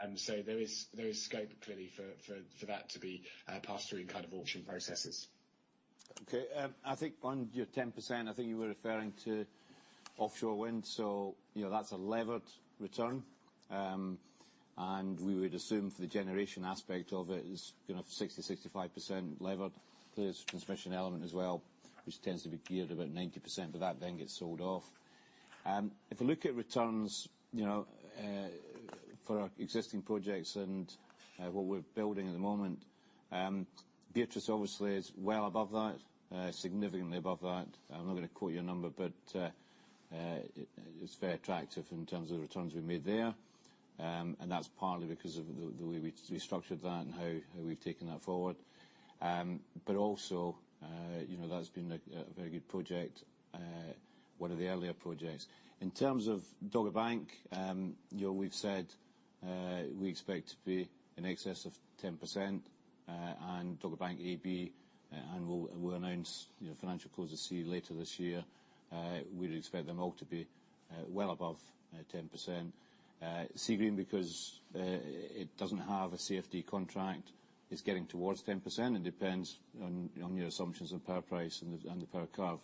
There is scope clearly for that to be passed through in kind of auction processes. Okay. I think on your 10%, I think you were referring to offshore wind. You know, that's a levered return. We would assume for the generation aspect of it is gonna be 60%-65% levered. There's a transmission element as well, which tends to be geared about 90%, but that then gets sold off. If we look at returns, you know, for our existing projects and what we're building at the moment, Beatrice obviously is well above that, significantly above that. I'm not gonna quote you a number, but it's very attractive in terms of the returns we made there. That's partly because of the way we structured that and how we've taken that forward. You know, that's been a very good project, one of the earlier projects. In terms of Dogger Bank, you know, we've said we expect to be in excess of 10% on Dogger Bank A and B, and we'll announce, you know, financial close of C later this year. We'd expect them all to be well above 10%. Seagreen, because it doesn't have a CfD contract, is getting towards 10%. It depends on your assumptions on power price and the power curve.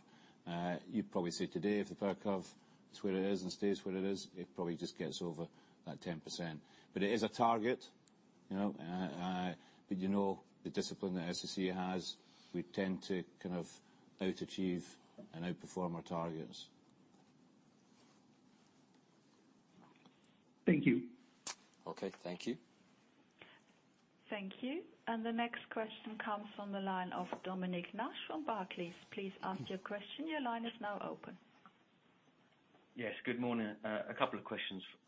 You'd probably say today, if the power curve is where it is and stays where it is, it probably just gets over that 10%. It is a target, you know, but you know the discipline that SSE has, we tend to kind of overachieve and outperform our targets. Thank you. Okay. Thank you. Thank you. The next question comes from the line of Dominic Nash from Barclays. Please ask your question. Your line is now open. Yes, good morning. A couple of questions from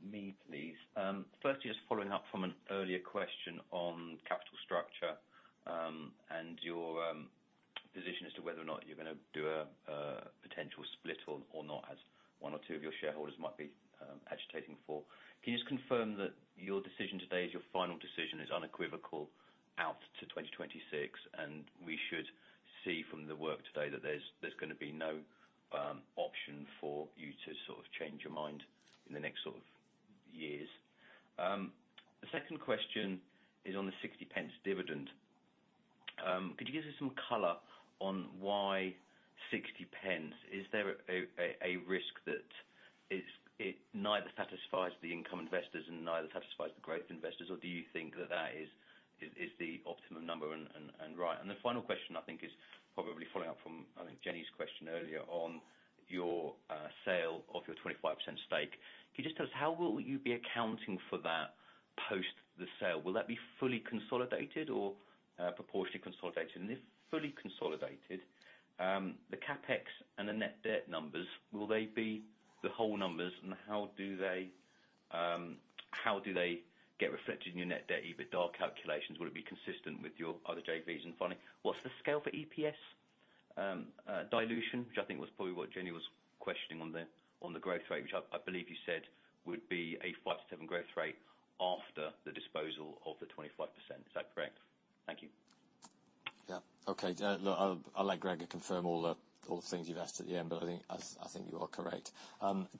me, please. Firstly, just following up from an earlier question on capital structure, and your position as to whether or not you're gonna do a potential split or not, as one or two of your shareholders might be agitating for. Can you just confirm that your decision today is your final decision, is unequivocal out to 2026, and we should see from the work today that there's gonna be no option for you to sort of change your mind in the next sort of years. The second question is on the 0.60 dividend. Could you give us some color on why 0.60? Is there a risk that it neither satisfies the income investors and neither satisfies the growth investors, or do you think that that is the optimum number and right? The final question, I think, is probably following up from, I think Jenny's question earlier, on your sale of your 25% stake. Can you just tell us how will you be accounting for that post the sale? Will that be fully consolidated or proportionally consolidated? And if fully consolidated, the CapEx and the net debt numbers, will they be the whole numbers, and how do they get reflected in your net debt EBITDA calculations? Would it be consistent with your other JVs and funding? What's the scale for EPS dilution? Which I think was probably what Jenny was questioning on the growth rate, which I believe you said would be a 5%-7% growth rate after the disposal of the 25%. Is that correct? Thank you. Yeah. Okay. Look, I'll let Gregor confirm all the things you've asked at the end, but I think you are correct.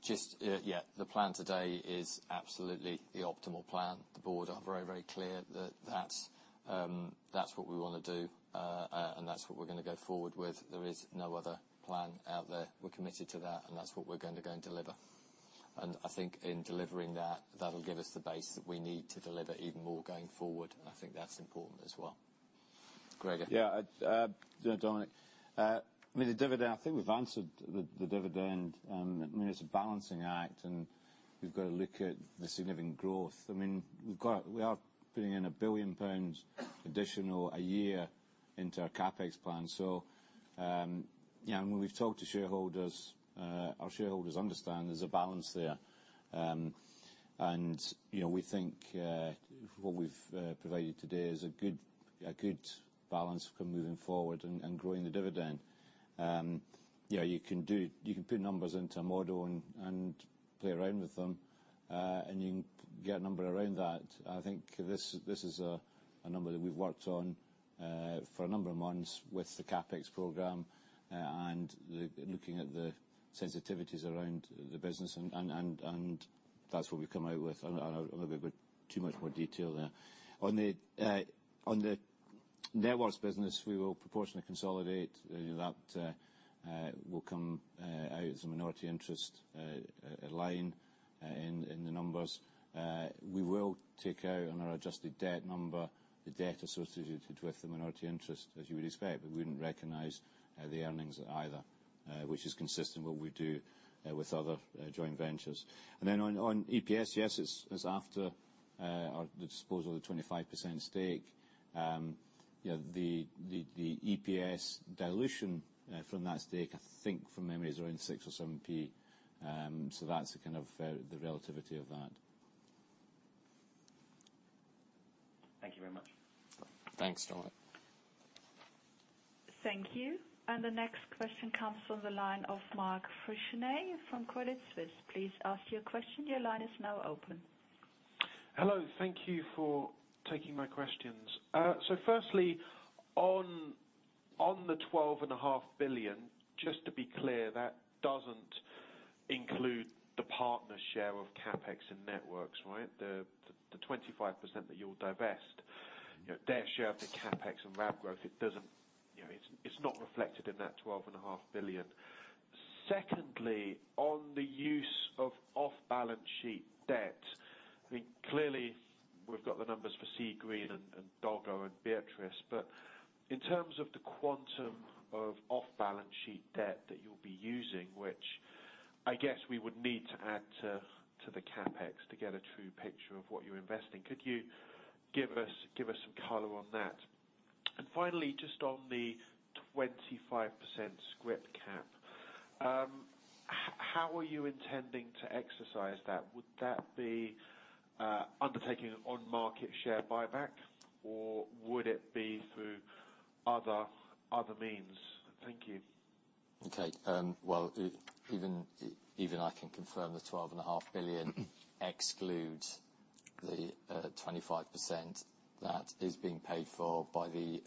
Just, yeah, the plan today is absolutely the optimal plan. The board are very clear that that's what we wanna do, and that's what we're gonna go forward with. There is no other plan out there. We're committed to that, and that's what we're gonna go and deliver. I think in delivering that'll give us the base that we need to deliver even more going forward, and I think that's important as well. Gregor? You know, Dominic, I mean, the dividend, I think we've answered the dividend. I mean, it's a balancing act, and we've gotta look at the significant growth. We are putting in 1 billion pounds additional a year into our CapEx plan, so you know, when we've talked to shareholders, our shareholders understand there's a balance there. You know, we think what we've provided today is a good balance for moving forward and growing the dividend. You know, you can put numbers into a model and play around with them, and you can get a number around that. I think this is a number that we've worked on for a number of months with the CapEx program, and looking at the sensitivities around the business and that's what we've come out with. I don't know whether we've got too much more detail there. On the networks business, we will proportionally consolidate. You know, that will come out as a minority interest line in the numbers. We will take out on our adjusted debt number the debt associated with the minority interest, as you would expect, but we wouldn't recognize the earnings either, which is consistent with what we do with other joint ventures. Then on EPS, yes, it's after the disposal of the 25% stake. You know, the EPS dilution from that stake, I think from memory is around 6p or 7p. That's the kind of the relativity of that. Thank you very much. Thanks, Dominic. Thank you. The next question comes from the line of Mark Freshney from Credit Suisse. Please ask your question. Your line is now open. Hello. Thank you for taking my questions. So firstly, on the 12.5 billion, just to be clear, that doesn't include the partner's share of CapEx and networks, right? The 25% that you'll divest. You know, their share of the CapEx and RAV growth, it doesn't. You know, it's not reflected in that 12.5 billion. Secondly, on the use of off-balance sheet debt, I think clearly we've got the numbers for Seagreen and Dogger and Beatrice. But in terms of the quantum of off-balance sheet debt that you'll be using, which I guess we would need to add to the CapEx to get a true picture of what you're investing, could you give us some color on that? Finally, just on the 25% scrip cap, how are you intending to exercise that? Would that be, undertaking an on-market share buyback, or would it be through other means? Thank you. Okay. Well, even I can confirm the 12.5 billion excludes the 25% that is being paid for by the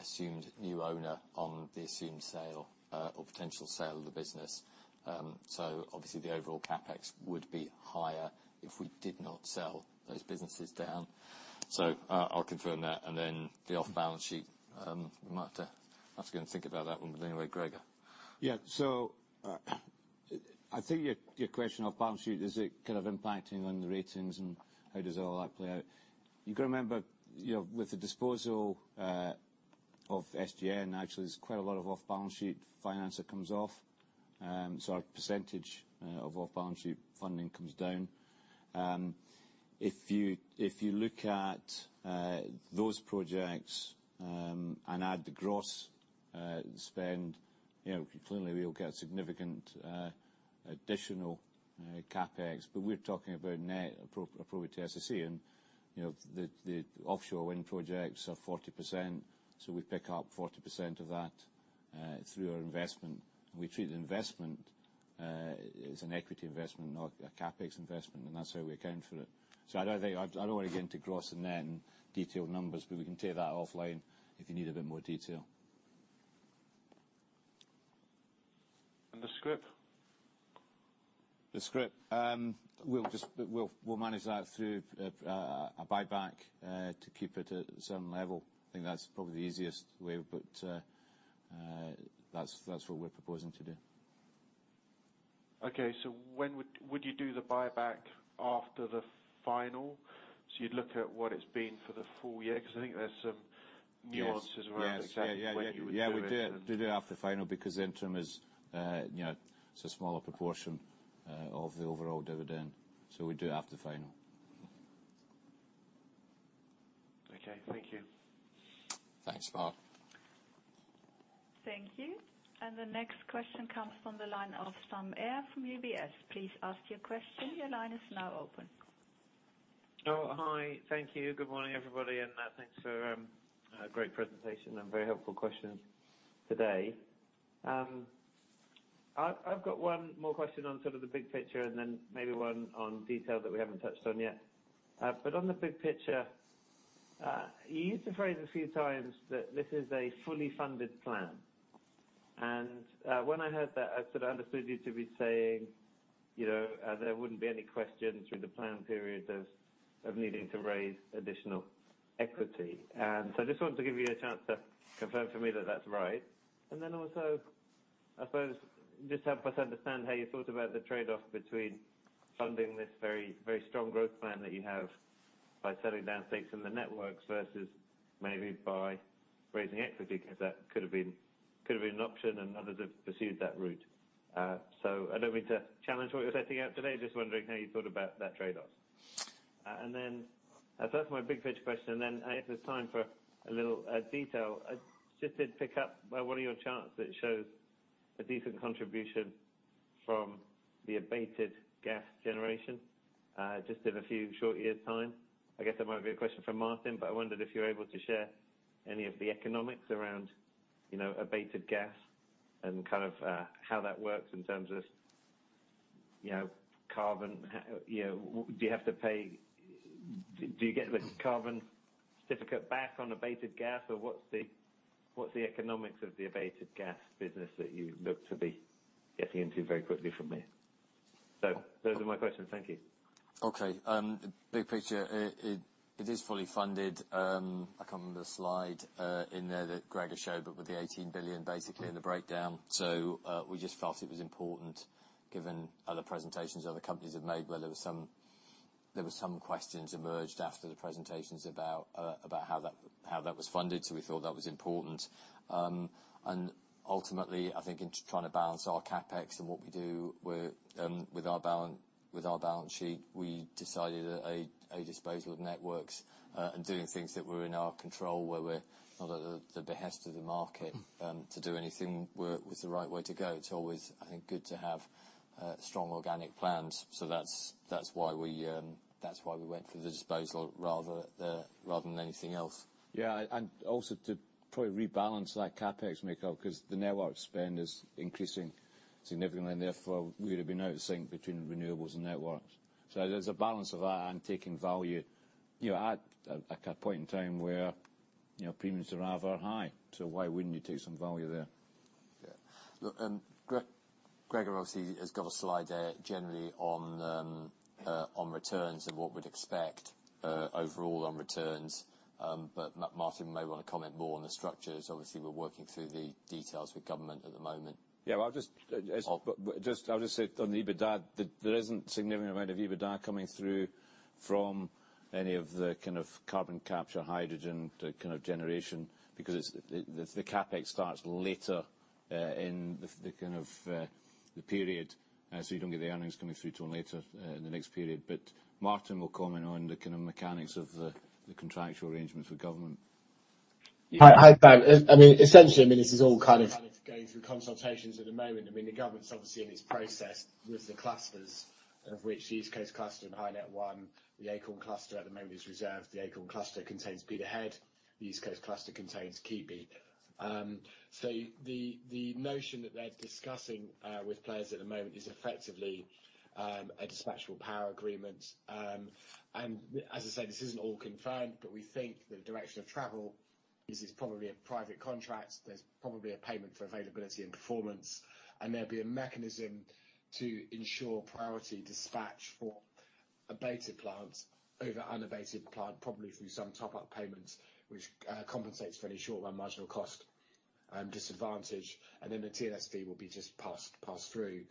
assumed new owner on the assumed sale or potential sale of the business. Obviously the overall CapEx would be higher if we did not sell those businesses down. I'll confirm that. Then the off-balance sheet, we might have to go and think about that one. Anyway, Gregor. Yeah. I think your question, off-balance sheet, is it kind of impacting on the ratings, and how does all that play out? You gotta remember, you know, with the disposal of SGN, actually there's quite a lot of off-balance sheet finance that comes off. Our percentage of off-balance sheet funding comes down. If you look at those projects and add the gross spend, you know, clearly we'll get significant additional CapEx, but we're talking about net appropriate to SSE. You know, the offshore wind projects are 40%, so we pick up 40% of that through our investment. We treat the investment It's an equity investment, not a CapEx investment, and that's how we account for it. I don't wanna get into gross and net and detailed numbers, but we can take that offline if you need a bit more detail. The scrip? We'll manage the scrip through a buyback to keep it at the same level. I think that's probably the easiest way, but that's what we're proposing to do. Okay. When would you do the buyback after the final? You'd look at what it's been for the full year? 'Cause I think there's some- Yes. nuances around exactly when you would do it and Yeah. We do it after final because interim is, you know, it's a smaller proportion of the overall dividend. We do it after final. Okay. Thank you. Thanks, Mark. Thank you. The next question comes from the line of Sam Arie from UBS. Please ask your question. Your line is now open. Oh, hi. Thank you. Good morning, everybody, and thanks for a great presentation and very helpful questions today. I've got one more question on sort of the big picture and then maybe one on detail that we haven't touched on yet. On the big picture, you used the phrase a few times that this is a fully funded plan. When I heard that, I sort of understood you to be saying, you know, there wouldn't be any question through the plan period of needing to raise additional equity. I just wanted to give you a chance to confirm for me that that's right. I suppose, just help us understand how you thought about the trade-off between funding this very, very strong growth plan that you have by selling down stakes in the networks versus maybe by raising equity, 'cause that could've been an option, and others have pursued that route. I don't mean to challenge what you're setting out today, just wondering how you thought about that trade-off. That's my big picture question. If there's time for a little detail, I just did pick up one of your charts that shows a decent contribution from the abated gas generation, just in a few short years' time. I guess that might be a question for Martin, but I wondered if you're able to share any of the economics around, you know, abated gas and kind of how that works in terms of, you know, carbon. You know, do you have to pay. Do you get the carbon certificate back on abated gas? Or what's the economics of the abated gas business that you look to be getting into very quickly from here? Those are my questions. Thank you. Okay. Big picture, it is fully funded. I can't remember the slide in there that Gregor showed, but with the 18 billion basically in the breakdown. We just felt it was important given other presentations other companies have made, where there were some questions emerged after the presentations about how that was funded. We thought that was important. Ultimately, I think in trying to balance our CapEx and what we do with our balance sheet, we decided a disposal of networks and doing things that were in our control, where we're not at the behest of the market to do anything, was the right way to go. It's always, I think, good to have strong organic plans. That's why we went for the disposal rather than anything else. Yeah. Also to probably rebalance that CapEx makeup, 'cause the network spend is increasing significantly, and therefore, we're gonna be out of sync between renewables and networks. There's a balance of that and taking value, you know, at, like, a point in time where, you know, premiums are rather high. Why wouldn't you take some value there? Yeah. Look, Gregor obviously has got a slide there generally on returns and what we'd expect overall on returns. But Martin may wanna comment more on the structures. Obviously, we're working through the details with government at the moment. Yeah. Well, Oh. I'll just say on the EBITDA, there isn't a significant amount of EBITDA coming through from any of the kind of carbon capture, hydrogen kind of generation because it's the CapEx starts later in the kind of period. So you don't get the earnings coming through till later in the next period. Martin will comment on the kind of mechanics of the contractual arrangements with government. Hi. I mean, essentially, I mean, this is all kind of going through consultations at the moment. I mean, the government's obviously in its process with the clusters, of which the East Coast Cluster and HyNet North West, the Acorn Cluster at the moment is reserved. The Acorn Cluster contains Peterhead. The East Coast Cluster contains Keadby. So the notion that they're discussing with players at the moment is effectively a dispatchable power agreement. And as I say, this isn't all confirmed, but we think the direction of travel is it's probably a private contract. There's probably a payment for availability and performance, and there'll be a mechanism to ensure priority dispatch for abated plants over unabated plant, probably through some top-up payments, which compensates for any short-run marginal cost disadvantage. Then the T&S fee will be just passed through.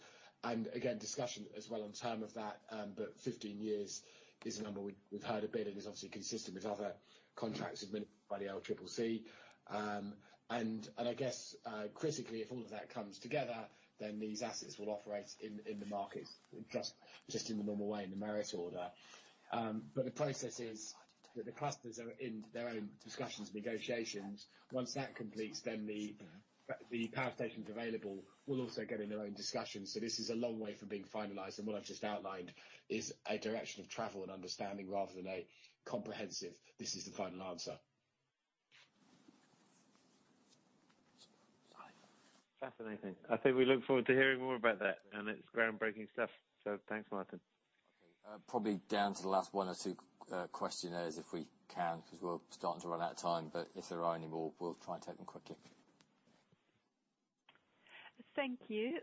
Again, discussion as well on term of that, but 15 years is the number we've heard a bit and is obviously consistent with other contracts administered by the LCCC. I guess, critically, if all of that comes together, then these assets will operate in the markets in the normal way, in the merit order. The process is that the clusters are in their own discussions and negotiations. Once that completes, then the power stations available will also get in their own discussions. This is a long way from being finalized, and what I've just outlined is a direction of travel and understanding rather than a comprehensive, this is the final answer. Fascinating. I think we look forward to hearing more about that, and it's groundbreaking stuff. Thanks, Martin. Okay. Probably down to the last one or two questionnaires if we can, 'cause we're starting to run out of time. If there are any more, we'll try and take them quickly. Thank you.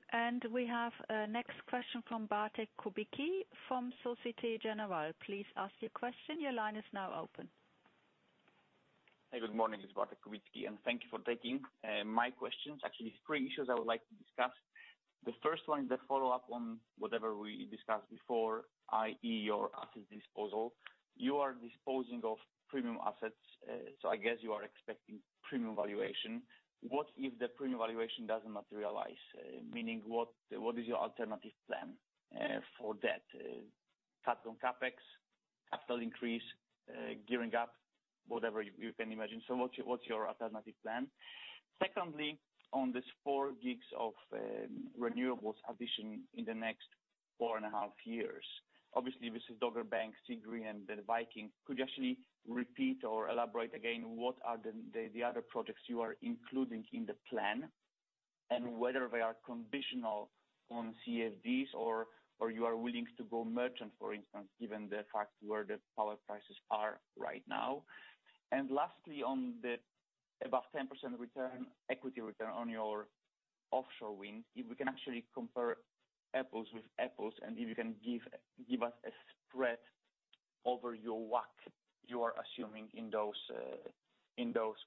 We have next question from Bartłomiej Kubicki from Société Générale. Please ask your question. Your line is now open. Hey, good morning. It's Bartłomiej Kubicki. Thank you for taking my questions. Actually, it's three issues I would like to discuss. The first one is a follow-up on whatever we discussed before, i.e., your asset disposal. You are disposing of premium assets, so I guess you are expecting premium valuation. What if the premium valuation doesn't materialize? Meaning what is your alternative plan for that? Cut on CapEx, capital increase, gearing up, whatever you can imagine. What's your alternative plan? Secondly, on this 4 GW of renewables addition in the next four and a half years. Obviously, this is Dogger Bank, Seagreen, and then Viking. Could you actually repeat or elaborate again what are the other projects you are including in the plan, and whether they are conditional on CfDs or you are willing to go merchant, for instance, given the fact where the power prices are right now? Lastly, on the above 10% return, equity return on your offshore wind, if we can actually compare apples with apples and if you can give us a spread over your WACC you are assuming in those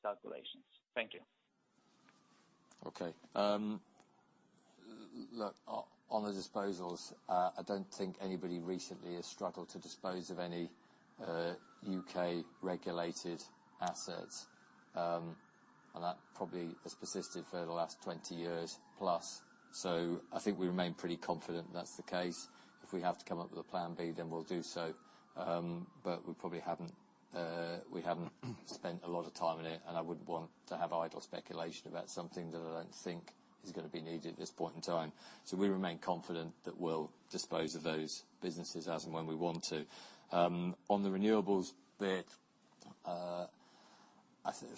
calculations. Thank you. Okay. Look, on the disposals, I don't think anybody recently has struggled to dispose of any U.K. regulated assets. That probably has persisted for the last 20+ years. I think we remain pretty confident that's the case. If we have to come up with a plan B, then we'll do so. We haven't spent a lot of time on it, and I wouldn't want to have idle speculation about something that I don't think is gonna be needed at this point in time. We remain confident that we'll dispose of those businesses as and when we want to. On the renewables bit, I think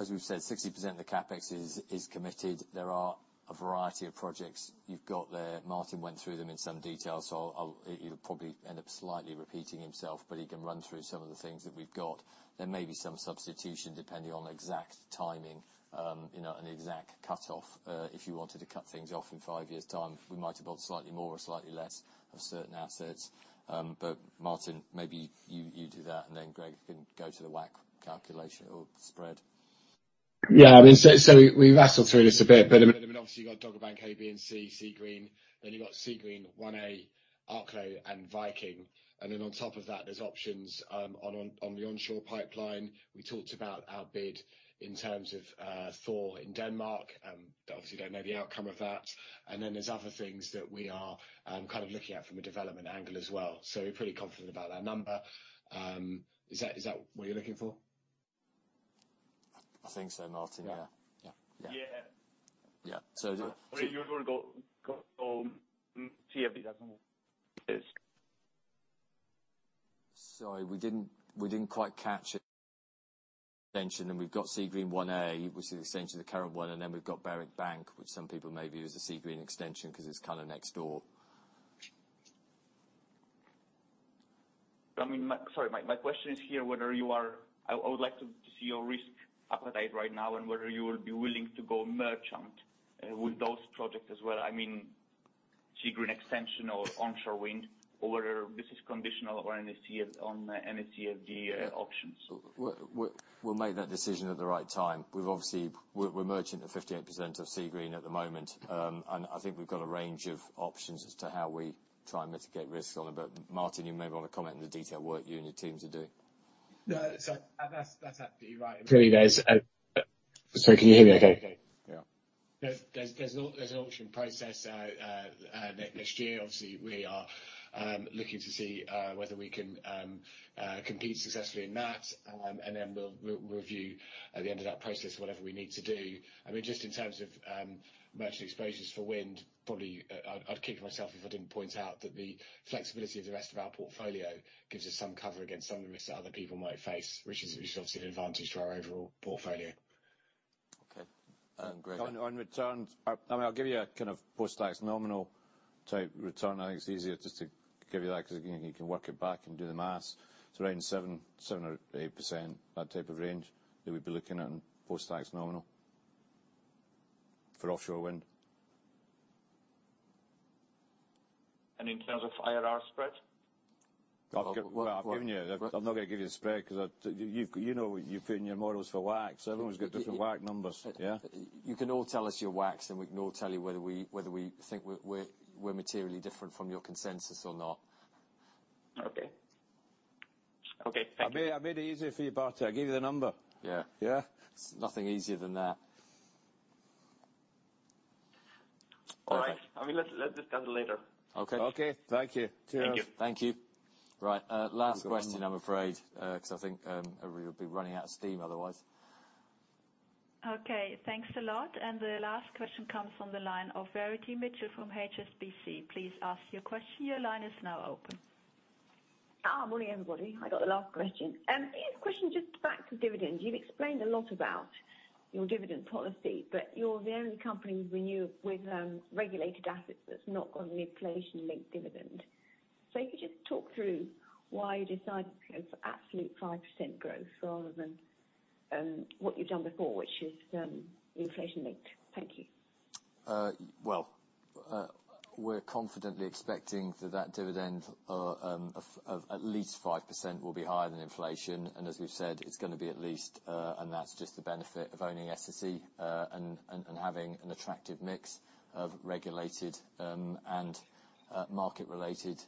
as we've said, 60% of the CapEx is committed. There are a variety of projects you've got there. Martin went through them in some detail. He'll probably end up slightly repeating himself, but he can run through some of the things that we've got. There may be some substitution depending on exact timing, and exact cutoff. If you wanted to cut things off in five years' time, we might have bought slightly more or slightly less of certain assets. Martin, maybe you do that, and then Gregor can go to the WACC calculation or spread. Yeah. I mean, we've rattled through this a bit, but I mean, obviously you've got Dogger Bank A, B, and C, Seagreen. Then you've got Seagreen 1A, Arklow and Viking. On top of that, there's options on the onshore pipeline. We talked about our bid in terms of Thor in Denmark. Obviously we don't know the outcome of that. Then there's other things that we are kind of looking at from a development angle as well. We're pretty confident about that number. Is that what you're looking for? I think so, Martin. Yeah. Yeah, yeah. Yeah. Yeah. You wanna go CfD as well. Yes. Sorry, we didn't quite catch it. Extension, and we've got Seagreen 1A, which is an extension to the current one, and then we've got Berwick Bank, which some people may view as a Seagreen extension 'cause it's kinda next door. I mean, sorry, my question is here, whether you would like to see your risk appetite right now and whether you will be willing to go merchant with those projects as well. I mean, Seagreen extension or onshore wind or whether this is conditional on NS CfD options. We'll make that decision at the right time. We've obviously. We're merchant at 58% of Seagreen at the moment. I think we've got a range of options as to how we try and mitigate risk on it. Martin, you may wanna comment on the detail work you and your teams are doing. No. That's absolutely right. Clearly, there's a. Sorry, can you hear me okay? Yeah. There's an auction process next year. Obviously, we are looking to see whether we can compete successfully in that. We'll review at the end of that process whatever we need to do. I mean, just in terms of merchant exposures for wind, probably I'd kick myself if I didn't point out that the flexibility of the rest of our portfolio gives us some cover against some of the risks that other people might face, which is obviously an advantage to our overall portfolio. Okay. Gregor. On returns, I mean, I'll give you a kind of post-tax nominal type return. I think it's easier just to give you that because, again, you can work it back and do the math. It's around 7% or 8%, that type of range that we'd be looking at in post-tax nominal for offshore wind. In terms of IRR spread? Well, I've given you. I'm not gonna give you the spread because you know, you've put in your models for WACC, so everyone's got different WACC numbers. Yeah. You can all tell us your WACCs, and we can all tell you whether we think we're materially different from your consensus or not. Okay. Thank you. I made it easier for you, Bartłomiej. I gave you the number. Yeah. Yeah. There's nothing easier than that. All right. I mean, let's discuss it later. Okay. Okay. Thank you. Cheers. Thank you. Right, last question, I'm afraid, 'cause I think, we'll be running out of steam otherwise. Okay. Thanks a lot. The last question comes from the line of Verity Mitchell from HSBC. Please ask your question. Your line is now open. Morning, everybody. I got the last question. Yeah, this question is just back to dividends. You've explained a lot about your dividend policy, but you're the only company with regulated assets that's not got an inflation-linked dividend. If you could just talk through why you decided to go for absolute 5% growth rather than what you've done before, which is inflation-linked. Thank you. We're confidently expecting that dividend of at least 5% will be higher than inflation. As we've said, it's gonna be at least and that's just the benefit of owning SSE and having an attractive mix of regulated and market-related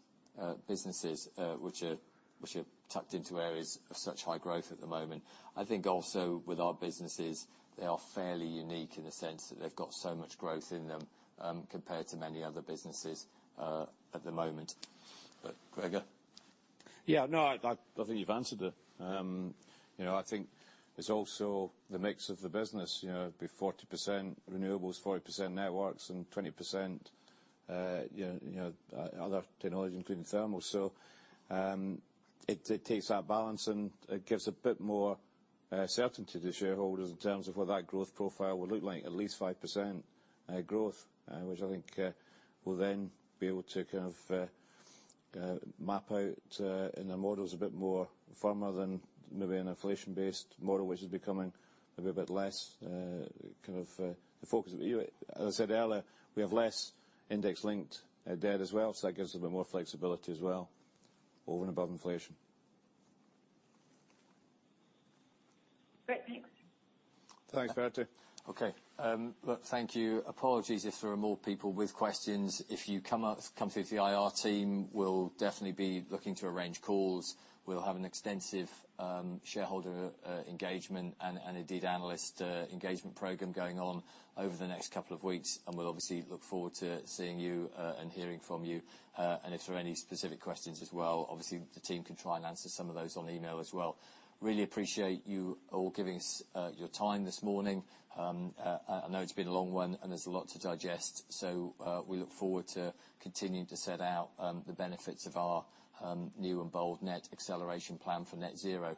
businesses which are tucked into areas of such high growth at the moment. I think also with our businesses, they are fairly unique in the sense that they've got so much growth in them compared to many other businesses at the moment. Gregor? Yeah, no, I think you've answered it. You know, I think it's also the mix of the business, you know. It'd be 40% renewables, 40% networks, and 20% other technology, including thermal. It takes that balance, and it gives a bit more certainty to shareholders in terms of what that growth profile will look like, at least 5% growth, which I think will then be able to kind of map out in the models a bit more firmer than maybe an inflation-based model, which is becoming maybe a bit less kind of the focus. But you know what, as I said earlier, we have less index-linked debt as well, so that gives a bit more flexibility as well, over and above inflation. Great. Thanks. Thanks, Verity. Okay. Look, thank you. Apologies if there are more people with questions. If you come through to the IR team, we'll definitely be looking to arrange calls. We'll have an extensive shareholder engagement and indeed analyst engagement program going on over the next couple of weeks, and we'll obviously look forward to seeing you and hearing from you. If there are any specific questions as well, obviously the team can try and answer some of those on email as well. Really appreciate you all giving us your time this morning. I know it's been a long one, and there's a lot to digest. We look forward to continuing to set out the benefits of our new and bold net acceleration plan for net zero.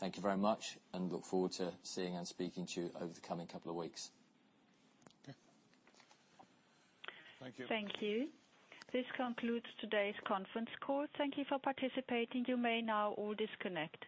Thank you very much, and look forward to seeing and speaking to you over the coming couple of weeks. Okay. Thank you. Thank you. This concludes today's conference call. Thank you for participating. You may now all disconnect.